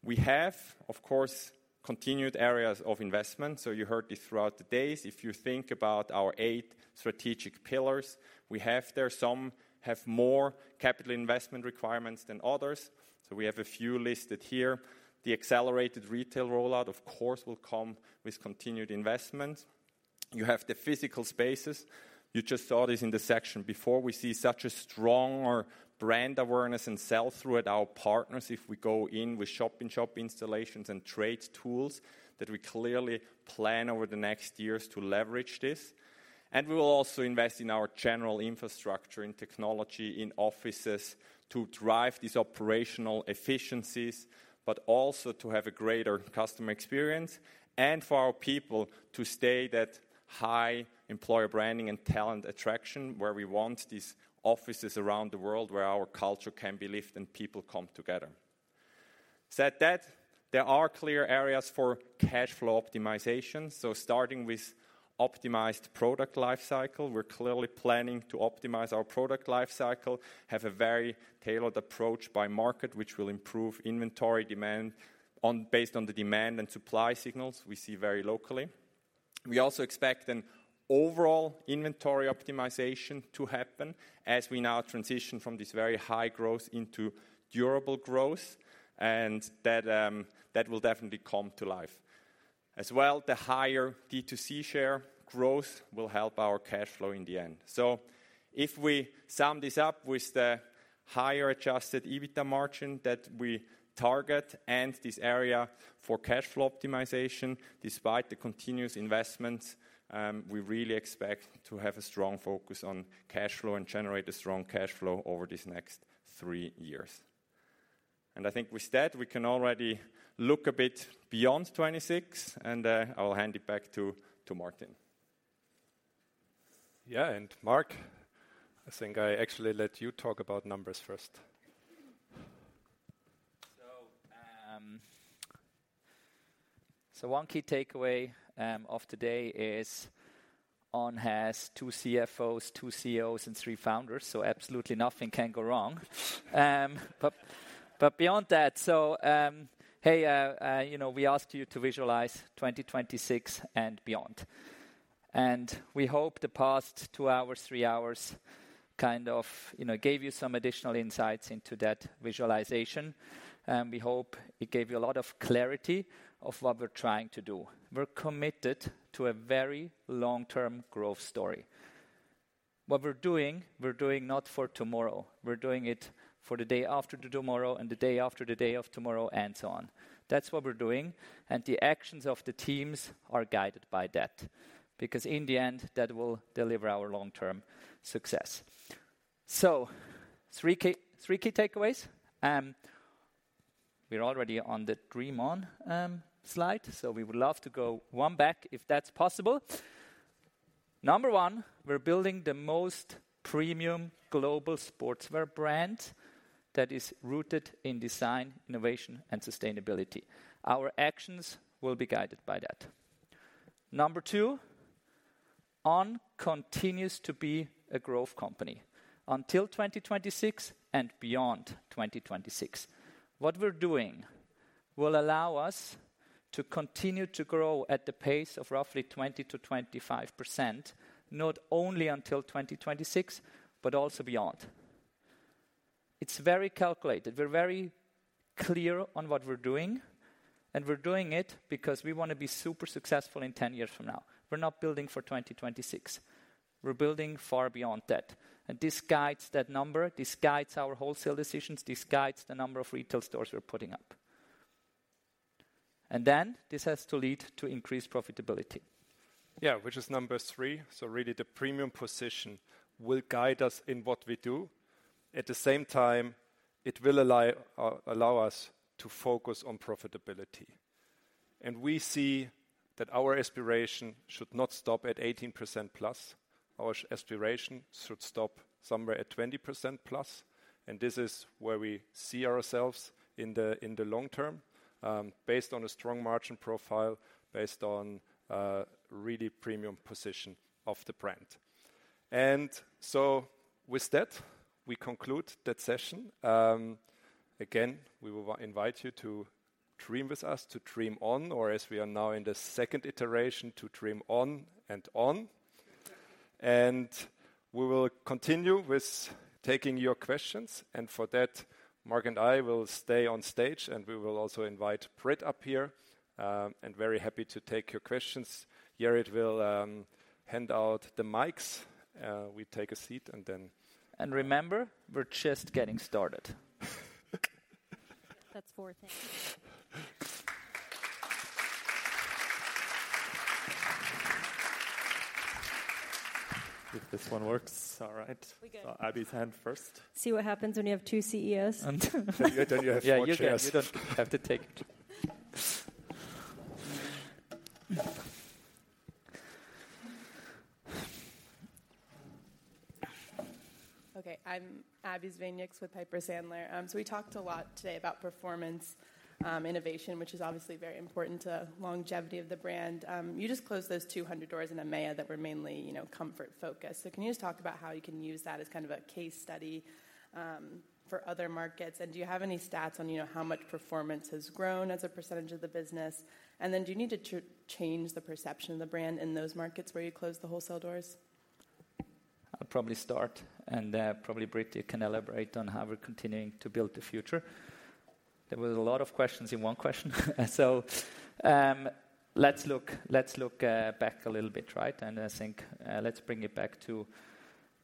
We have, of course, continued areas of investment, so you heard this throughout the days. If you think about our eight strategic pillars, we have there, some have more capital investment requirements than others, so we have a few listed here. The accelerated retail rollout, of course, will come with continued investment. You have the physical spaces. You just saw this in the section before. We see such a stronger brand awareness and sell-through at our partners if we go in with shop-in-shop installations and trade tools, that we clearly plan over the next years to leverage this. We will also invest in our general infrastructure, in technology, in offices, to drive these operational efficiencies, but also to have a greater customer experience and for our people to stay that high employer branding and talent attraction, where we want these offices around the world, where our culture can be lived and people come together. That said, there are clear areas for cash flow optimization. Starting with optimized product life cycle, we're clearly planning to optimize our product life cycle, have a very tailored approach by market, which will improve inventory demand on... based on the demand and supply signals we see very locally. We also expect an overall inventory optimization to happen as we now transition from this very high growth into durable growth, and that, that will definitely come to life. As well, the higher D2C share growth will help our cash flow in the end. So if we sum this up with the higher adjusted EBITDA margin that we target and this area for cash flow optimization, despite the continuous investments, we really expect to have a strong focus on cash flow and generate a strong cash flow over these next three years. And I think with that, we can already look a bit beyond 2026, and, I will hand it back to, to Martin. Yeah, and Marc, I think I actually let you talk about numbers first. So one key takeaway of today is On has two CFOs, two CEOs, and three founders, so absolutely nothing can go wrong. But beyond that, so hey, you know, we asked you to visualize 2026 and beyond, and we hope the past two hours, three hours, kind of, you know, gave you some additional insights into that visualization. And we hope it gave you a lot of clarity of what we're trying to do. We're committed to a very long-term growth story. What we're doing, we're doing not for tomorrow, we're doing it for the day after tomorrow and the day after the day of tomorrow and so on. That's what we're doing, and the actions of the teams are guided by that, because in the end, that will deliver our long-term success. So three key takeaways. We're already on the Dream On slide, so we would love to go one back, if that's possible. Number one, we're building the most premium global sportswear brand that is rooted in design, innovation, and sustainability. Our actions will be guided by that. Number two, On continues to be a growth company until 2026 and beyond 2026. What we're doing will allow us to continue to grow at the pace of roughly 20%-25%, not only until 2026, but also beyond. It's very calculated. We're very clear on what we're doing, and we're doing it because we want to be super successful in ten years from now. We're not building for 2026; we're building far beyond that. And this guides that number, this guides our wholesale decisions, this guides the number of retail stores we're putting up. Then this has to lead to increased profitability. Yeah. Which is number three. So really, the premium position will guide us in what we do. At the same time, it will allow, allow us to focus on profitability. And we see that our aspiration should not stop at 18%+. Our aspiration should stop somewhere at 20%+, and this is where we see ourselves in the, in the long term, based on a strong margin profile, based on a really premium position of the brand. And so with that, we conclude that session. Again, we will invite you to dream with us, to dream on, or as we are now in the second iteration, to dream on and on. We will continue with taking your questions. For that, Marc and I will stay on stage, and we will also invite Britt up here, and very happy to take your questions. Jerrit will hand out the mics. We take a seat, and then- Remember, we're just getting started. That's four things. If this one works. All right. We good. I saw Abbie's hand first. See what happens when you have two CEOs? Then you have four CEOs. Yeah, you don't have to take two. Okay, I'm Abbie Zvejnieks with Piper Sandler. So we talked a lot today about performance innovation, which is obviously very important to longevity of the brand. You just closed those 200 doors in EMEA that were mainly, you know, comfort focused. So can you just talk about how you can use that as kind of a case study for other markets? And do you have any stats on, you know, how much performance has grown as a percentage of the business? And then do you need to change the perception of the brand in those markets where you closed the wholesale doors? I'll probably start, and probably Britt can elaborate on how we're continuing to build the future. There was a lot of questions in one question. So, let's look, let's look, back a little bit, right? And I think, let's bring it back to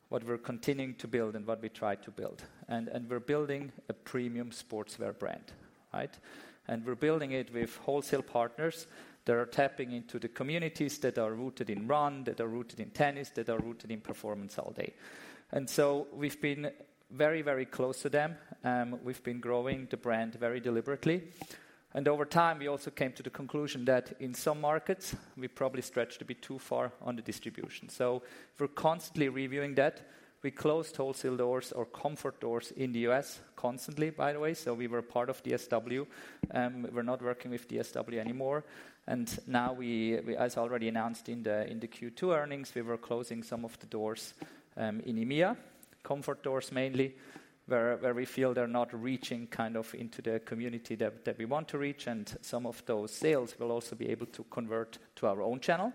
what we're continuing to build and what we try to build. And, and we're building a premium sportswear brand, right? And we're building it with wholesale partners that are tapping into the communities that are rooted in run, that are rooted in tennis, that are rooted in Performance All Day. And so we've been very, very close to them, and we've been growing the brand very deliberately. And over time, we also came to the conclusion that in some markets, we probably stretched a bit too far on the distribution. So we're constantly reviewing that. We close wholesale doors or comfort doors in the U.S. constantly, by the way, so we were part of DSW, and we're not working with DSW anymore. Now we—as already announced in the Q2 earnings, we were closing some of the doors in EMEA. Comfort doors mainly, where we feel they're not reaching kind of into the community that we want to reach, and some of those sales will also be able to convert to our own channel,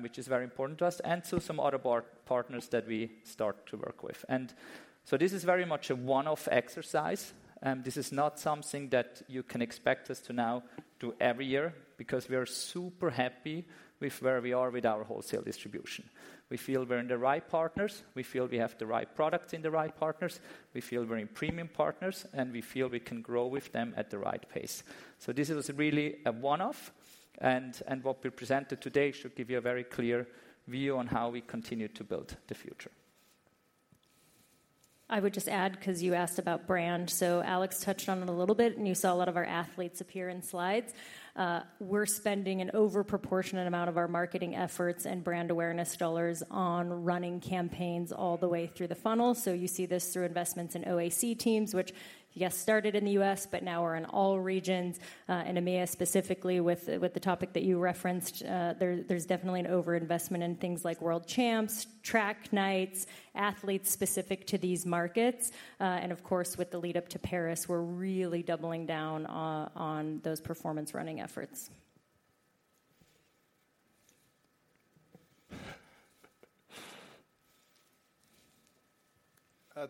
which is very important to us, and to some other partners that we start to work with. So this is very much a one-off exercise, and this is not something that you can expect us to now do every year, because we are super happy with where we are with our wholesale distribution. We feel we're in the right partners, we feel we have the right product in the right partners, we feel we're in premium partners, and we feel we can grow with them at the right pace. So this is really a one-off, and what we presented today should give you a very clear view on how we continue to build the future. I would just add, 'cause you asked about brand, so Alex touched on it a little bit, and you saw a lot of our athletes appear in slides. We're spending an overproportionate amount of our marketing efforts and brand awareness dollars on running campaigns all the way through the funnel. So you see this through investments in OAC teams, which, yes, started in the US, but now are in all regions. And EMEA, specifically with, with the topic that you referenced, there, there's definitely an overinvestment in things like world champs, track nights, athletes specific to these markets. And of course, with the lead-up to Paris, we're really doubling down on, on those performance running efforts. Thank you.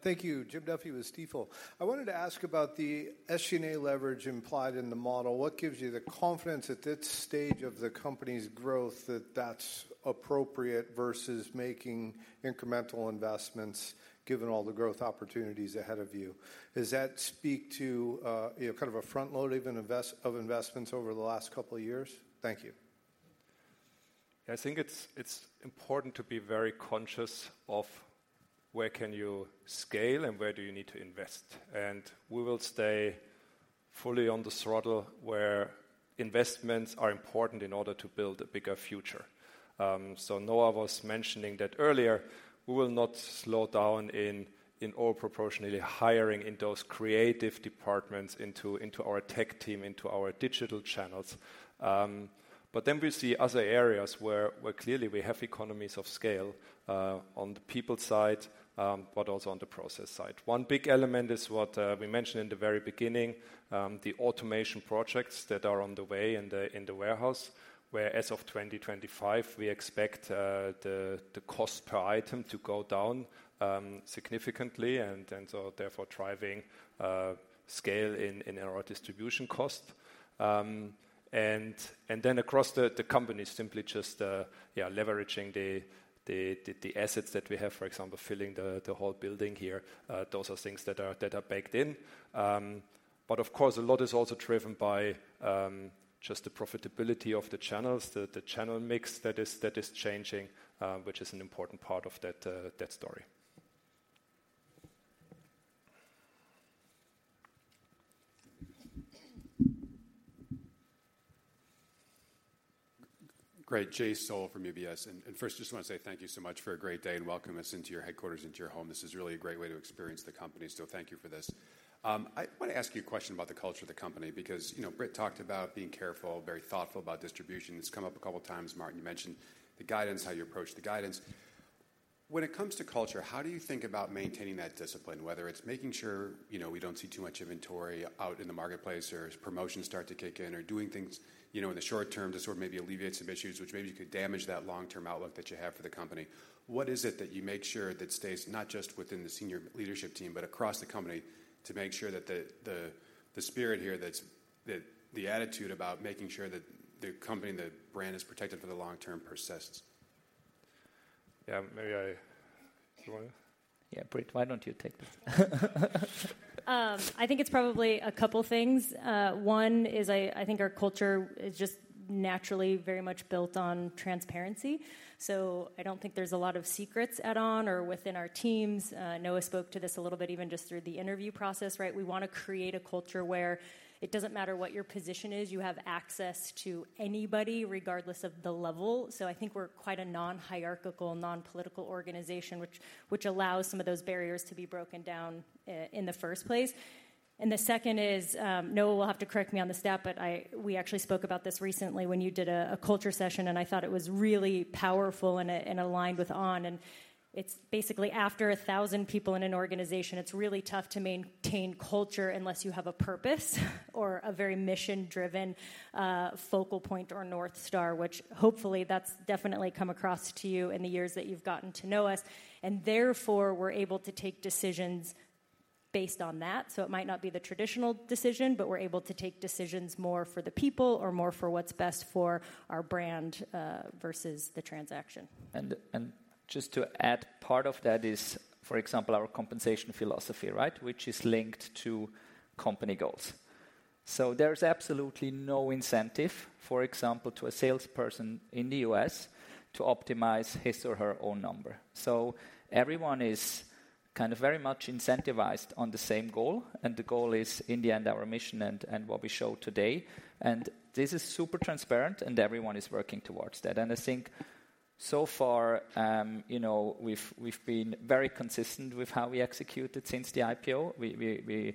Jim Duffy with Stifel. I wanted to ask about the SG&A leverage implied in the model. What gives you the confidence at this stage of the company's growth that that's appropriate versus making incremental investments, given all the growth opportunities ahead of you? Does that speak to, you know, kind of a front load, even investment of investments over the last couple of years? Thank you. I think it's important to be very conscious of where can you scale and where do you need to invest. And we will stay fully on the throttle where investments are important in order to build a bigger future. So Noa was mentioning that earlier, we will not slow down in all proportionally hiring in those creative departments, into our tech team, into our digital channels. But then we see other areas where clearly we have economies of scale, on the people side, but also on the process side. One big element is what we mentioned in the very beginning, the automation projects that are on the way in the warehouse, where as of 2025, we expect the cost per item to go down significantly, and so therefore, driving scale in our distribution cost. And then across the company, simply just yeah, leveraging the assets that we have, for example, filling the whole building here. Those are things that are baked in. But of course, a lot is also driven by just the profitability of the channels, the channel mix that is changing, which is an important part of that story. Great. Jay Sole from UBS. And first, just want to say thank you so much for a great day, and welcome us into your headquarters, into your home. This is really a great way to experience the company, so thank you for this. I want to ask you a question about the culture of the company, because, you know, Britt talked about being careful, very thoughtful about distribution. It's come up a couple of times. Martin, you mentioned the guidance, how you approach the guidance. When it comes to culture, how do you think about maintaining that discipline? Whether it's making sure, you know, we don't see too much inventory out in the marketplace, or as promotions start to kick in, or doing things, you know, in the short term to sort of maybe alleviate some issues which maybe could damage that long-term outlook that you have for the company. What is it that you make sure that stays not just within the senior leadership team, but across the company, to make sure that the spirit here, that the attitude about making sure that the company, the brand, is protected for the long term persists? Yeah. Maybe you want to? Yeah, Britt, why don't you take this? I think it's probably a couple things. One is I, I think our culture is just naturally very much built on transparency, so I don't think there's a lot of secrets at On or within our teams. Noa spoke to this a little bit, even just through the interview process, right? We want to create a culture where it doesn't matter what your position is, you have access to anybody, regardless of the level. So I think we're quite a non-hierarchical, non-political organization, which, which allows some of those barriers to be broken down in the first place.... And the second is, Noa will have to correct me on the stat, but we actually spoke about this recently when you did a culture session, and I thought it was really powerful and aligned with On. And it's basically after a thousand people in an organization, it's really tough to maintain culture unless you have a purpose or a very mission-driven focal point or North Star, which hopefully that's definitely come across to you in the years that you've gotten to know us. And therefore, we're able to make decisions based on that. So it might not be the traditional decision, but we're able to take decisions more for the people or more for what's best for our brand versus the transaction. And just to add, part of that is, for example, our compensation philosophy, right? Which is linked to company goals. So there's absolutely no incentive, for example, to a salesperson in the U.S. to optimize his or her own number. So everyone is kind of very much incentivized on the same goal, and the goal is, in the end, our mission and what we show today. And this is super transparent, and everyone is working towards that. And I think so far, you know, we've been very consistent with how we executed since the IPO. We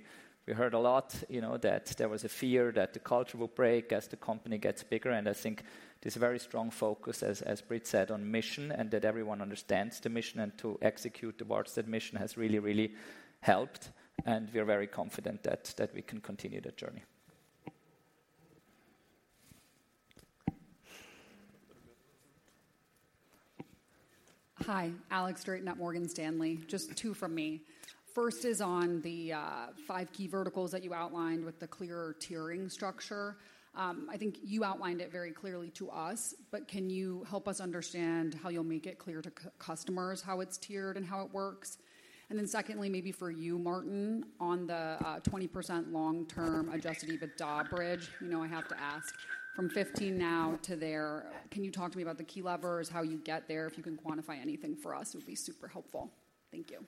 heard a lot, you know, that there was a fear that the culture will break as the company gets bigger, and I think this very strong focus, as Britt said, on mission and that everyone understands the mission and to execute towards that mission, has really, really helped, and we are very confident that we can continue the journey. Hi, Alex Straton at Morgan Stanley. Just two from me. First is on the five key verticals that you outlined with the clearer tiering structure. I think you outlined it very clearly to us, but can you help us understand how you'll make it clear to customers, how it's tiered and how it works? And then secondly, maybe for you, Martin, on the 20% long-term adjusted EBITDA bridge, you know I have to ask, from 15% now to there, can you talk to me about the key levers, how you get there? If you can quantify anything for us, it would be super helpful. Thank you.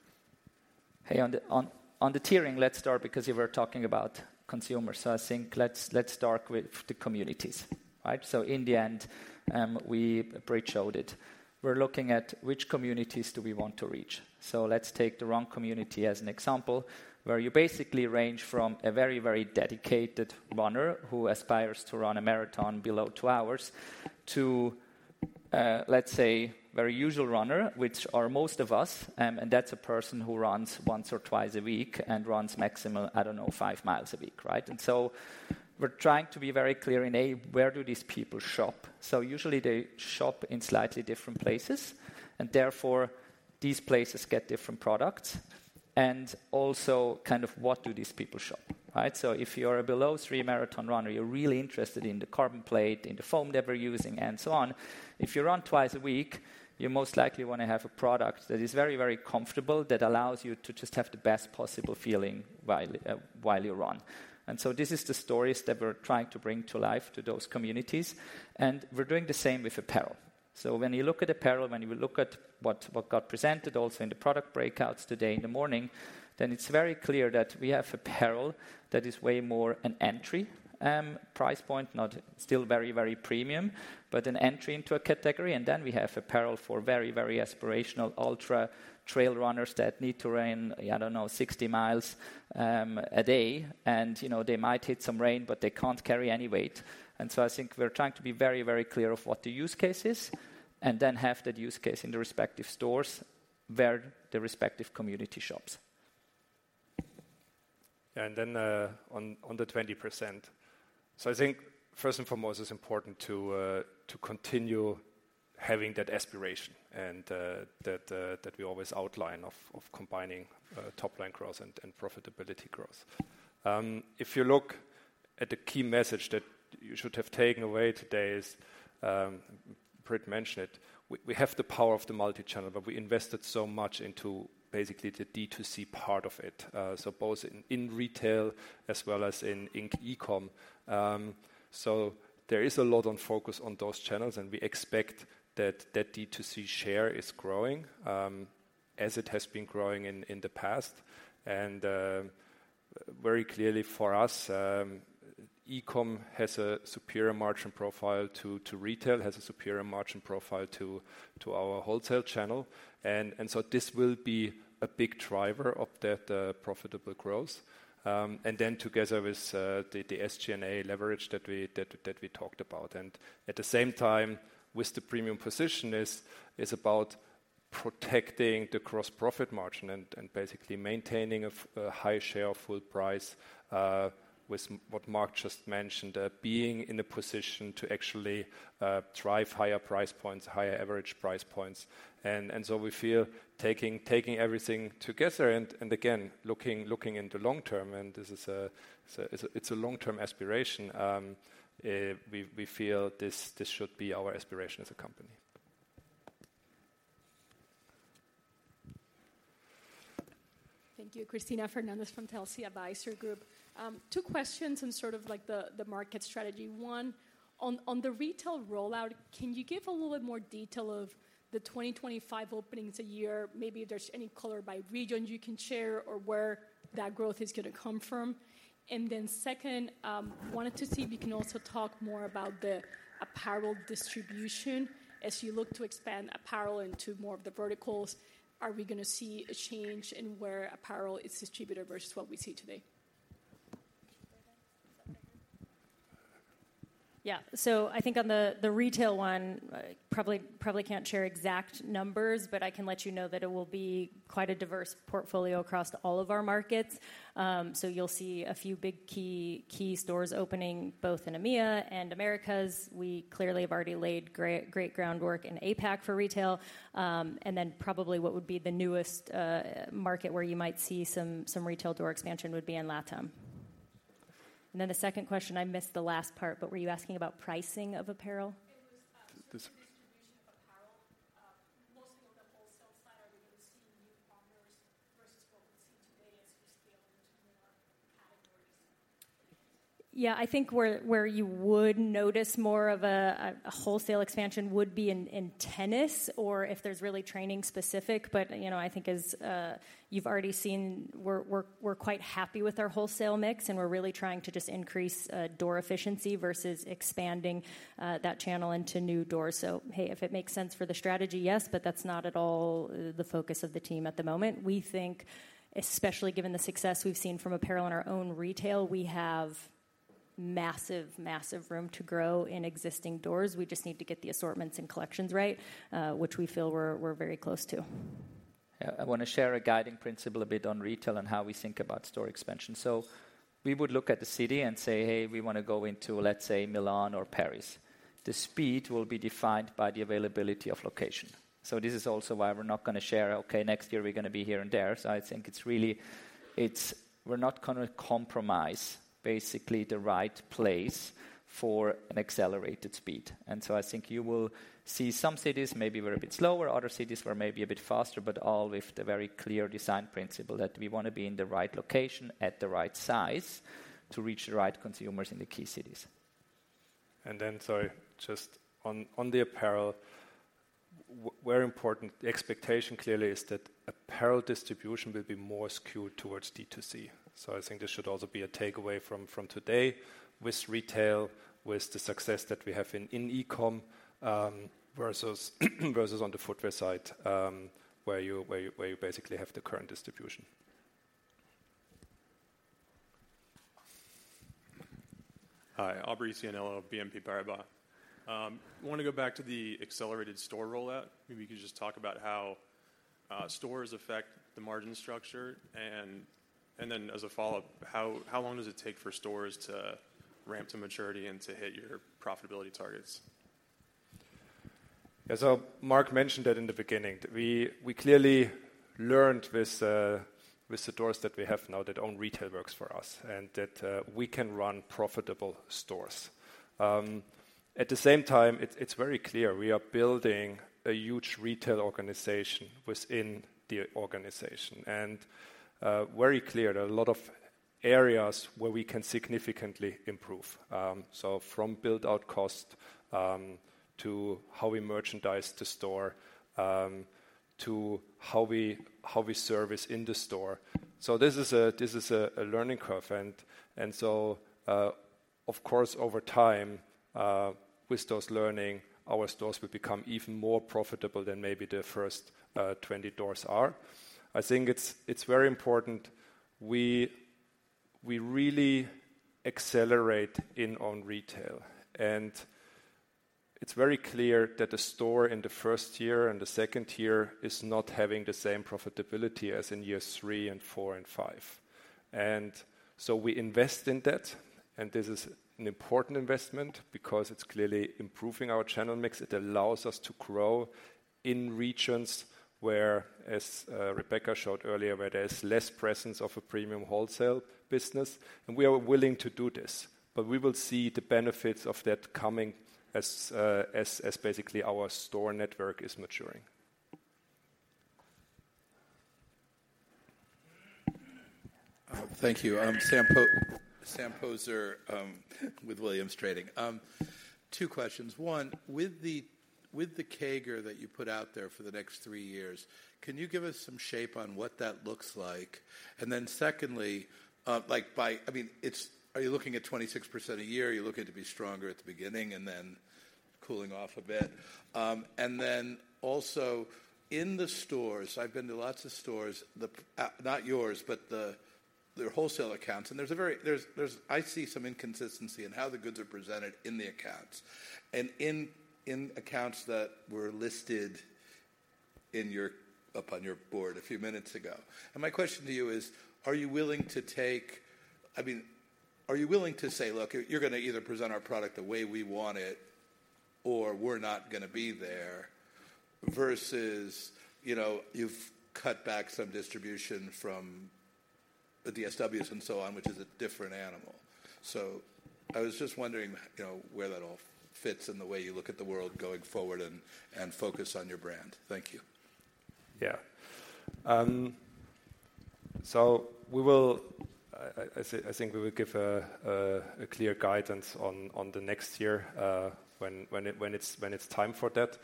Hey, on the On, on the tiering, let's start because you were talking about consumers. So I think let's, let's start with the communities, right? So in the end, Britt showed it. We're looking at which communities do we want to reach. So let's take the run community as an example, where you basically range from a very, very dedicated runner who aspires to run a marathon below two hours, to, let's say, very usual runner, which are most of us, and that's a person who runs once or twice a week and runs maximal, I don't know, five miles a week, right? And so we're trying to be very clear in, A, where do these people shop? So usually they shop in slightly different places, and therefore, these places get different products. And also, kind of, what do these people shop, right? So if you're a below three marathon runner, you're really interested in the carbon plate, in the foam they were using, and so on. If you run twice a week, you most likely want to have a product that is very, very comfortable, that allows you to just have the best possible feeling while you run. And so this is the stories that we're trying to bring to life to those communities, and we're doing the same with apparel. So when you look at apparel, when you look at what, what got presented also in the product breakouts today in the morning, then it's very clear that we have apparel that is way more an entry, price point, not... Still very, very premium, but an entry into a category. Then we have apparel for very, very aspirational ultra trail runners that need to run, I don't know, 60 mi a day, and, you know, they might hit some rain, but they can't carry any weight. So I think we're trying to be very, very clear of what the use case is, and then have that use case in the respective stores where the respective community shops. And then, on the 20%. So I think first and foremost, it's important to continue having that aspiration and that we always outline of combining top-line growth and profitability growth. If you look at the key message that you should have taken away today is, Britt mentioned it. We have the power of the multi-channel, but we invested so much into basically the D2C part of it, so both in retail as well as in e-com. So there is a lot on focus on those channels, and we expect that the D2C share is growing, as it has been growing in the past. Very clearly for us, e-com has a superior margin profile to retail, has a superior margin profile to our wholesale channel, and so this will be a big driver of that profitable growth. And then together with the SG&A leverage that we talked about. At the same time, with the premium position is about protecting the gross profit margin and basically maintaining a high share of full price, with what Marc just mentioned, being in a position to actually drive higher price points, higher average price points. And so we feel taking everything together and again, looking in the long term, and this is a long-term aspiration, we feel this should be our aspiration as a company. Thank you. Cristina Fernández from Telsey Advisory Group. Two questions on sort of like the market strategy. One, on the retail rollout, can you give a little bit more detail of the 2025 openings a year? Maybe if there's any color by region you can share or where that growth is gonna come from. Then second, wanted to see if you can also talk more about the apparel distribution. As you look to expand apparel into more of the verticals, are we gonna see a change in where apparel is distributed versus what we see today? Yeah. So I think on the, the retail one, probably, probably can't share exact numbers, but I can let you know that it will be quite a diverse portfolio across all of our markets. So you'll see a few big key, key stores opening both in EMEA and Americas. We clearly have already laid great, great groundwork in APAC for retail. And then probably what would be the newest, market where you might see some, some retail door expansion would be in LATAM. And then the second question, I missed the last part, but were you asking about pricing of apparel? It was distribution of apparel. Mostly on the wholesale side, are we going to see new partners versus what we see today as you scale into more categories? Yeah, I think where you would notice more of a wholesale expansion would be in tennis or if there's really training specific. But, you know, I think as you've already seen, we're quite happy with our wholesale mix, and we're really trying to just increase door efficiency versus expanding that channel into new doors. So, hey, if it makes sense for the strategy, yes, but that's not at all the focus of the team at the moment. We think, especially given the success we've seen from apparel in our own retail, we have massive room to grow in existing doors. We just need to get the assortments and collections right, which we feel we're very close to. Yeah. I wanna share a guiding principle a bit on retail and how we think about store expansion. So we would look at the city and say, "Hey, we wanna go into, let's say, Milan or Paris." The speed will be defined by the availability of location. So this is also why we're not gonna share, "Okay, next year, we're gonna be here and there." So I think it's really. It's, we're not gonna compromise basically the right place for an accelerated speed. And so I think you will see some cities maybe we're a bit slower, other cities we're maybe a bit faster, but all with the very clear design principle, that we wanna be in the right location at the right size to reach the right consumers in the key cities. And then, sorry, just on the apparel, very important, the expectation clearly is that apparel distribution will be more skewed towards D2C. So I think this should also be a takeaway from today with retail, with the success that we have in e-com versus on the footwear side, where you basically have the current distribution. Hi, Aubrey Tianello, BNP Paribas. I want to go back to the accelerated store rollout. Maybe you could just talk about how stores affect the margin structure. And then as a follow-up, how long does it take for stores to ramp to maturity and to hit your profitability targets? Yeah. So Marc mentioned that in the beginning, that we, we clearly learned with, with the stores that we have now, that On retail works for us, and that, we can run profitable stores. At the same time, it's, it's very clear we are building a huge retail organization within the organization, and, very clear there are a lot of areas where we can significantly improve. So from build-out cost, to how we merchandise the store, to how we, how we service in the store. So this is a, this is a, a learning curve, and, and so, of course, over time, with those learning, our stores will become even more profitable than maybe the first 20 stores are. I think it's, it's very important we, we really accelerate in On retail. It's very clear that the store in the first year and the second year is not having the same profitability as in years three, four, and five. So we invest in that, and this is an important investment because it's clearly improving our channel mix. It allows us to grow in regions where, as Rebecca showed earlier, where there's less presence of a premium wholesale business, and we are willing to do this. But we will see the benefits of that coming as, as basically our store network is maturing. Thank you. I'm Sam Poser with Williams Trading. Two questions. One, with the CAGR that you put out there for the next three years, can you give us some shape on what that looks like? And then secondly, like by... I mean, it's-- are you looking at 26% a year? Are you looking to be stronger at the beginning and then cooling off a bit? And then also, in the stores, I've been to lots of stores, not yours, but the their wholesale accounts, and there's-- I see some inconsistency in how the goods are presented in the accounts and in accounts that were listed in your up on your board a few minutes ago. And my question to you is: Are you willing to take... I mean, are you willing to say: "Look, you're, you're gonna either present our product the way we want it, or we're not gonna be there," versus, you know, you've cut back some distribution from the DSWs and so on, which is a different animal. So I was just wondering, you know, where that all fits in the way you look at the world going forward and, and focus on your brand. Thank you. Yeah. So we will, I think we will give a clear guidance on the next year, when it's time for that.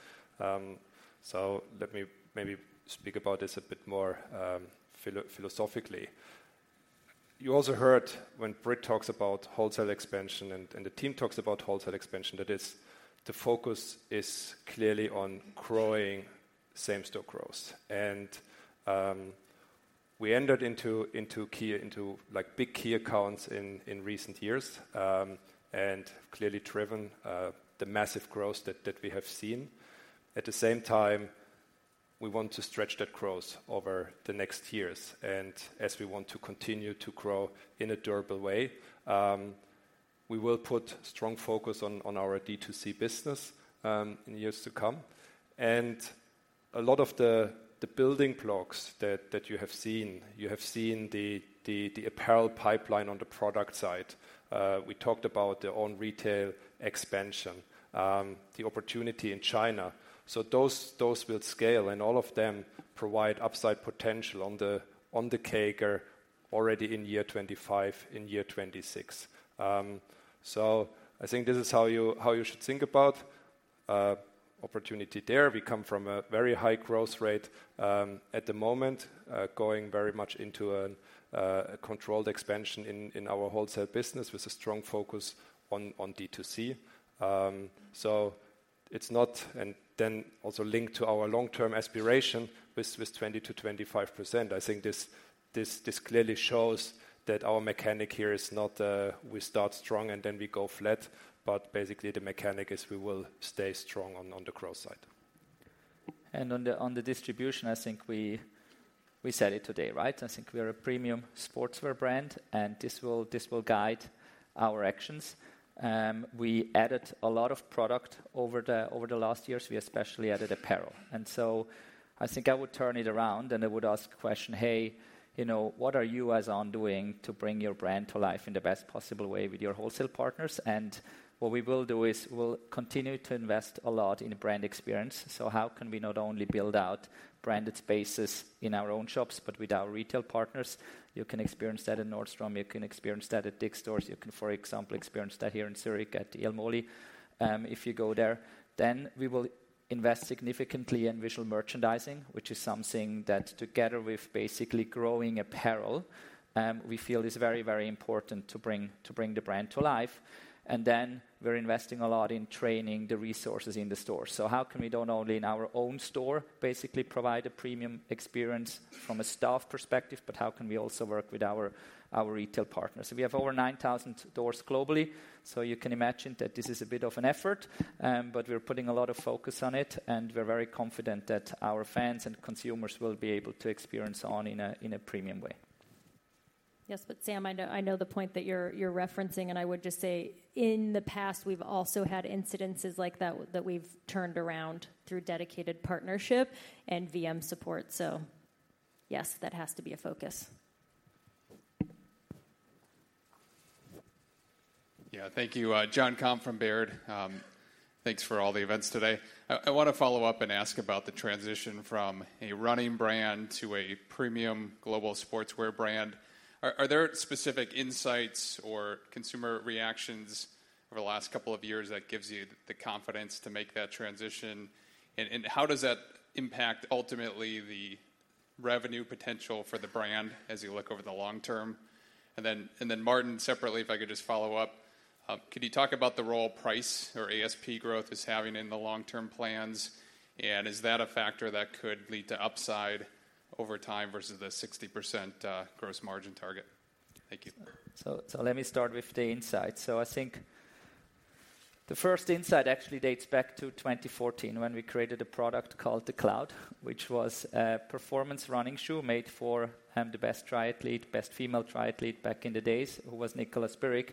So let me maybe speak about this a bit more, philosophically. You also heard when Britt talks about wholesale expansion and the team talks about wholesale expansion, that is, the focus is clearly on growing same-store growth. And we entered into key—into like big key accounts in recent years, and clearly driven the massive growth that we have seen. At the same time, we want to stretch that growth over the next years. And as we want to continue to grow in a durable way, we will put strong focus on our D2C business in years to come. A lot of the building blocks that you have seen, the apparel pipeline on the product side. We talked about the On retail expansion, the opportunity in China. So those will scale, and all of them provide upside potential on the CAGR already in year 2025, in year 2026. So I think this is how you should think about opportunity there. We come from a very high growth rate at the moment, going very much into a controlled expansion in our wholesale business with a strong focus on D2C. So it's not... And then also linked to our long-term aspiration with 20%-25%. I think this clearly shows that our mechanic here is not we start strong and then we go flat, but basically the mechanic is we will stay strong on the growth side. And on the distribution, I think we said it today, right? I think we are a premium sportswear brand, and this will guide our actions. We added a lot of product over the last years. We especially added apparel. And so I think I would turn it around, and I would ask a question: "Hey, you know, what are you as On doing to bring your brand to life in the best possible way with your wholesale partners?" And what we will do is we'll continue to invest a lot in the brand experience. So how can we not only build out branded spaces in our own shops but with our retail partners? You can experience that in Nordstrom. You can experience that at DICK's stores. You can, for example, experience that here in Zurich at Jelmoli, if you go there. Then, we will invest significantly in visual merchandising, which is something that, together with basically growing apparel, we feel is very, very important to bring, to bring the brand to life. And then we're investing a lot in training the resources in the store. So how can we not only in our own store, basically provide a premium experience from a staff perspective, but how can we also work with our, our retail partners? We have over 9,000 stores globally, so you can imagine that this is a bit of an effort, but we're putting a lot of focus on it, and we're very confident that our fans and consumers will be able to experience On in a, in a premium way. Yes, but Sam, I know, I know the point that you're, you're referencing, and I would just say in the past, we've also had incidences like that, that we've turned around through dedicated partnership and VM support. So yes, that has to be a focus. Yeah. Thank you. Jon Komp from Baird. Thanks for all the events today. I want to follow up and ask about the transition from a running brand to a premium global sportswear brand. Are there specific insights or consumer reactions over the last couple of years that gives you the confidence to make that transition? And how does that impact ultimately the revenue potential for the brand as you look over the long term? Then, Martin, separately, if I could just follow up. Could you talk about the role price or ASP growth is having in the long-term plans, and is that a factor that could lead to upside over time versus the 60% gross margin target? Thank you. So let me start with the insights. I think the first insight actually dates back to 2014, when we created a product called the Cloud, which was a performance running shoe made for the best triathlete, best female triathlete back in the days, who was Nicola Spirig.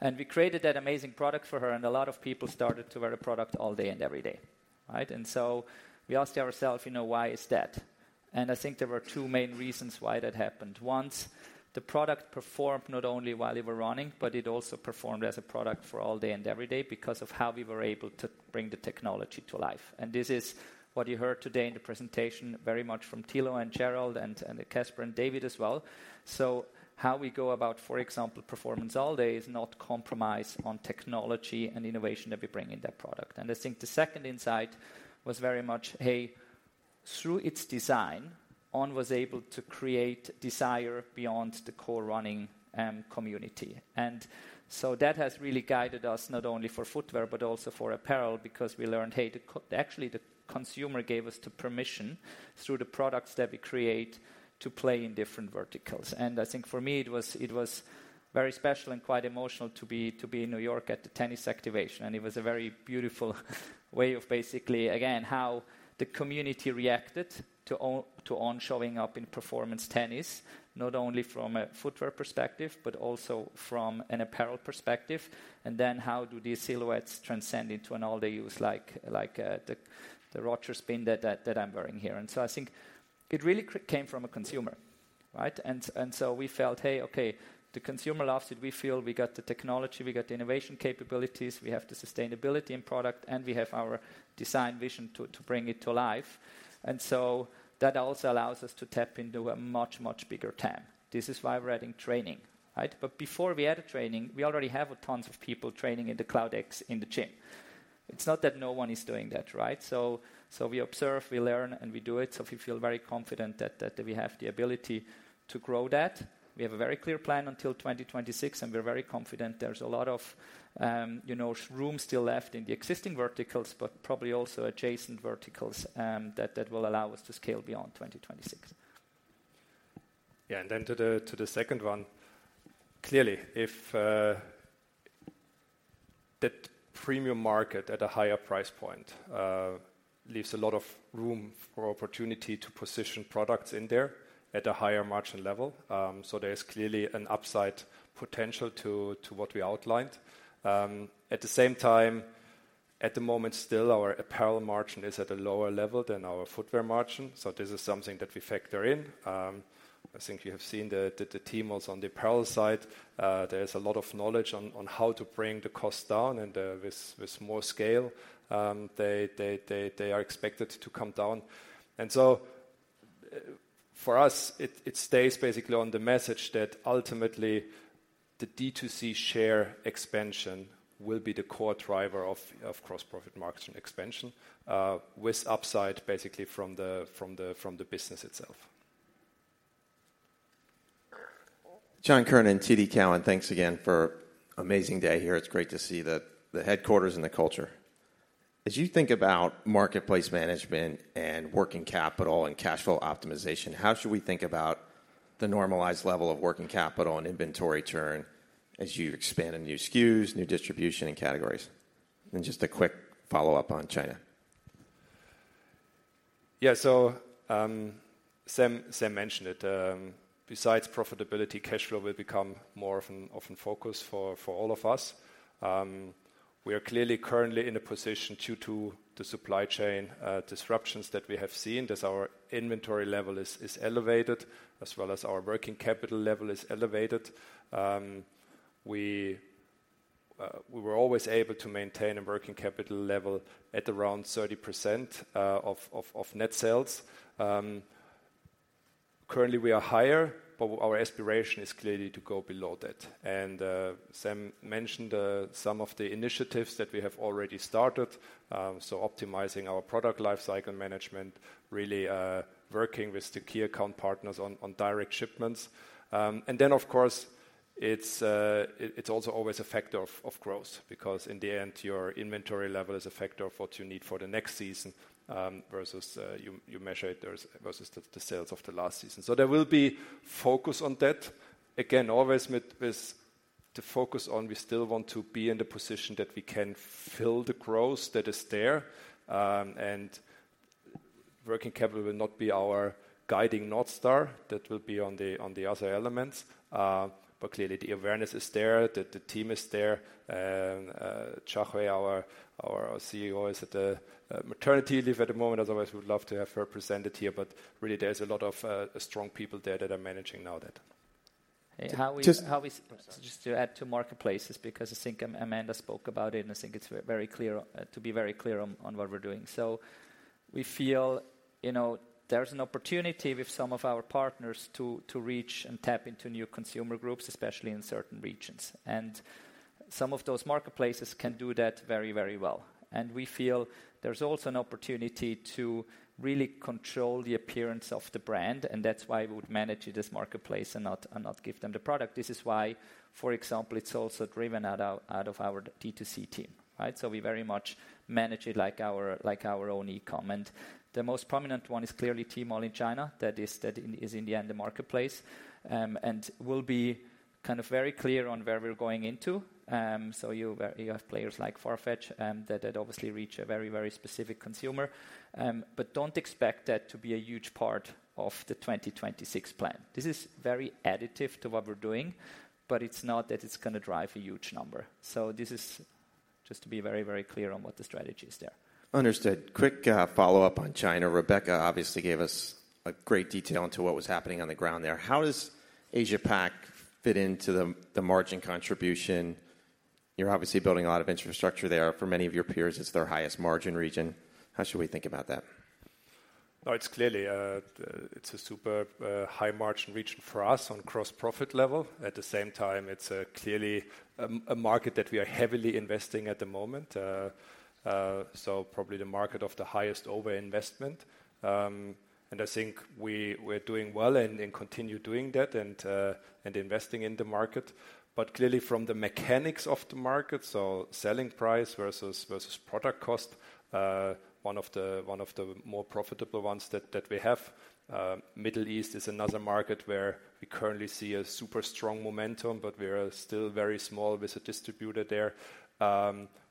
And we created that amazing product for her, and a lot of people started to wear the product all day and every day, right? And so we asked ourselves, "You know, why is that?" And I think there were two main reasons why that happened. One, the product performed not only while you were running, but it also performed as a product for all day and every day because of how we were able to bring the technology to life. This is what you heard today in the presentation, very much from Thilo and Gerald and Caspar and David as well. So how we go about, for example, Performance All Day, is not compromise on technology and innovation that we bring in that product. I think the second insight was very much, hey, through its design, On was able to create desire beyond the core running community. And so that has really guided us, not only for footwear but also for apparel, because we learned, hey, actually, the consumer gave us the permission, through the products that we create, to play in different verticals. I think for me, it was very special and quite emotional to be in New York at the tennis activation. It was a very beautiful way of basically, again, how the community reacted to On, to On showing up in performance tennis, not only from a footwear perspective, but also from an apparel perspective. And then how do these silhouettes transcend into an all-day use, like the Roger Spin that I'm wearing here? And so I think it really came from a consumer, right? And so we felt, "Hey, okay, the consumer loves it. We feel we got the technology, we got the innovation capabilities, we have the sustainability in product, and we have our design vision to bring it to life." And so that also allows us to tap into a much, much bigger TAM. This is why we're adding training, right? But before we added training, we already have tons of people training in the Cloud X in the gym. It's not that no one is doing that, right? So, so we observe, we learn, and we do it. So we feel very confident that, that we have the ability to grow that. We have a very clear plan until 2026, and we're very confident there's a lot of, you know, room still left in the existing verticals, but probably also adjacent verticals, that, that will allow us to scale beyond 2026. Yeah. And then to the second one. Clearly, if that premium market at a higher price point leaves a lot of room for opportunity to position products in there at a higher margin level. So there is clearly an upside potential to what we outlined. At the same time, at the moment, still our apparel margin is at a lower level than our footwear margin, so this is something that we factor in. I think you have seen the team also on the apparel side, there's a lot of knowledge on how to bring the cost down and with more scale. They are expected to come down. So for us, it stays basically on the message that ultimately the D2C share expansion will be the core driver of gross profit margin expansion, with upside basically from the business itself. John Kernan, TD Cowen. Thanks again for amazing day here. It's great to see the headquarters and the culture. As you think about marketplace management and working capital and cash flow optimization, how should we think about the normalized level of working capital and inventory turn as you expand in new SKUs, new distribution and categories? And just a quick follow-up on China. Yeah. So, Sam mentioned it, besides profitability, cash flow will become more of a focus for all of us. We are clearly currently in a position due to the supply chain disruptions that we have seen as our inventory level is elevated, as well as our working capital level is elevated. We were always able to maintain a working capital level at around 30% of net sales. Currently, we are higher, but our aspiration is clearly to go below that. And, Sam mentioned some of the initiatives that we have already started. So optimizing our product lifecycle management, really, working with the key account partners on direct shipments. And then, of course, it's also always a factor of growth, because in the end, your inventory level is a factor of what you need for the next season, versus you measure it versus the sales of the last season. So there will be focus on that. Again, always with the focus on we still want to be in the position that we can fill the growth that is there, and working capital will not be our guiding north star. That will be on the other elements. But clearly, the awareness is there, the team is there. Xiaohui, our CEO, is at maternity leave at the moment. Otherwise, we would love to have her presented here, but really, there's a lot of strong people there that are managing now that. How we- Just- How we... Just to add to marketplaces, because I think, Amanda spoke about it, and I think it's very clear, to be very clear on, on what we're doing. So we feel, you know, there's an opportunity with some of our partners to, to reach and tap into new consumer groups, especially in certain regions. And some of those marketplaces can do that very, very well. And we feel there's also an opportunity to really control the appearance of the brand, and that's why we would manage this marketplace and not, and not give them the product. This is why, for example, it's also driven out of, out of our D2C team, right? So we very much manage it like our, like our own e-com. And the most prominent one is clearly Tmall in China. That is, that is, in the end, the marketplace. And we'll be kind of very clear on where we're going into. So you, you have players like Farfetch, that, that obviously reach a very, very specific consumer. But don't expect that to be a huge part of the 2026 plan. This is very additive to what we're doing, but it's not that it's gonna drive a huge number. So this is just to be very, very clear on what the strategy is there. Understood. Quick follow-up on China. Rebecca obviously gave us a great detail into what was happening on the ground there. How does Asia-Pac fit into the margin contribution? You're obviously building a lot of infrastructure there. For many of your peers, it's their highest margin region. How should we think about that? No, it's clearly, it's a super high margin region for us on gross profit level. At the same time, it's clearly a market that we are heavily investing at the moment. So probably the market of the highest over investment. And I think we're doing well and continue doing that and investing in the market. But clearly from the mechanics of the market, so selling price versus product cost, one of the more profitable ones that we have. Middle East is another market where we currently see a super strong momentum, but we are still very small with a distributor there,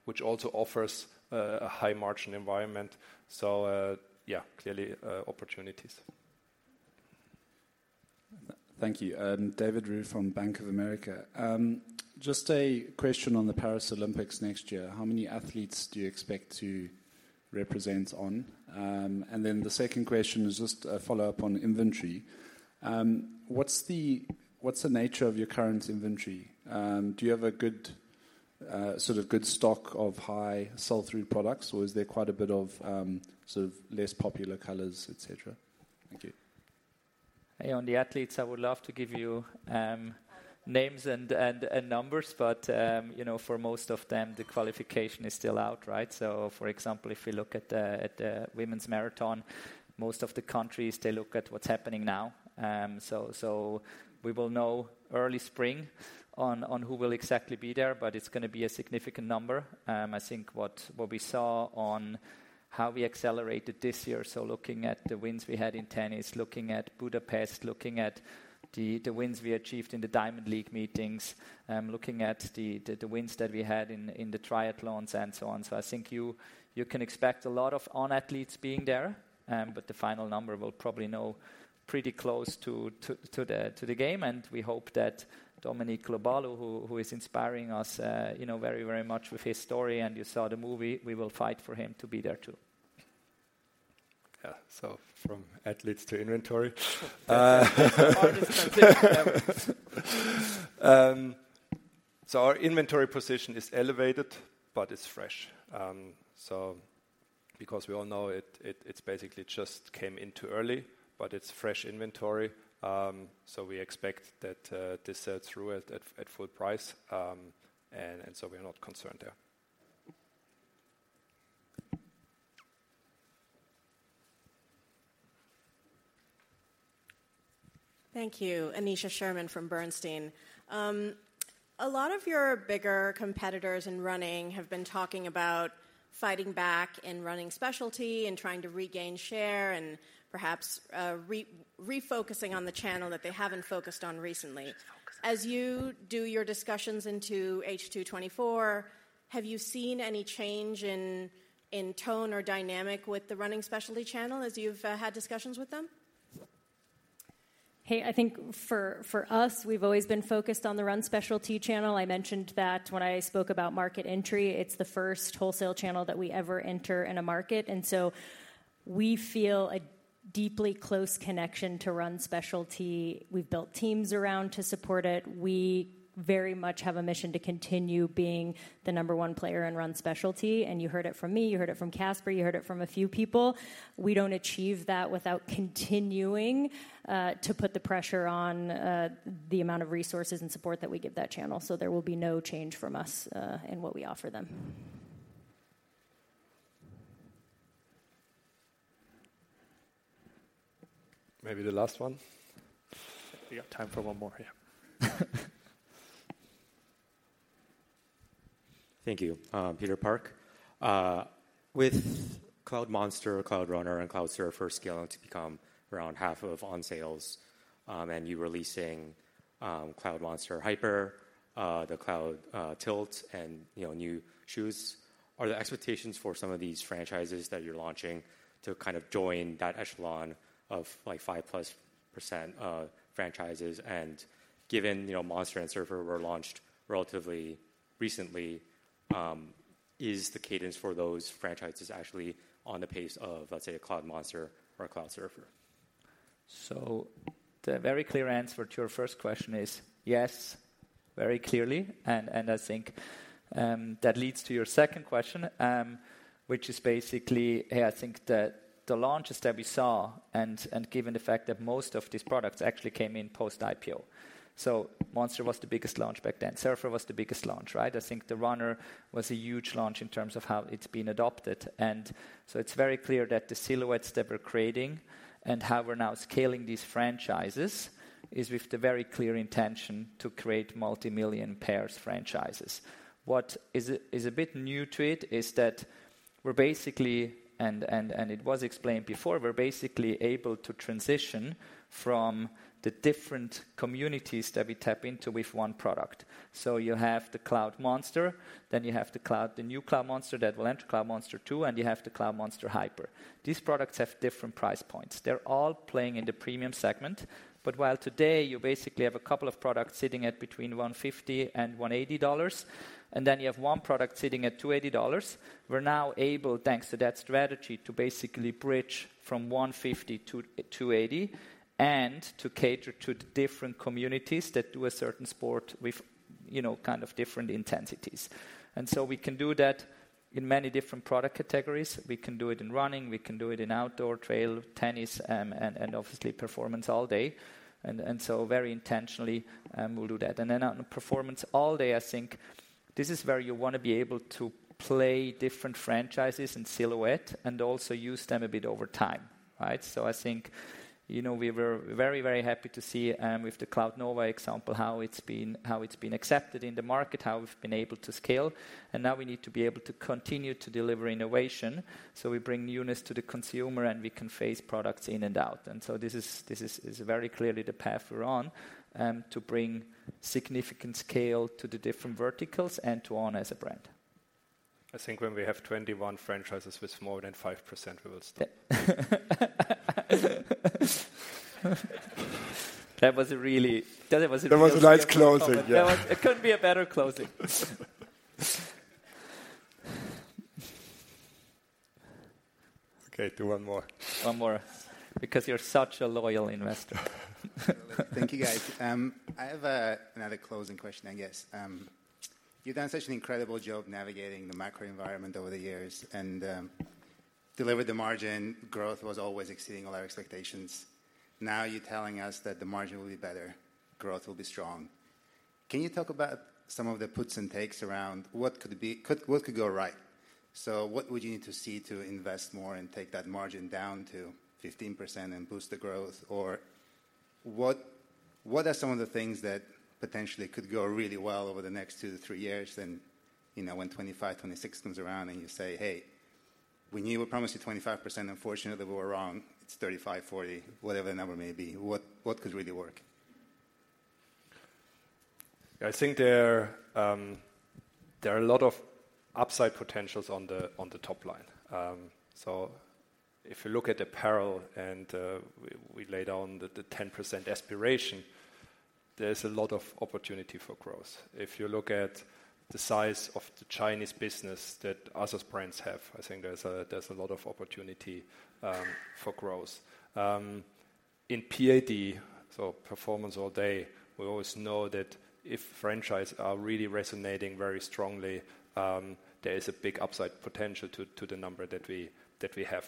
which also offers a high margin environment. So yeah, clearly opportunities. Thank you. David Roux from Bank of America. Just a question on the Paris Olympics next year. How many athletes do you expect to represent On? And then the second question is just a follow-up on inventory. What's the nature of your current inventory? Do you have a good sort of good stock of high sell-through products, or is there quite a bit of sort of less popular colors, et cetera? Thank you. ... Hey, on the athletes, I would love to give you names and numbers, but you know, for most of them, the qualification is still out, right? So for example, if you look at the women's marathon, most of the countries, they look at what's happening now. So we will know early spring on who will exactly be there, but it's gonna be a significant number. I think what we saw on how we accelerated this year, so looking at the wins we had in tennis, looking at Budapest, looking at the wins we achieved in the Diamond League meetings, looking at the wins that we had in the triathlons and so on. I think you can expect a lot of On athletes being there, but the final number we'll probably know pretty close to the game. And we hope that Dominic Lobalu, who is inspiring us, you know, very, very much with his story, and you saw the movie, we will fight for him to be there, too. Yeah. From athletes to inventory. Our inventory position is elevated, but it's fresh. Because we all know it, it's basically just came in too early, but it's fresh inventory. We expect that this sell through at full price. And we are not concerned there. Thank you. Aneesha Sherman from Bernstein. A lot of your bigger competitors in running have been talking about fighting back in running specialty and trying to regain share and perhaps refocusing on the channel that they haven't focused on recently. As you do your discussions into H2 2024, have you seen any change in tone or dynamic with the running specialty channel as you've had discussions with them? Hey, I think for us, we've always been focused on the run specialty channel. I mentioned that when I spoke about market entry. It's the first wholesale channel that we ever enter in a market, and so we feel a deeply close connection to run specialty. We've built teams around to support it. We very much have a mission to continue being the number one player in run specialty, and you heard it from me, you heard it from Caspar, you heard it from a few people. We don't achieve that without continuing to put the pressure on the amount of resources and support that we give that channel. So there will be no change from us in what we offer them. Maybe the last one? We got time for one more. Yeah. Thank you. Peter Park. With Cloudmonster, Cloudrunner and Cloudsurfer scaling to become around half of On sales, and you releasing Cloudmonster Hyper, the Cloudtilt, and, you know, new shoes, are the expectations for some of these franchises that you're launching to kind of join that echelon of like 5%+ franchises? And given, you know, Monster and Surfer were launched relatively recently, is the cadence for those franchises actually on the pace of, let's say, a Cloudmonster or a Cloudsurfer? So the very clear answer to your first question is yes, very clearly, and I think that leads to your second question, which is basically, hey, I think that the launches that we saw and given the fact that most of these products actually came in post-IPO. So Cloudmonster was the biggest launch back then. Cloudsurfer was the biggest launch, right? I think the Cloudrunner was a huge launch in terms of how it's been adopted, and so it's very clear that the silhouettes that we're creating and how we're now scaling these franchises is with the very clear intention to create multimillion pairs franchises. What is a bit new to it is that we're basically... and it was explained before, we're basically able to transition from the different communities that we tap into with one product. So you have the Cloudmonster, then you have the Cloud, the new Cloudmonster that will enter Cloudmonster 2, and you have the Cloudmonster Hyper. These products have different price points. They're all playing in the premium segment, but while today you basically have a couple of products sitting at between $150 and $180, and then you have one product sitting at $280, we're now able, thanks to that strategy, to basically bridge from $150- $280 and to cater to the different communities that do a certain sport with, you know, kind of different intensities. And so we can do that in many different product categories. We can do it in running, we can do it in outdoor, trail, tennis, and obviously Performance All Day. And so very intentionally, we'll do that. Then on Performance All Day, I think this is where you want to be able to play different franchises and silhouette and also use them a bit over time, right? So I think, you know, we were very, very happy to see with the Cloudnova example, how it's been, how it's been accepted in the market, how we've been able to scale, and now we need to be able to continue to deliver innovation. So we bring newness to the consumer, and we can phase products in and out. So this is, this is very clearly the path we're on to bring significant scale to the different verticals and to On as a brand. I think when we have 21 franchises with more than 5%, we will stop. That was a really That was a nice closing. Yeah. That was... It couldn't be a better closing. Okay, do one more. One more, because you're such a loyal investor. Thank you, guys. I have another closing question, I guess. You've done such an incredible job navigating the macro environment over the years and delivered the margin. Growth was always exceeding all our expectations. Now you're telling us that the margin will be better, growth will be strong. Can you talk about some of the puts and takes around what could be—could, what could go right? So what would you need to see to invest more and take that margin down to 15% and boost the growth? Or what, what are some of the things that potentially could go really well over the next two to three years than, you know, when 2025, 2026 comes around and you say, "Hey, we knew we promised you 25%. Unfortunately, we were wrong. It's 35, 40," whatever the number may be. What, what could really work? I think there are a lot of upside potentials on the top line. So if you look at apparel and we laid down the 10% aspiration, there's a lot of opportunity for growth. If you look at the size of the Chinese business that ASICS brands have, I think there's a lot of opportunity for growth. In PAD, so Performance All Day, we always know that if franchise are really resonating very strongly, there is a big upside potential to the number that we have.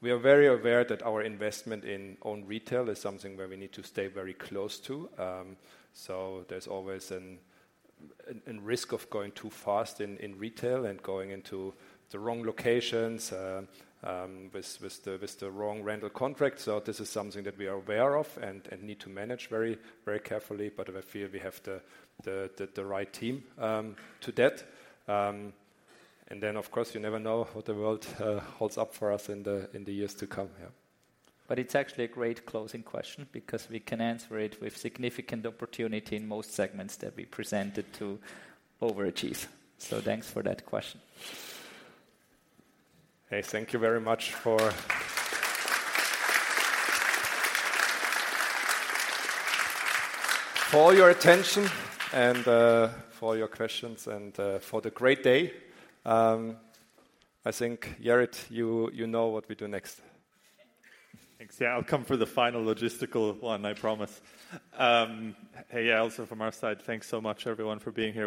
We are very aware that our investment in On retail is something where we need to stay very close to. So there's always an, an, a risk of going too fast in, in retail and going into the wrong locations, with, with the, with the wrong rental contract. So this is something that we are aware of and, and need to manage very, very carefully, but I feel we have the, the, the, the right team, to that. And then, of course, you never know what the world, holds up for us in the, in the years to come. Yeah. But it's actually a great closing question because we can answer it with significant opportunity in most segments that we presented to overachieve. So thanks for that question. Hey, thank you very much for your attention and for your questions and for the great day. I think, Jerrit, you know what we do next. Thanks. Yeah, I'll come for the final logistical one, I promise. Hey, also from our side, thanks so much, everyone, for being here. We-